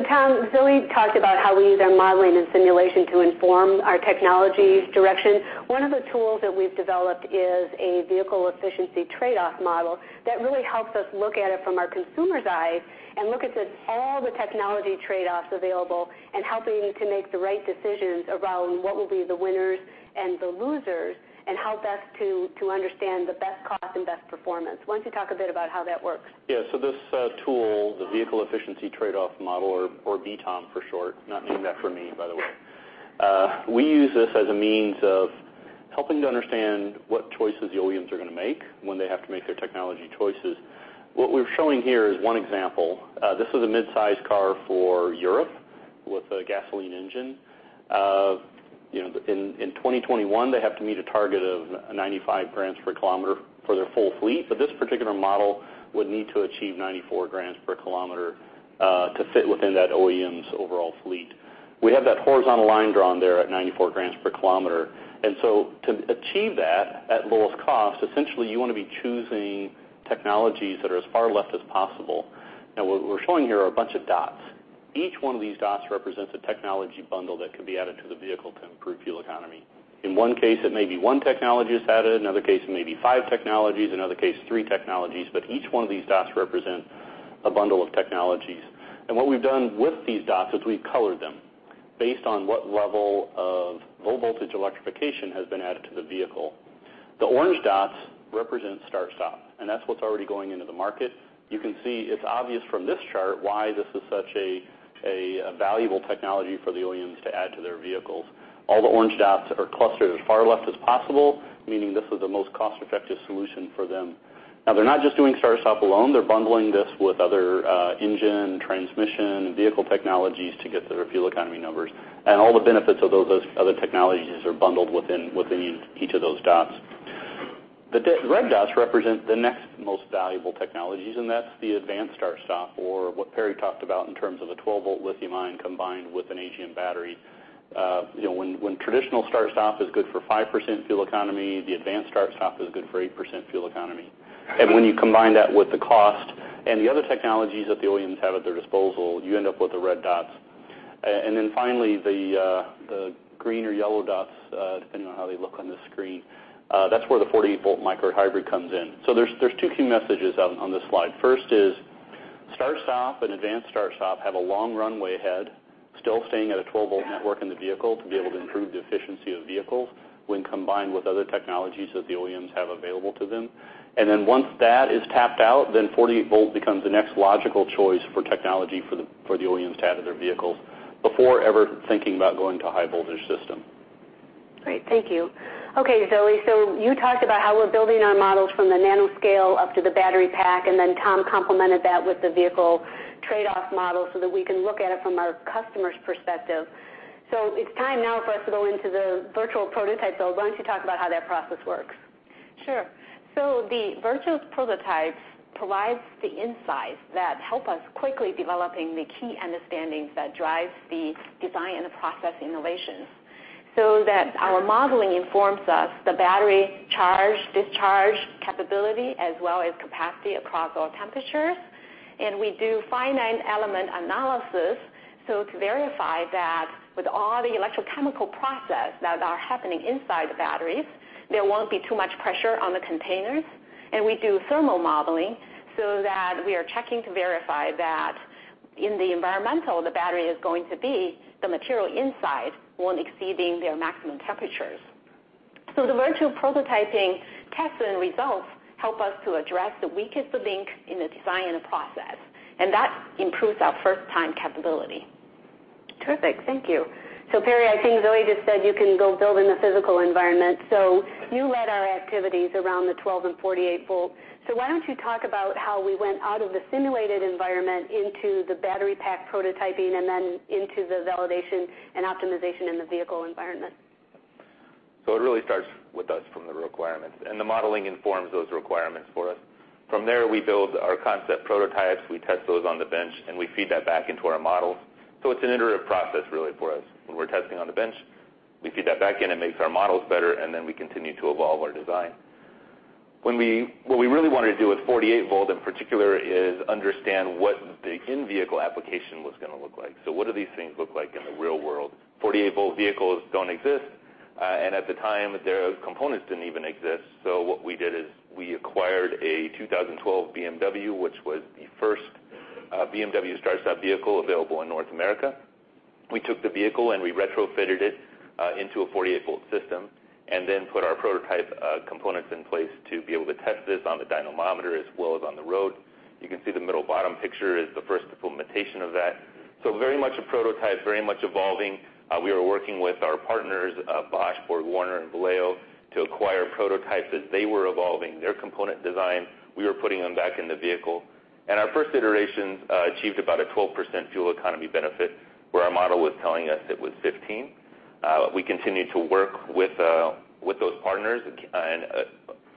Tom, Zoe talked about how we use our modeling and simulation to inform our technology's direction. One of the tools that we've developed is a Vehicle Efficiency Trade-Off Model that really helps us look at it from our consumer's eyes and look at all the technology trade-offs available and helping to make the right decisions around what will be the winners and the losers and how best to understand the best cost and best performance. Why don't you talk a bit about how that works? Yeah. This tool, the Vehicle Efficiency Trade-Off Model, or VTOM for short, not named that for me, by the way. We use this as a means of helping to understand what choices the OEMs are going to make when they have to make their technology choices. What we're showing here is one example. This is a mid-size car for Europe with a gasoline engine. In 2021, they have to meet a target of 95 grams per kilometer for their full fleet, but this particular model would need to achieve 94 grams per kilometer to fit within that OEM's overall fleet. We have that horizontal line drawn there at 94 grams per kilometer. To achieve that at lowest cost, essentially you want to be choosing technologies that are as far left as possible. What we're showing here are a bunch of dots. Each one of these dots represents a technology bundle that can be added to the vehicle to improve fuel economy. In one case, it may be one technology is added. Another case, it may be five technologies. Another case, three technologies. Each one of these dots represent a bundle of technologies. What we've done with these dots is we've colored them based on what level of low-voltage electrification has been added to the vehicle. The orange dots represent start/stop, and that's what's already going into the market. You can see it's obvious from this chart why this is such a valuable technology for the OEMs to add to their vehicles. All the orange dots are clustered as far left as possible, meaning this is the most cost-effective solution for them. They're not just doing start/stop alone. They're bundling this with other engine, transmission, vehicle technologies to get their fuel economy numbers. All the benefits of those other technologies are bundled within each of those dots. The red dots represent the next most valuable technologies. That's the advanced start/stop or what Perry talked about in terms of the 12-volt lithium-ion combined with an AGM battery. When traditional start/stop is good for 5% fuel economy, the advanced start/stop is good for 8% fuel economy. When you combine that with the cost and the other technologies that the OEMs have at their disposal, you end up with the red dots. Finally, the green or yellow dots, depending on how they look on the screen, that's where the 48-volt micro-hybrid comes in. There's two key messages on this slide. First is start/stop and advanced start/stop have a long runway ahead, still staying at a 12-volt network in the vehicle to be able to improve the efficiency of the vehicle when combined with other technologies that the OEMs have available to them. Once that is tapped out, 48 volt becomes the next logical choice for technology for the OEMs to add to their vehicles before ever thinking about going to high-voltage system. Great. Thank you. Okay, Zoe, you talked about how we're building our models from the nanoscale up to the battery pack. Tom complemented that with the vehicle trade-off model so that we can look at it from our customer's perspective. It's time now for us to go into the virtual prototype. Why don't you talk about how that process works? Sure. The virtual prototype provides the insights that help us quickly developing the key understandings that drive the design and the process innovations. Our modeling informs us the battery charge, discharge capability, as well as capacity across all temperatures. We do finite element analysis to verify that with all the electrochemical process that are happening inside the batteries, there won't be too much pressure on the containers. We do thermal modeling so that we are checking to verify that in the environmental the battery is going to be, the material inside won't exceeding their maximum temperatures. The virtual prototyping tests and results help us to address the weakest link in the design process. That improves our first-time capability. Terrific. Thank you. Perry, I think Zoe just said you can go build in the physical environment. You led our activities around the 12- and 48-volt. Why don't you talk about how we went out of the simulated environment into the battery pack prototyping and then into the validation and optimization in the vehicle environment? It really starts with us from the requirements, the modeling informs those requirements for us. From there, we build our concept prototypes, we test those on the bench, we feed that back into our models. It's an iterative process really for us. When we're testing on the bench, we feed that back in, it makes our models better, then we continue to evolve our design. What we really wanted to do with 48 volt in particular is understand what the in-vehicle application was going to look like. What do these things look like in the real world? 48-volt vehicles don't exist. At the time, their components didn't even exist. What we did is we acquired a 2012 BMW, which was the first BMW start-stop vehicle available in North America. We took the vehicle we retrofitted it into a 48-volt system, then put our prototype components in place to be able to test this on the dynamometer as well as on the road. You can see the middle bottom picture is the first implementation of that. Very much a prototype, very much evolving. We were working with our partners, Bosch, BorgWarner, and Valeo, to acquire prototypes as they were evolving their component design. We were putting them back in the vehicle. Our first iterations achieved about a 12% fuel economy benefit where our model was telling us it was 15%. We continued to work with those partners.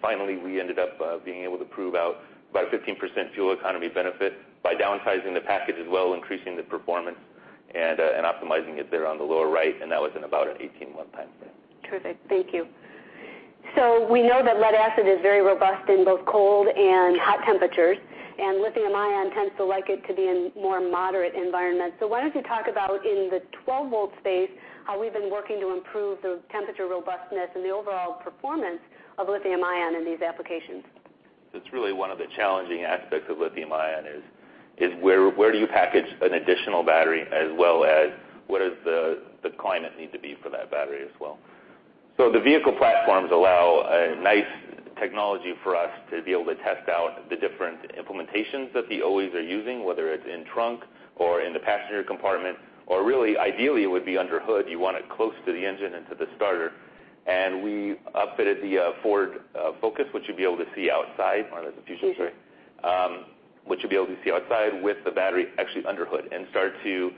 Finally, we ended up being able to prove out about a 15% fuel economy benefit by downsizing the package as well, increasing the performance and optimizing it there on the lower right. That was in about an 18-month timeframe. Terrific. Thank you. We know that lead-acid is very robust in both cold and hot temperatures, and lithium-ion tends to like it to be in more moderate environments. Why don't you talk about in the 12-volt space, how we've been working to improve the temperature robustness and the overall performance of lithium-ion in these applications. That's really one of the challenging aspects of lithium-ion is, where do you package an additional battery as well as what does the climate need to be for that battery as well? The vehicle platforms allow a nice technology for us to be able to test out the different implementations that the OEMs are using, whether it's in trunk or in the passenger compartment, or really ideally, it would be underhood. You want it close to the engine and to the starter. We upfitted the Ford Focus, which you'll be able to see outside. Oh, there's a few shots there. Sure. Which you'll be able to see outside with the battery actually underhood and start to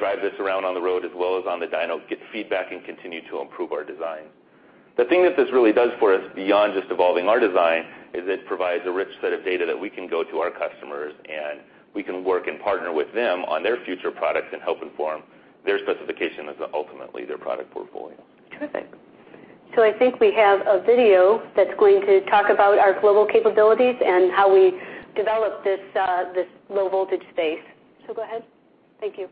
drive this around on the road as well as on the dyno, get feedback and continue to improve our design. The thing that this really does for us beyond just evolving our design is it provides a rich set of data that we can go to our customers, and we can work and partner with them on their future products and help inform their specification as ultimately their product portfolio. Terrific. I think we have a video that's going to talk about our global capabilities and how we develop this low-voltage space. Go ahead. Thank you.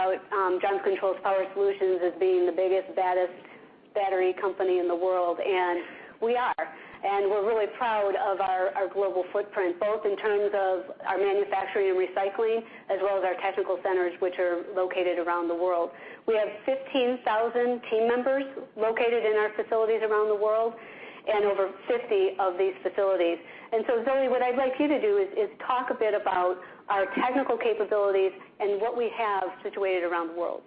Great. Ray always likes to talk about Johnson Controls Power Solutions as being the biggest, baddest battery company in the world, and we are. We're really proud of our global footprint, both in terms of our manufacturing and recycling, as well as our technical centers, which are located around the world. We have 15,000 team members located in our facilities around the world and over 50 of these facilities. Zoe, what I'd like you to do is talk a bit about our technical capabilities and what we have situated around the world.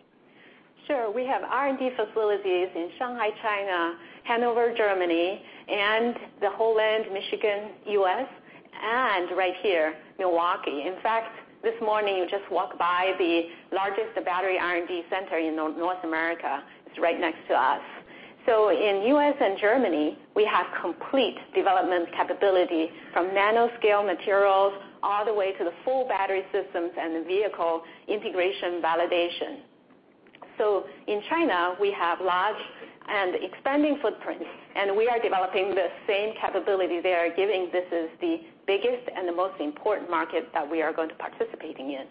Sure. We have R&D facilities in Shanghai, China, Hanover, Germany, and the Holland, Michigan, U.S., and right here, Milwaukee. In fact, this morning you just walked by the largest battery R&D center in North America. It's right next to us. In U.S. and Germany, we have complete development capability from nanoscale materials all the way to the full battery systems and the vehicle integration validation. In China, we have large and expanding footprints, and we are developing the same capability they are giving. This is the biggest and the most important market that we are going to participating in.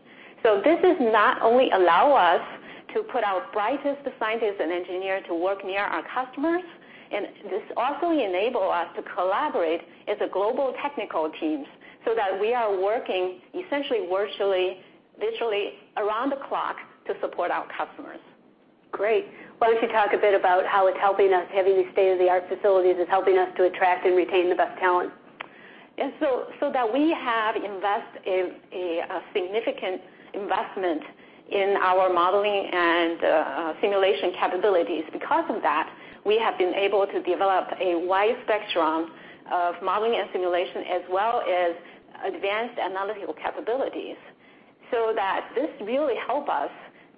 This is not only allow us to put our brightest scientists and engineers to work near our customers, and this also enable us to collaborate as a global technical teams so that we are working essentially virtually around the clock to support our customers. Great. Why don't you talk a bit about how it's helping us, having these state-of-the-art facilities is helping us to attract and retain the best talent. That we have invest a significant investment in our modeling and simulation capabilities. Because of that, we have been able to develop a wide spectrum of modeling and simulation as well as advanced analytical capabilities. That this really help us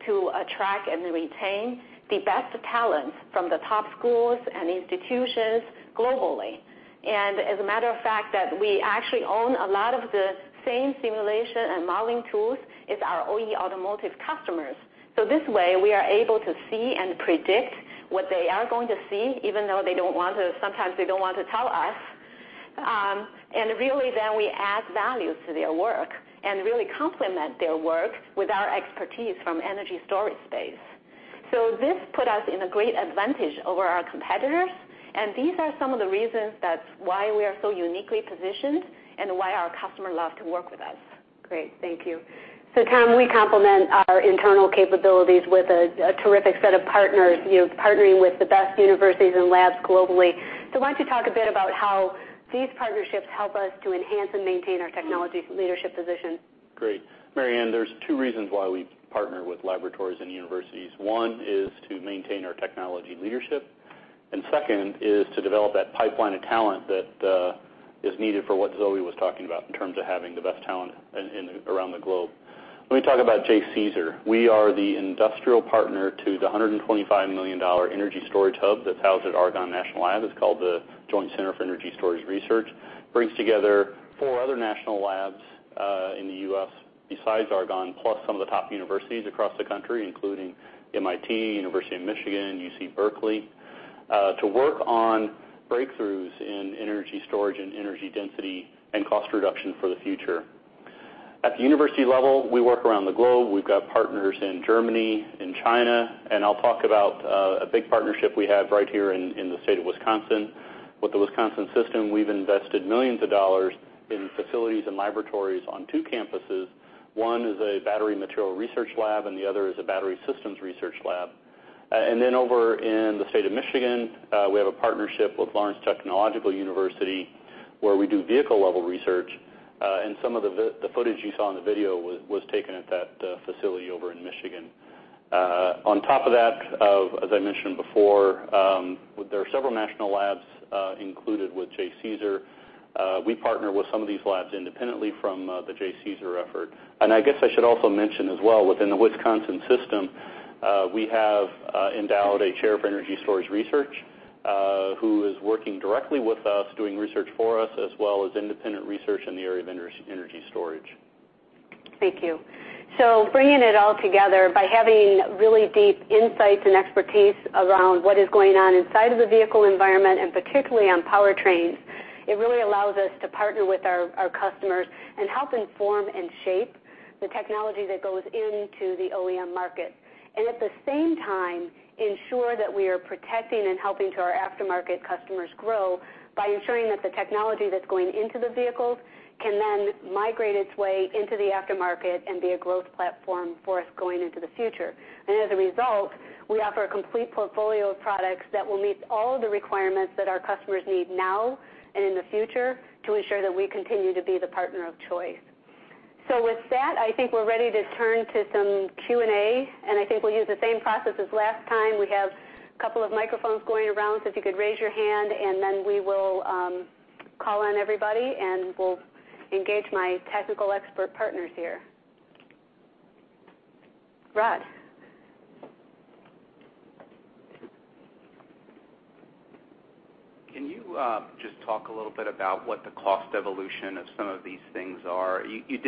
to attract and retain the best talents from the top schools and institutions globally. As a matter of fact, that we actually own a lot of the same simulation and modeling tools as our OEM automotive customers. This way, we are able to see and predict what they are going to see, even though sometimes they don't want to tell us. Really then we add value to their work and really complement their work with our expertise from energy storage space. This put us in a great advantage over our competitors, and these are some of the reasons that why we are so uniquely positioned and why our customers love to work with us. Great. Thank you. Tom, we complement our internal capabilities with a terrific set of partners, partnering with the best universities and labs globally. Why don't you talk a bit about how these partnerships help us to enhance and maintain our technology leadership position? Great. MaryAnn, there's two reasons why we partner with laboratories and universities. One is to maintain our technology leadership, and second is to develop that pipeline of talent that is needed for what Zoe was talking about in terms of having the best talent around the globe. Let me talk about JCESR. We are the industrial partner to the $125 million energy storage hub that's housed at Argonne National Lab. It's called the Joint Center for Energy Storage Research. Brings together four other national labs in the U.S. besides Argonne, plus some of the top universities across the country, including MIT, University of Michigan, UC Berkeley, to work on breakthroughs in energy storage and energy density and cost reduction for the future. At the university level, we work around the globe. We've got partners in Germany, in China, I'll talk about a big partnership we have right here in the state of Wisconsin. With the Wisconsin system, we've invested millions of dollars in facilities and laboratories on two campuses. One is a battery material research lab, and the other is a battery systems research lab. Then over in the state of Michigan, we have a partnership with Lawrence Technological University, where we do vehicle-level research. Some of the footage you saw in the video was taken at that facility over in Michigan. On top of that, as I mentioned before, there are several national labs included with JCESR. We partner with some of these labs independently from the JCESR effort. I guess I should also mention as well, within the Wisconsin system, we have endowed a Chair for Energy Storage Research, who is working directly with us, doing research for us, as well as independent research in the area of energy storage. Thank you. Bringing it all together by having really deep insights and expertise around what is going on inside of the vehicle environment, and particularly on powertrains, it really allows us to partner with our customers and help inform and shape the technology that goes into the OEM market. At the same time, ensure that we are protecting and helping to our aftermarket customers grow by ensuring that the technology that's going into the vehicles can then migrate its way into the aftermarket and be a growth platform for us going into the future. As a result, we offer a complete portfolio of products that will meet all of the requirements that our customers need now and in the future to ensure that we continue to be the partner of choice. With that, I think we're ready to turn to some Q&A, and I think we'll use the same process as last time. We have a couple of microphones going around, so if you could raise your hand, and then we will call on everybody, and we'll engage my technical expert partners here. Rod. Can you just talk a little bit about what the cost evolution of some of these things are? You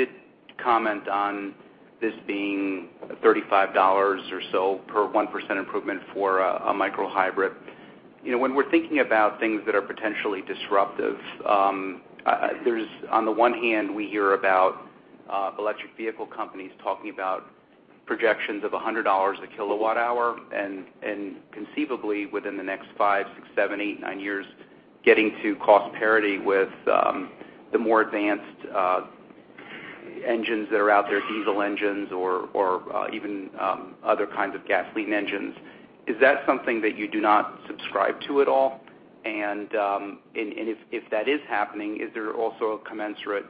did comment on this being $35 or so per 1% improvement for a micro hybrid. When we're thinking about things that are potentially disruptive, on the one hand, we hear about electric vehicle companies talking about projections of $100 a kilowatt-hour, and conceivably within the next five, six, seven, eight, nine years, getting to cost parity with the more advanced engines that are out there, diesel engines or even other kinds of gasoline engines. Is that something that you do not subscribe to at all? If that is happening, is there also a commensurate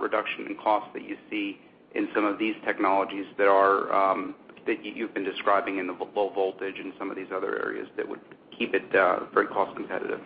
reduction in cost that you see in some of these technologies that you've been describing in the low voltage and some of these other areas that would keep it very cost competitive?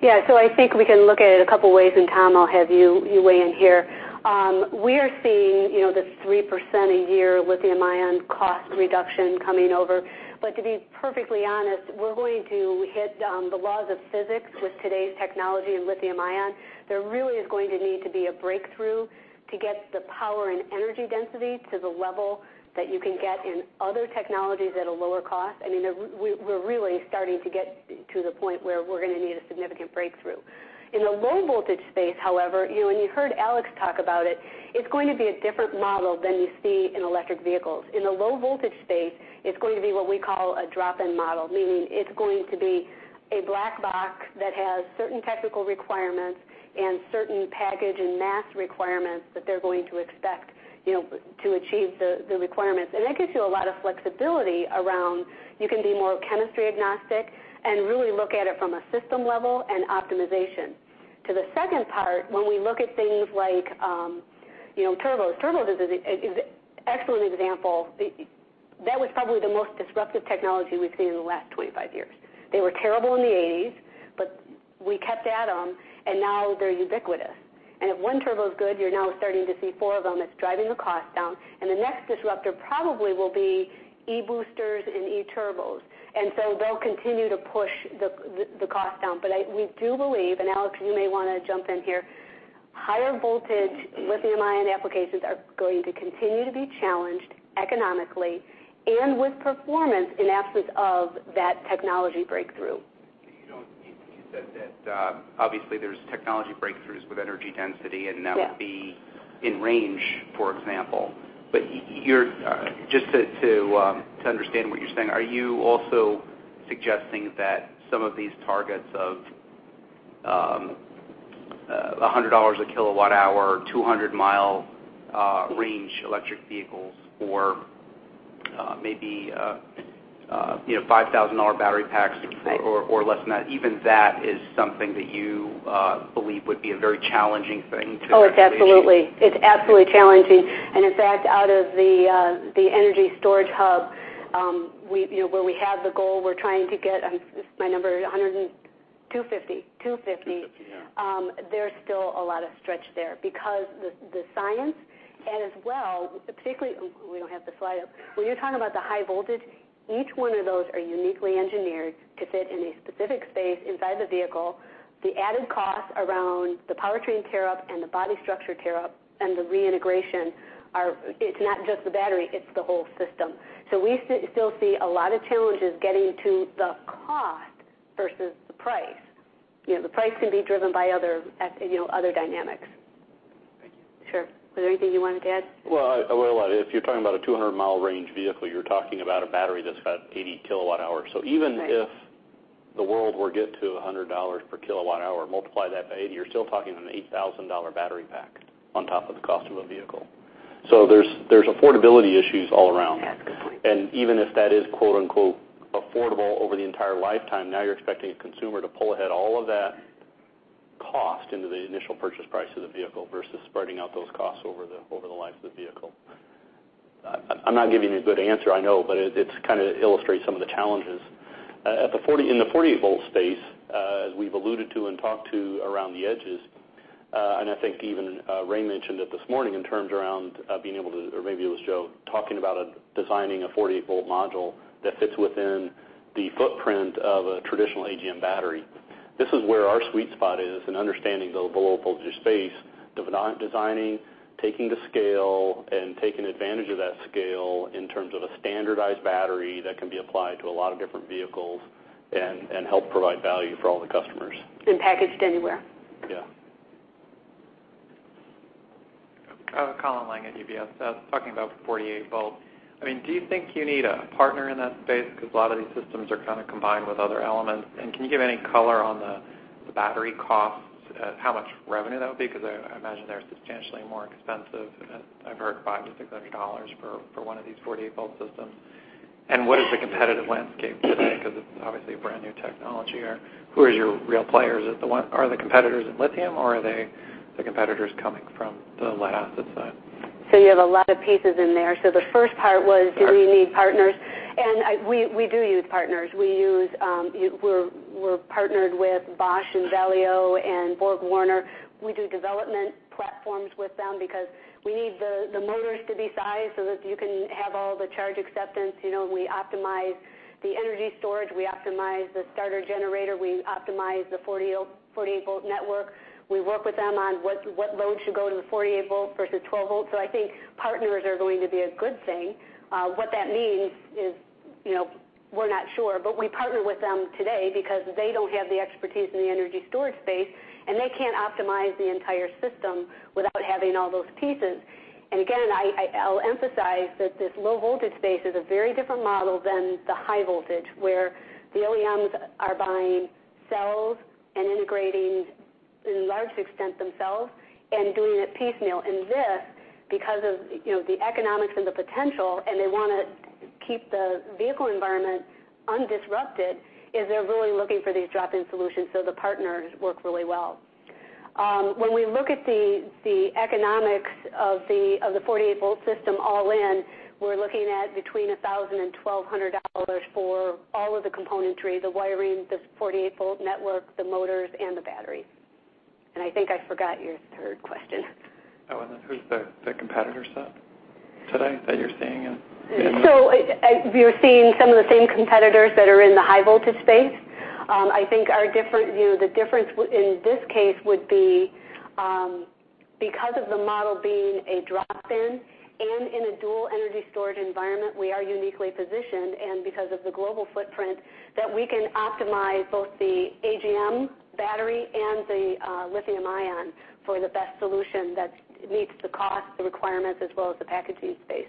I think we can look at it a couple ways, and Tom, I'll have you weigh in here. We are seeing the 3% a year lithium-ion cost reduction coming over. To be perfectly honest, we're going to hit the laws of physics with today's technology in lithium-ion. There really is going to need to be a breakthrough to get the power and energy density to the level that you can get in other technologies at a lower cost. We're really starting to get to the point where we're going to need a significant breakthrough. In the low voltage space, however, and you heard Alex talk about it's going to be a different model than you see in electric vehicles. In the low voltage space, it's going to be what we call a drop-in model, meaning it's going to be a black box that has certain technical requirements and certain package and mass requirements that they're going to expect to achieve the requirements. That gives you a lot of flexibility around, you can be more chemistry agnostic and really look at it from a system level and optimization. To the second part, when we look at things like turbos. Turbos is an excellent example. That was probably the most disruptive technology we've seen in the last 25 years. They were terrible in the '80s, we kept at them, and now they're ubiquitous. If one turbo is good, you're now starting to see four of them. It's driving the cost down. The next disruptor probably will be e-boosters and e-turbos. They'll continue to push the cost down. We do believe, and Alex, you may want to jump in here, higher voltage lithium-ion applications are going to continue to be challenged economically and with performance in absence of that technology breakthrough. You said that obviously there's technology breakthroughs with energy density. Yeah That would be in range, for example. Just to understand what you're saying, are you also suggesting that some of these targets of $100 a kilowatt hour, 200-mile range electric vehicles or maybe $5,000 battery packs? Right Less than that, even that is something that you believe would be a very challenging thing to Oh, it's absolutely challenging. In fact, out of the energy storage hub where we have the goal, we're trying to get, is my number 100? 250. 250, yeah. There's still a lot of stretch there because the science and as well, particularly, we don't have the slide up. When you're talking about the high voltage, each one of those are uniquely engineered to fit in a specific space inside the vehicle. The added cost around the powertrain tearup and the body structure tearup and the reintegration, it's not just the battery, it's the whole system. We still see a lot of challenges getting to the cost versus the price. The price can be driven by other dynamics. Thank you. Sure. Was there anything you wanted to add? Well, if you're talking about a 200-mile range vehicle, you're talking about a battery that's got 80 kilowatt-hours. Right the world will get to $100 per kilowatt hour, multiply that by 80, you're still talking an $8,000 battery pack on top of the cost of a vehicle. There's affordability issues all around. Yes, completely. Even if that is quote unquote affordable over the entire lifetime, now you're expecting a consumer to pull ahead all of that cost into the initial purchase price of the vehicle versus spreading out those costs over the life of the vehicle. I'm not giving you a good answer, I know, but it kind of illustrates some of the challenges. In the 48-volt space, as we've alluded to and talked to around the edges, I think even Ray mentioned it this morning in terms around being able to, or maybe it was Joe, talking about designing a 48-volt module that fits within the footprint of a traditional AGM battery. This is where our sweet spot is in understanding the low-voltage space, designing, taking to scale, and taking advantage of that scale in terms of a standardized battery that can be applied to a lot of different vehicles and help provide value for all the customers. Packaged anywhere. Yeah. I'm Colin Langan at UBS. Talking about 48 volt, do you think you need a partner in that space? Because a lot of these systems are kind of combined with other elements. Can you give any color on the battery costs, how much revenue that would be? Because I imagine they're substantially more expensive. I've heard $500-$600 for one of these 48-volt systems. What is the competitive landscape today? Because it's obviously a brand-new technology. Who is your real players? Are the competitors in lithium, or are the competitors coming from the lead-acid side? You have a lot of pieces in there. The first part was. Sure Do we need partners? We do use partners. We're partnered with Bosch and Valeo and BorgWarner. We do development platforms with them because we need the motors to be sized so that you can have all the charge acceptance. We optimize the energy storage, we optimize the starter generator, we optimize the 48-volt network. We work with them on what load should go to the 48-volt versus 12-volt. I think partners are going to be a good thing. What that means is, we're not sure, but we partner with them today because they don't have the expertise in the energy storage space, and they can't optimize the entire system without having all those pieces. Again, I'll emphasize that this low-voltage space is a very different model than the high-voltage, where the OEMs are buying cells and integrating in large extent themselves and doing it piecemeal. This, because of the economics and the potential, and they want to keep the vehicle environment undisrupted, is they're really looking for these drop-in solutions. The partners work really well. When we look at the economics of the 48-volt system all in, we're looking at between $1,000 and $1,200 for all of the componentry, the wiring, the 48-volt network, the motors, and the batteries. I think I forgot your third question. Who's the competitor set today that you're seeing in? We are seeing some of the same competitors that are in the high voltage space. I think the difference in this case would be because of the model being a drop-in and in a dual energy storage environment, we are uniquely positioned, and because of the global footprint, that we can optimize both the AGM battery and the lithium-ion for the best solution that meets the cost, the requirements, as well as the packaging space.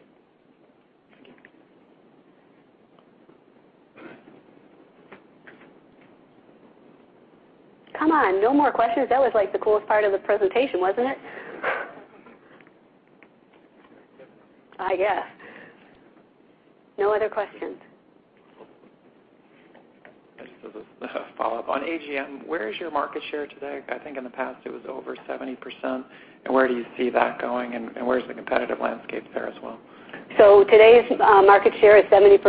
Come on, no more questions? That was like the coolest part of the presentation, wasn't it? I guess. No other questions. Just as a follow-up on AGM, where is your market share today? I think in the past it was over 70%. Where do you see that going? Where's the competitive landscape there as well? today's market share is 70%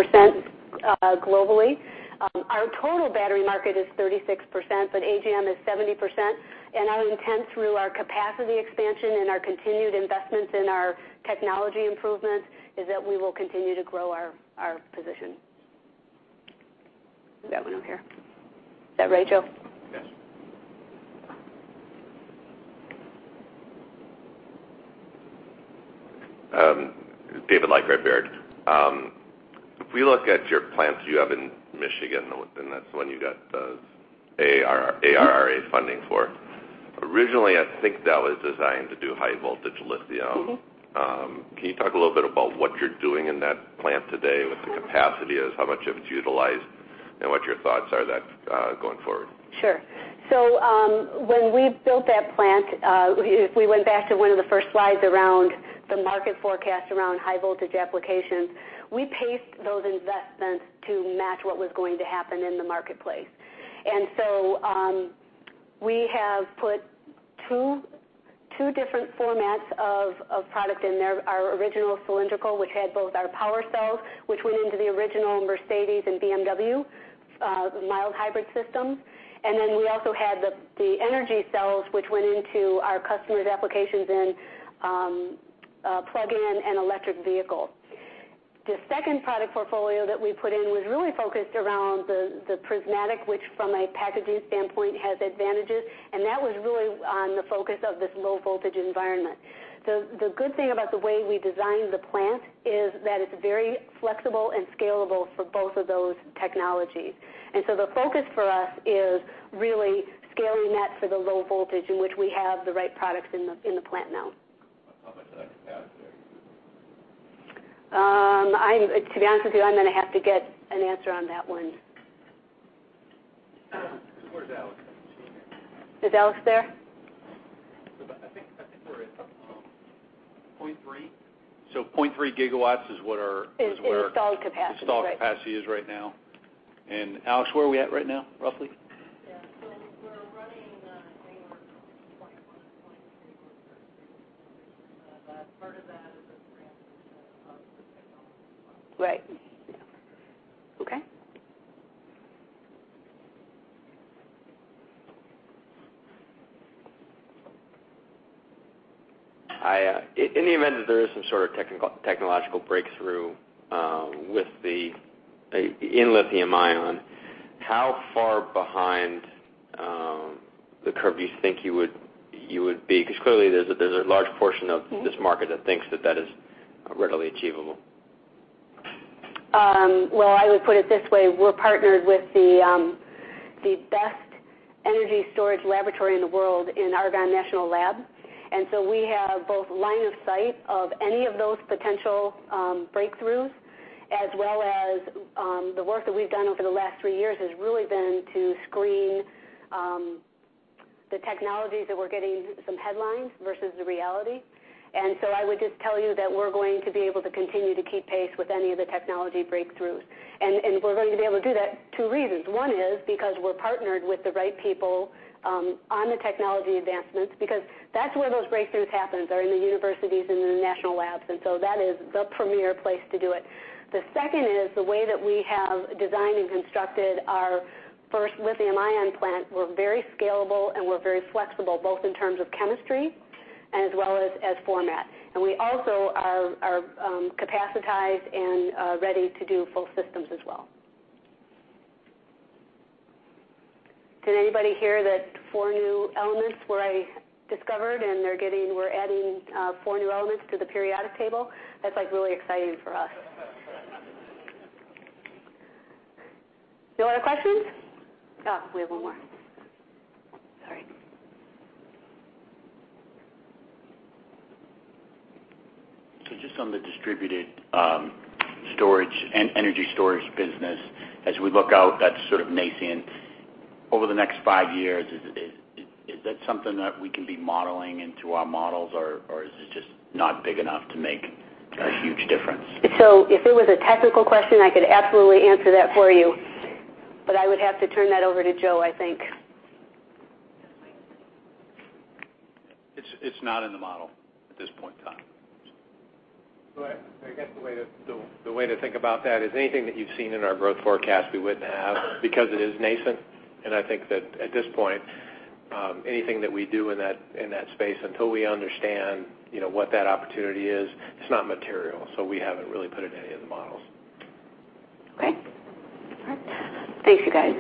globally. Our total battery market is 36%, but AGM is 70%. Our intent through our capacity expansion and our continued investments in our technology improvements is that we will continue to grow our position. We got one over here. Is that Rachel? Yes. David Leiker, Baird. If we look at your plants you have in Michigan, that's the one you got the ARRA funding for. Originally, I think that was designed to do high voltage lithium. Can you talk a little bit about what you're doing in that plant today with the capacity, as how much of it's utilized and what your thoughts are that going forward? Sure. When we built that plant, if we went back to one of the first slides around the market forecast around high voltage applications, we paced those investments to match what was going to happen in the marketplace. We have put two different formats of product in there. Our original cylindrical, which had both our power cells, which went into the original Mercedes-Benz and BMW mild hybrid systems. We also had the energy cells, which went into our customers' applications in plug-in and electric vehicles. The second product portfolio that we put in was really focused around the prismatic, which from a packaging standpoint, has advantages. That was really on the focus of this low-voltage environment. The good thing about the way we designed the plant is that it's very flexible and scalable for both of those technologies. The focus for us is really scaling that for the low voltage in which we have the right products in the plant now. How much of that capacity are you using? To be honest with you, I'm going to have to get an answer on that one. Where's Alex? I haven't seen him. Is Alex there? I think we're at 0.3. 0.3 gigawatts is what our- Installed capacity. Right. Installed capacity is right now. Alex, where are we at right now, roughly? Yeah. We're running anywhere between 21 and 23. Part of that is the ramp of the technology as well. Right. Okay. In the event that there is some sort of technological breakthrough in lithium-ion, how far behind the curve do you think you would be? Clearly there's a large portion of this market that thinks that that is readily achievable. I would put it this way. We're partnered with the best energy storage laboratory in the world in Argonne National Laboratory. We have both line of sight of any of those potential breakthroughs as well as the work that we've done over the last three years has really been to screen the technologies that we're getting some headlines versus the reality. I would just tell you that we're going to be able to continue to keep pace with any of the technology breakthroughs. We're going to be able to do that, two reasons. One is because we're partnered with the right people on the technology advancements, because that's where those breakthroughs happen is are in the universities and the national labs. That is the premier place to do it. The second is the way that we have designed and constructed our first lithium-ion plant. We're very scalable and we're very flexible, both in terms of chemistry as well as format. We also are capacitized and ready to do full systems as well. Did anybody hear that four new elements were discovered, and we're adding four new elements to the periodic table? That's really exciting for us. No other questions? Oh, we have one more. Sorry. Just on the distributed storage and energy storage business, as we look out, that's sort of nascent. Over the next five years, is that something that we can be modeling into our models, or is it just not big enough to make a huge difference? If it was a technical question, I could absolutely answer that for you, but I would have to turn that over to Joe, I think. It's not in the model at this point in time. Go ahead. I guess the way to think about that is anything that you've seen in our growth forecast, we wouldn't have because it is nascent. I think that at this point, anything that we do in that space, until we understand what that opportunity is, it's not material. We haven't really put it in any of the models. Okay. All right. Thanks, you guys.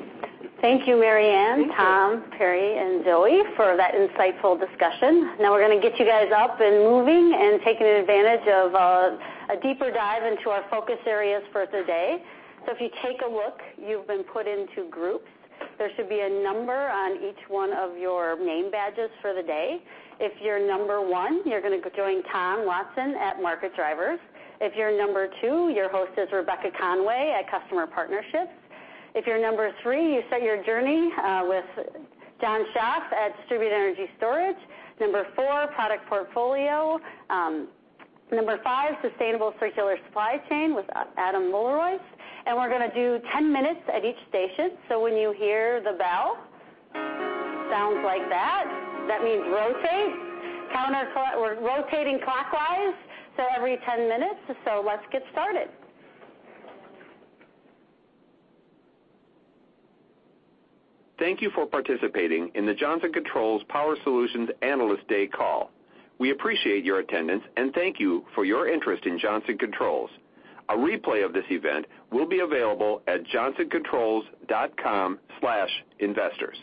Thank you, MaryAnn. Thank you Tom, Perry, and Zoe for that insightful discussion. Now we're going to get you guys up and moving and taking advantage of a deeper dive into our focus areas for today. If you take a look, you've been put into groups. There should be a number on each one of your name badges for the day. If you're number 1, you're going to join Tom Watson at Market Drivers. If you're number 2, your host is Rebecca Conway at Customer Partnerships. If you're number 3, you start your journey with John Schaaf at Distributed Energy Storage. Number 4, Product Portfolio. Number 5, Sustainable Circular Supply Chain with Adam Muellerweiss. We're going to do 10 minutes at each station. When you hear the bell sounds like that means rotate. We're rotating clockwise, every 10 minutes. Let's get started. Thank you for participating in the Johnson Controls Power Solutions Analyst Day call. We appreciate your attendance and thank you for your interest in Johnson Controls. A replay of this event will be available at johnsoncontrols.com/investors.